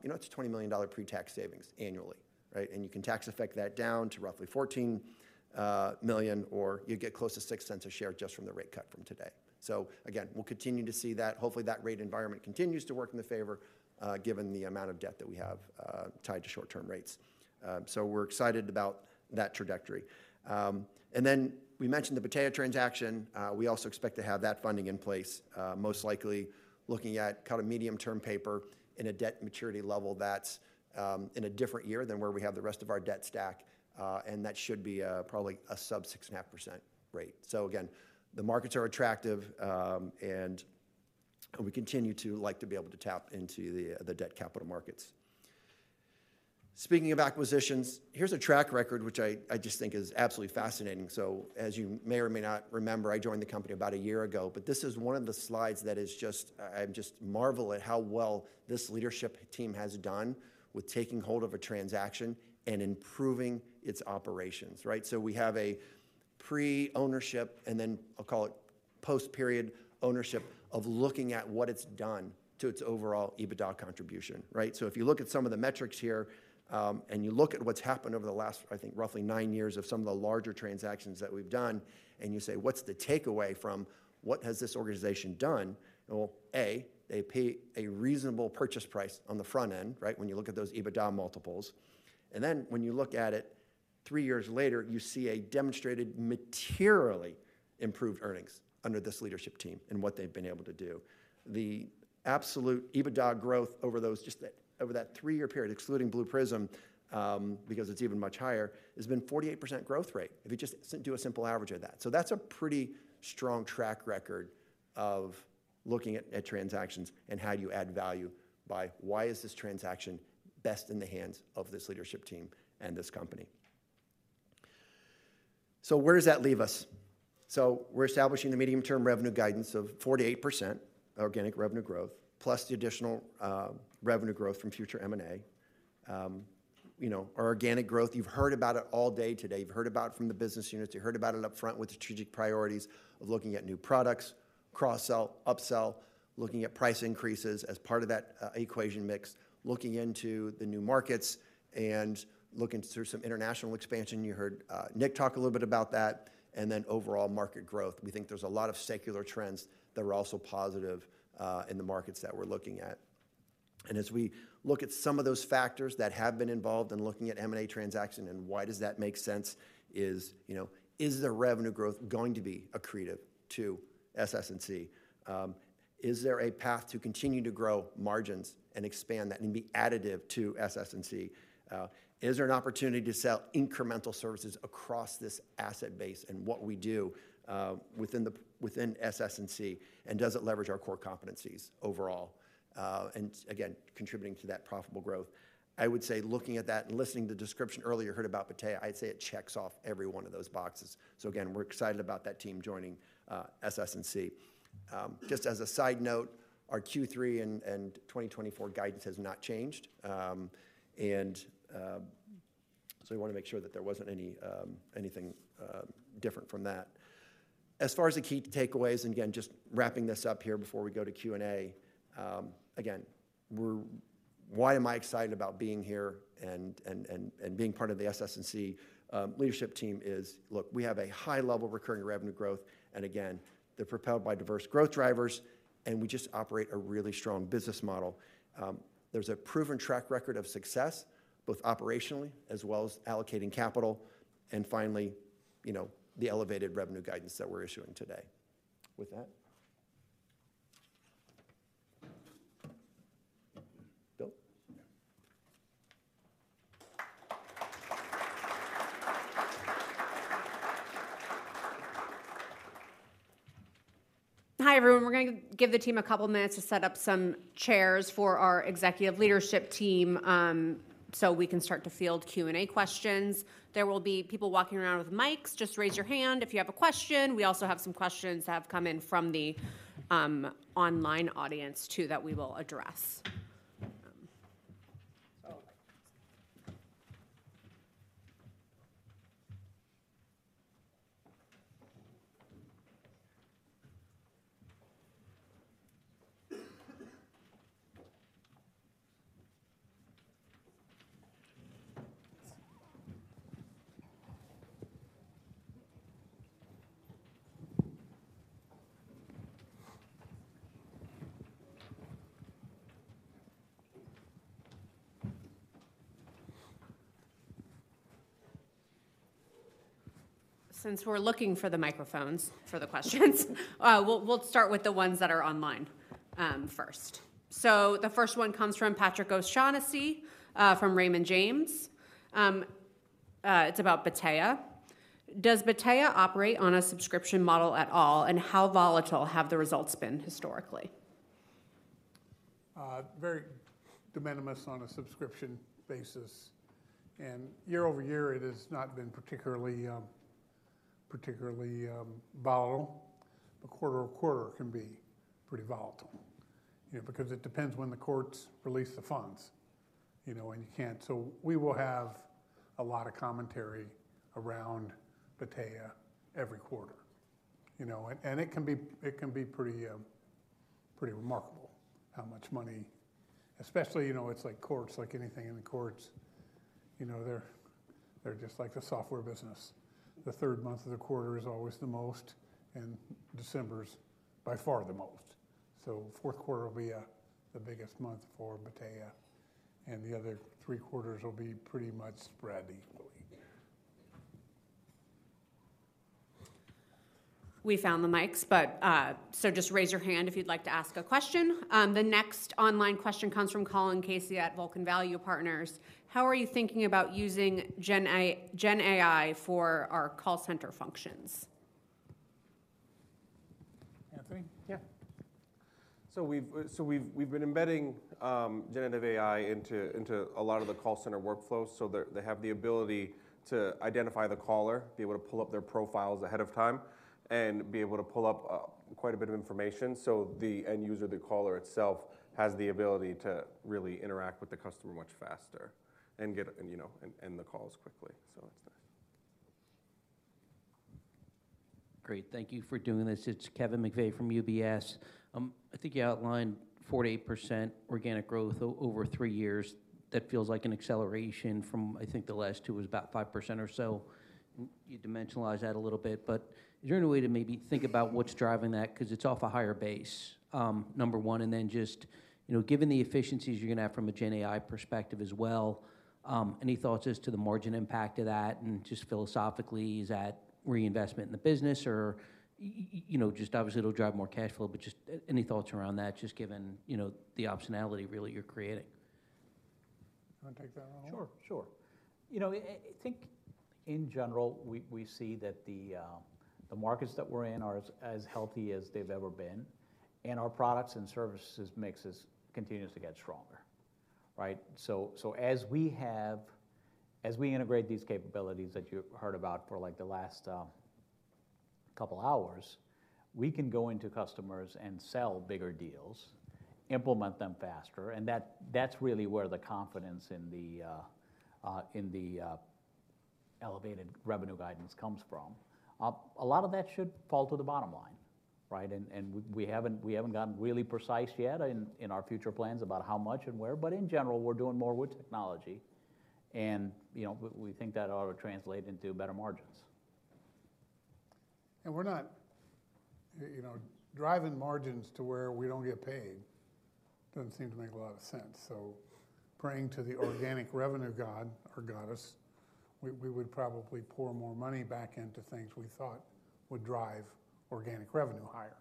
Speaker 13: you know, it's a $20 million pre-tax savings annually, right? You can tax effect that down to roughly $14 million, or you get close to $0.06 a share just from the rate cut from today. Again, we'll continue to see that. Hopefully, that rate environment continues to work in the favor, given the amount of debt that we have tied to short-term rates. We're excited about that trajectory. Then we mentioned the Battea transaction. We also expect to have that funding in place, most likely looking at kind of medium-term paper in a debt maturity level that's in a different year than where we have the rest of our debt stack, and that should be probably a sub six and a half percent rate. So again, the markets are attractive, and we continue to like to be able to tap into the debt capital markets. Speaking of acquisitions, here's a track record, which I just think is absolutely fascinating. So as you may or may not remember, I joined the company about a year ago, but this is one of the slides that is just... I just marvel at how well this leadership team has done with taking hold of a transaction and improving its operations, right? So we have a pre-ownership, and then I'll call it post-period ownership, of looking at what it's done to its overall EBITDA contribution, right? So if you look at some of the metrics here, and you look at what's happened over the last, I think, roughly nine years of some of the larger transactions that we've done, and you say: What's the takeaway from what has this organization done? Well, A, they pay a reasonable purchase price on the front end, right? When you look at those EBITDA multiples. And then when you look at it three years later, you see a demonstrated, materially improved earnings under this leadership team and what they've been able to do. The absolute EBITDA growth over those, just the, over that three-year period, excluding Blue Prism, because it's even much higher, has been 48% growth rate, if you just do a simple average of that. So that's a pretty strong track record of looking at, at transactions and how you add value by why is this transaction best in the hands of this leadership team and this company? So where does that leave us? So we're establishing the medium-term revenue guidance of 48% organic revenue growth, plus the additional, revenue growth from future M&A. You know, our organic growth, you've heard about it all day today. You've heard about it from the business units. You heard about it up front with strategic priorities of looking at new products, cross-sell, upsell, looking at price increases as part of that equation mix, looking into the new markets, and looking through some international expansion. You heard Nick talk a little bit about that, and then overall market growth. We think there's a lot of secular trends that are also positive in the markets that we're looking at. And as we look at some of those factors that have been involved in looking at M&A transaction and why does that make sense is, you know, is the revenue growth going to be accretive to SS&C? Is there a path to continue to grow margins and expand that and be additive to SS&C? Is there an opportunity to sell incremental services across this asset base and what we do within SS&C, and does it leverage our core competencies overall? And again, contributing to that profitable growth. I would say, looking at that and listening to the description earlier, you heard about Battea. I'd say it checks off every one of those boxes. So again, we're excited about that team joining SS&C. Just as a side note, our Q3 and 2024 guidance has not changed. And so we wanna make sure that there wasn't any anything different from that. As far as the key takeaways, and again, just wrapping this up here before we go to Q&A. Again, why am I excited about being here and being part of the SS&C leadership team is, look, we have a high level of recurring revenue growth, and again, they're propelled by diverse growth drivers, and we just operate a really strong business model. There's a proven track record of success, both operationally as well as allocating capital, and finally, you know, the elevated revenue guidance that we're issuing today. With that, Bill?
Speaker 1: Hi, everyone. We're gonna give the team a couple of minutes to set up some chairs for our executive leadership team, so we can start to field Q&A questions. There will be people walking around with mics. Just raise your hand if you have a question. We also have some questions that have come in from the online audience, too, that we will address. Since we're looking for the microphones for the questions, we'll start with the ones that are online first. So the first one comes from Patrick O'Shaughnessy from Raymond James. It's about Battea. Does Battea operate on a subscription model at all? And how volatile have the results been historically?
Speaker 2: Very de minimis on a subscription basis, and year-over-year, it has not been particularly volatile. But quarter-over-quarter can be pretty volatile, you know, because it depends when the courts release the funds, you know, and you can't. So we will have a lot of commentary around Battea every quarter, you know, and it can be pretty remarkable how much money. Especially, you know, it's like courts, like anything in the courts, you know, they're just like the software business. The third month of the quarter is always the most, and December is by far the most. So fourth quarter will be the biggest month for Battea, and the other three quarters will be pretty much spread equally.
Speaker 1: We found the mics, but, so just raise your hand if you'd like to ask a question. The next online question comes from Colin Casey at Vulcan Value Partners: "How are you thinking about using GenAI for our call center functions?
Speaker 13: Anthony?
Speaker 4: Yeah. We've been embedding generative AI into a lot of the call center workflows, so they have the ability to identify the caller, be able to pull up their profiles ahead of time, and be able to pull up quite a bit of information. The end user, the caller itself, has the ability to really interact with the customer much faster and get, you know, end the calls quickly. It's nice.
Speaker 14: Great. Thank you for doing this. It's Kevin McVeigh from UBS. I think you outlined 4%-8% organic growth over three years. That feels like an acceleration from, I think, the last two was about 5% or so. Can you dimensionalize that a little bit? But is there any way to maybe think about what's driving that? Because it's off a higher base, number one, and then just, you know, given the efficiencies you're gonna have from a GenAI perspective as well, any thoughts as to the margin impact of that? And just philosophically, is that reinvestment in the business or, you know, just obviously, it'll drive more cash flow, but just any thoughts around that, just given, you know, the optionality really you're creating?
Speaker 2: You wanna take that, Rahul?
Speaker 3: Sure, sure. You know, I think in general, we see that the markets that we're in are as healthy as they've ever been, and our products and services mix is continuously getting stronger. Right? So, as we integrate these capabilities that you've heard about for, like, the last couple hours, we can go into customers and sell bigger deals, implement them faster, and that's really where the confidence in the elevated revenue guidance comes from. A lot of that should fall to the bottom line, right? And we haven't gotten really precise yet in our future plans about how much and where, but in general, we're doing more with technology, and, you know, we think that ought to translate into better margins.
Speaker 2: We're not, you know, driving margins to where we don't get paid. It doesn't seem to make a lot of sense. Praying to the organic revenue god or goddess, we would probably pour more money back into things we thought would drive organic revenue higher.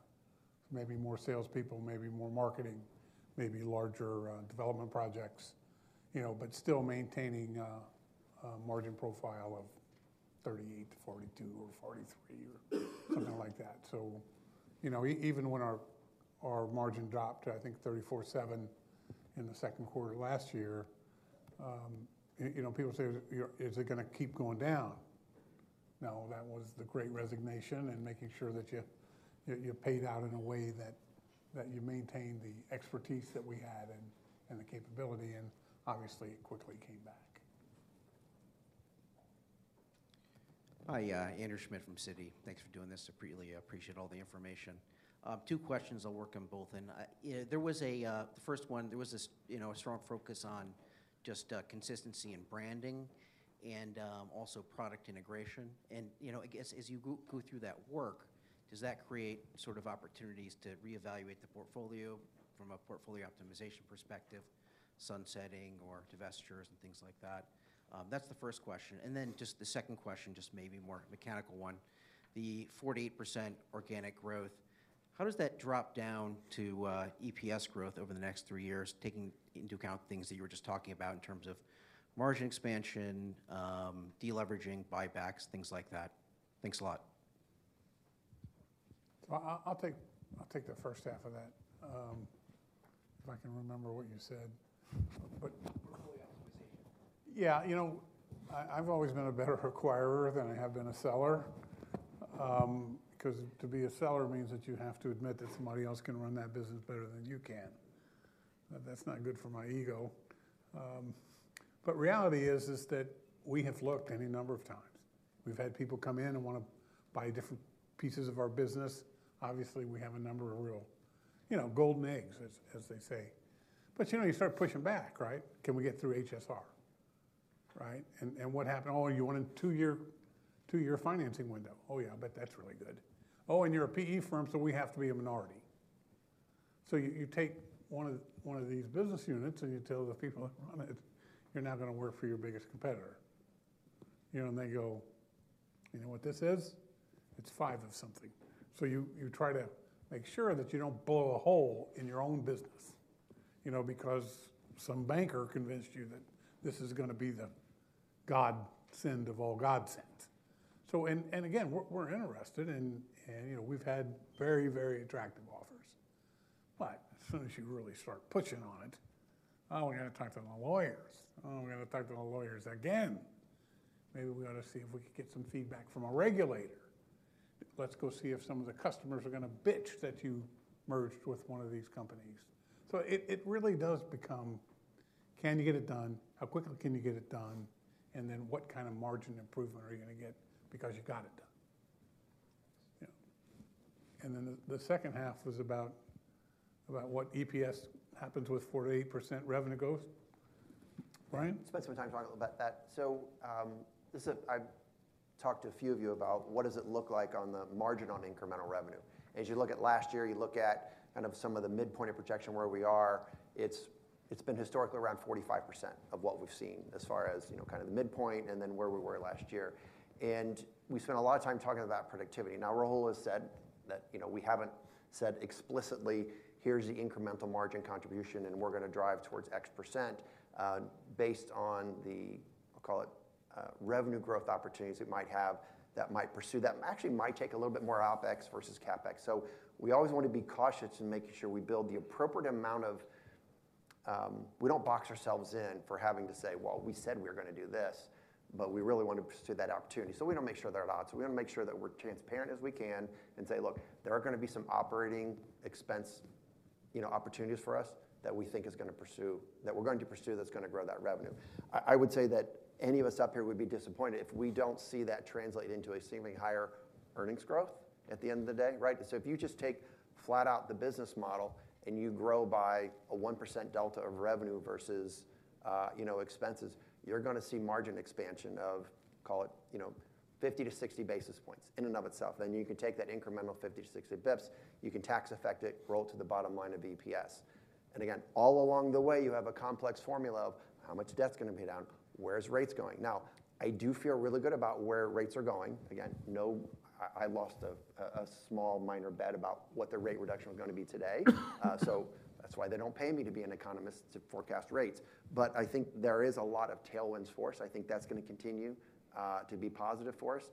Speaker 2: Maybe more salespeople, maybe more marketing, maybe larger development projects, you know, but still maintaining a margin profile of 38%-42% or 43% or something like that. You know, even when our margin dropped to, I think, 34.7% in the second quarter last year, you know, people say, "Is your. Is it gonna keep going down?" Now, that was the great resignation and making sure that you paid out in a way that you maintained the expertise that we had and the capability, and obviously, it quickly came back.
Speaker 15: Hi, Andrew Schmidt from Citi. Thanks for doing this. I really appreciate all the information. Two questions. I'll work on both, and The first one, there was this, you know, a strong focus on just, consistency in branding and, also product integration, and, you know, I guess, as you go through that work, does that create sort of opportunities to reevaluate the portfolio from a portfolio optimization perspective, sunsetting or divestitures, and things like that? That's the first question, and then, just the second question, just maybe more mechanical one: the 48% organic growth, how does that drop down to, EPS growth over the next three years, taking into account things that you were just talking about in terms of margin expansion, de-leveraging, buybacks, things like that? Thanks a lot.
Speaker 2: I'll take the first half of that, if I can remember what you said, but.
Speaker 15: Portfolio optimization.
Speaker 2: Yeah, you know, I've always been a better acquirer than I have been a seller, 'cause to be a seller means that you have to admit that somebody else can run that business better than you can. That's not good for my ego. But reality is that we have looked any number of times. We've had people come in and wanna buy different pieces of our business. Obviously, we have a number of real, you know, golden eggs, as they say, but, you know, you start pushing back, right? "Can we get through HSR?" Right? And what happened? "Oh, you want a two-year financing window. Oh, yeah, I bet that's really good. Oh, and you're a PE firm, so we have to be a minority." So you take one of these business units, and you tell the people that run it, "You're now gonna work for your biggest competitor." You know, and they go, "You know what this is? It's five of something." So you try to make sure that you don't blow a hole in your own business, you know, because some banker convinced you that this is gonna be the godsend of all godsends. So and again, we're interested, and you know, we've had very, very attractive offers. But as soon as you really start pushing on it, "Oh, we gotta talk to the lawyers. Oh, we gotta talk to the lawyers again. Maybe we ought to see if we can get some feedback from a regulator. Let's go see if some of the customers are gonna bitch that you merged with one of these companies." So it, it really does become: Can you get it done? How quickly can you get it done? And then, what kind of margin improvement are you gonna get because you got it done? You know. And then the, the second half was about, about what EPS happens with 48% revenue growth. Brian?
Speaker 13: Spend some time talking about that. So, this is a. I've talked to a few of you about what does it look like on the margin on incremental revenue? As you look at last year, you look at kind of some of the midpoint of projection where we are. It's, it's been historically around 45% of what we've seen as far as, you know, kind of the midpoint and then where we were last year, and we spent a lot of time talking about productivity. Now, Rahul has said that, you know, we haven't said explicitly, "Here's the incremental margin contribution, and we're gonna drive towards X%," based on the, I'll call it, revenue growth opportunities it might have that might pursue that. Actually, it might take a little bit more OpEx versus CapEx. So we always want to be cautious in making sure we build the appropriate amount of. We don't box ourselves in for having to say, "Well, we said we were gonna do this, but we really want to pursue that opportunity." So we wanna make sure there are lots. We wanna make sure that we're transparent as we can and say: Look, there are gonna be some operating expense, you know, opportunities for us that we're going to pursue, that's gonna grow that revenue. I would say that any of us up here would be disappointed if we don't see that translate into a seemingly higher earnings growth at the end of the day, right? So if you just take flat out the business model, and you grow by a 1% delta of revenue versus, you know, expenses, you're gonna see margin expansion of, call it, you know, 50-60 basis points in and of itself. Then you can take that incremental 50-60 basis points, you can tax effect it, roll to the bottom line of EPS. And again, all along the way, you have a complex formula of how much debt's gonna pay down, where is rates going. Now I do feel really good about where rates are going. Again, no. I lost a small minor bet about what the rate reduction was gonna be today. So that's why they don't pay me to be an economist, to forecast rates. But I think there is a lot of tailwinds for us. I think that's gonna continue to be positive for us.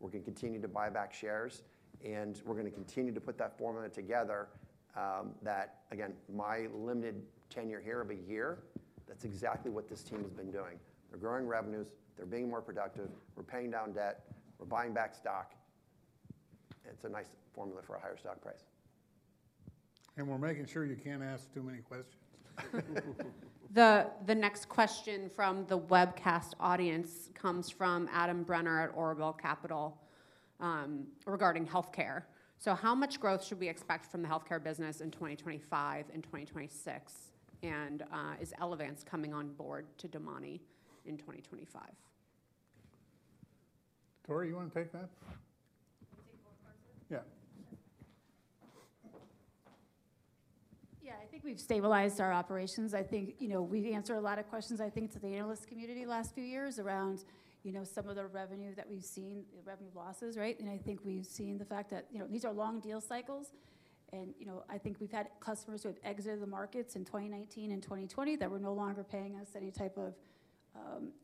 Speaker 13: We're gonna continue to buy back shares, and we're gonna continue to put that formula together. That again, my limited tenure here of a year, that's exactly what this team has been doing. They're growing revenues, they're being more productive, we're paying down debt, we're buying back stock. It's a nice formula for a higher stock price.
Speaker 2: We're making sure you can't ask too many questions.
Speaker 1: The next question from the webcast audience comes from Adam Brenner at Oribel Capital, regarding healthcare. So how much growth should we expect from the healthcare business in 2025 and 2026? And, is Elevance coming on board to Domani in 2025?
Speaker 2: Tori, you wanna take that?
Speaker 12: Take more parts of it?
Speaker 2: Yeah.
Speaker 12: Sure. Yeah, I think we've stabilized our operations. I think, you know, we've answered a lot of questions, I think, to the analyst community last few years around, you know, some of the revenue that we've seen, revenue losses, right? And I think we've seen the fact that, you know, these are long deal cycles and, you know, I think we've had customers who have exited the markets in 2019 and 2020 that were no longer paying us any type of,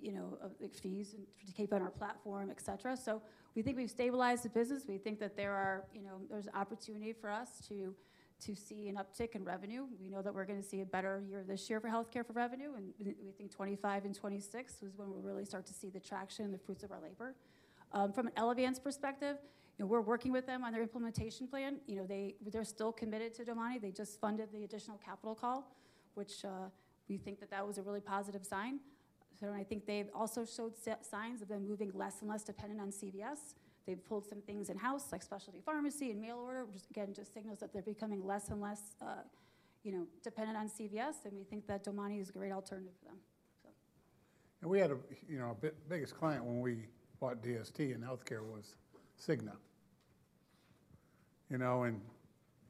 Speaker 12: you know, of like, fees to keep on our platform, etc. So we think we've stabilized the business. We think that there are... You know, there's opportunity for us to see an uptick in revenue. We know that we're gonna see a better year this year for healthcare for revenue, and we think 2025 and 2026 is when we'll really start to see the traction and the fruits of our labor. From an Elevance perspective, you know, we're working with them on their implementation plan. You know, they're still committed to Domani. They just funded the additional capital call, which we think that that was a really positive sign. So I think they've also showed signs of them moving less and less dependent on CVS. They've pulled some things in-house, like specialty pharmacy and mail order, which again, just signals that they're becoming less and less, you know, dependent on CVS, and we think that Domani is a great alternative for them, so.
Speaker 2: We had a, you know, our biggest client when we bought DST, and healthcare was Cigna. You know, and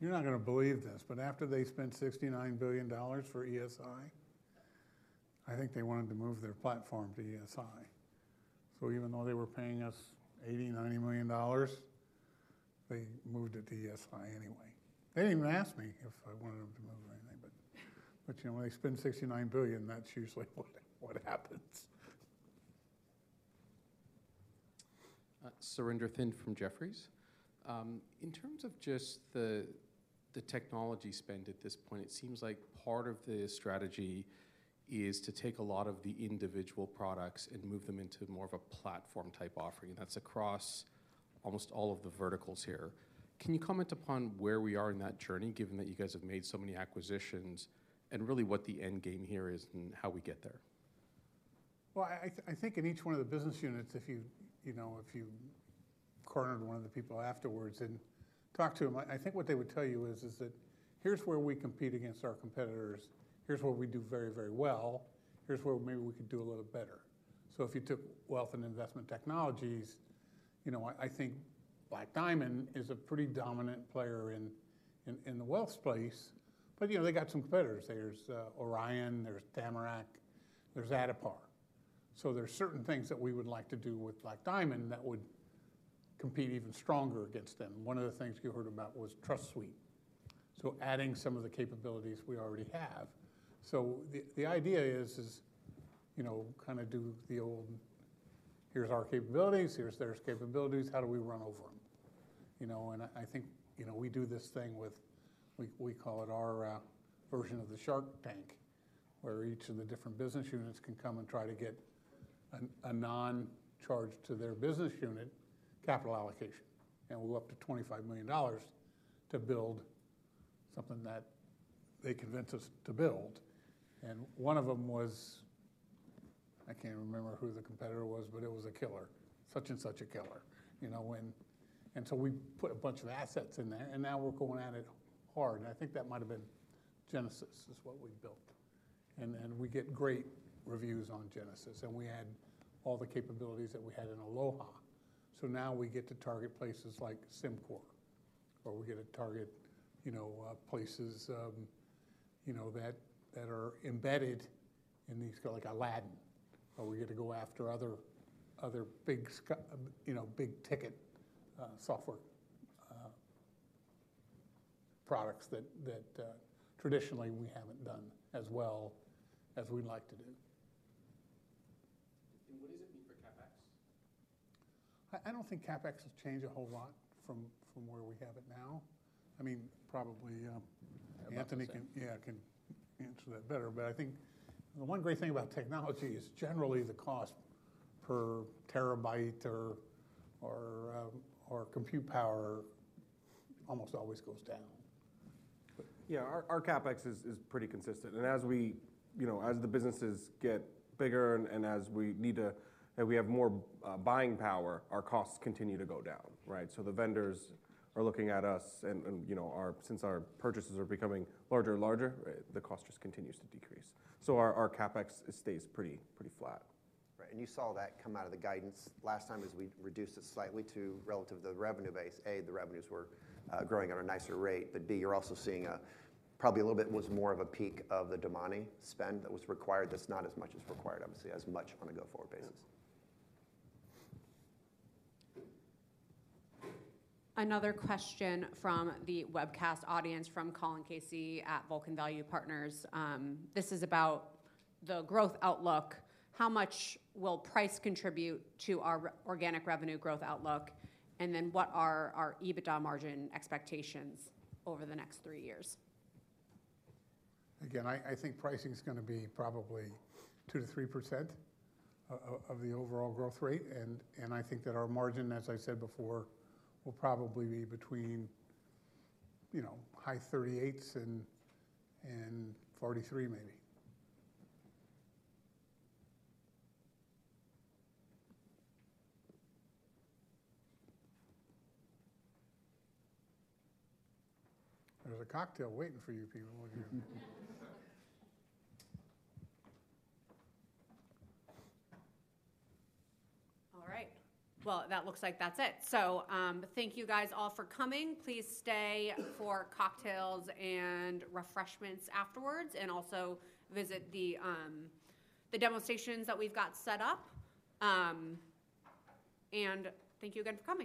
Speaker 2: you're not gonna believe this, but after they spent $69 billion for ESI, I think they wanted to move their platform to ESI. So even though they were paying us $80 million-$90 million, they moved it to ESI anyway. They didn't even ask me if I wanted them to move or anything, but, you know, when they spend $69 billion, that's usually what happens.
Speaker 16: Surinder Thind from Jefferies. In terms of just the technology spend at this point, it seems like part of the strategy is to take a lot of the individual products and move them into more of a platform-type offering, and that's across almost all of the verticals here. Can you comment upon where we are in that journey, given that you guys have made so many acquisitions, and really what the end game here is and how we get there?
Speaker 2: I think in each one of the business units, if you know, if you cornered one of the people afterwards and talked to them, I think what they would tell you is that, "Here's where we compete against our competitors. Here's where we do very, very well. Here's where maybe we could do a little better." So if you took Wealth & Investment Technologies, you know what? I think Black Diamond is a pretty dominant player in the wealth space, but you know, they got some competitors. There's Orion, there's Tamarac, there's Addepar. So there's certain things that we would like to do with Black Diamond that would compete even stronger against them. One of the things you heard about was Trust Suite, so adding some of the capabilities we already have. So the idea is, you know, kinda do the old: Here's our capabilities, here's their capabilities, how do we run over them? You know, and I think, you know, we do this thing with. We call it our version of the Shark Tank, where each of the different business units can come and try to get a non-charge to their business unit, capital allocation, and we're up to $25 million to build something that they convince us to build. And one of them was. I can't even remember who the competitor was, but it was a killer. Such and such a killer, you know, and so we put a bunch of assets in there, and now we're going at it hard, and I think that might have been Genesis, is what we built. We get great reviews on Genesis, and we add all the capabilities that we had in Aloha. Now we get to target places like SimCorp, or we get to target, you know, places, you know, that are embedded in these, like Aladdin, or we get to go after other big-ticket software products that traditionally we haven't done as well as we'd like to do.
Speaker 16: What does it mean for CapEx?
Speaker 2: I don't think CapEx has changed a whole lot from where we have it now. I mean, probably.
Speaker 4: I'd have to say.
Speaker 2: Anthony. Yeah, can answer that better, but I think the one great thing about technology is generally the cost per terabyte or compute power almost always goes down.
Speaker 4: Yeah, our CapEx is pretty consistent, and as we, you know, as the businesses get bigger and as we need to and we have more buying power, our costs continue to go down, right? So the vendors are looking at us and, you know, our since our purchases are becoming larger and larger, right, the cost just continues to decrease. So our CapEx, it stays pretty flat. Right, and you saw that come out of the guidance. Last time, as we reduced it slightly relative to the revenue base, A, the revenues were growing at a nicer rate, but B, you're also seeing probably a little bit was more of a peak of the Domani spend that was required, that's not as much as required, obviously, as much on a go-forward basis.
Speaker 1: Another question from the webcast audience, from Colin Casey at Vulcan Value Partners. This is about the growth outlook. How much will price contribute to our organic revenue growth outlook? And then, what are our EBITDA margin expectations over the next three years?
Speaker 2: Again, I think pricing is gonna be probably 2%-3% of the overall growth rate, and I think that our margin, as I said before, will probably be between, you know, high 38% and 43% maybe. There's a cocktail waiting for you people over here.
Speaker 1: All right. Well, that looks like that's it. So, thank you guys all for coming. Please stay for cocktails and refreshments afterwards, and also visit the demonstrations that we've got set up, and thank you again for coming.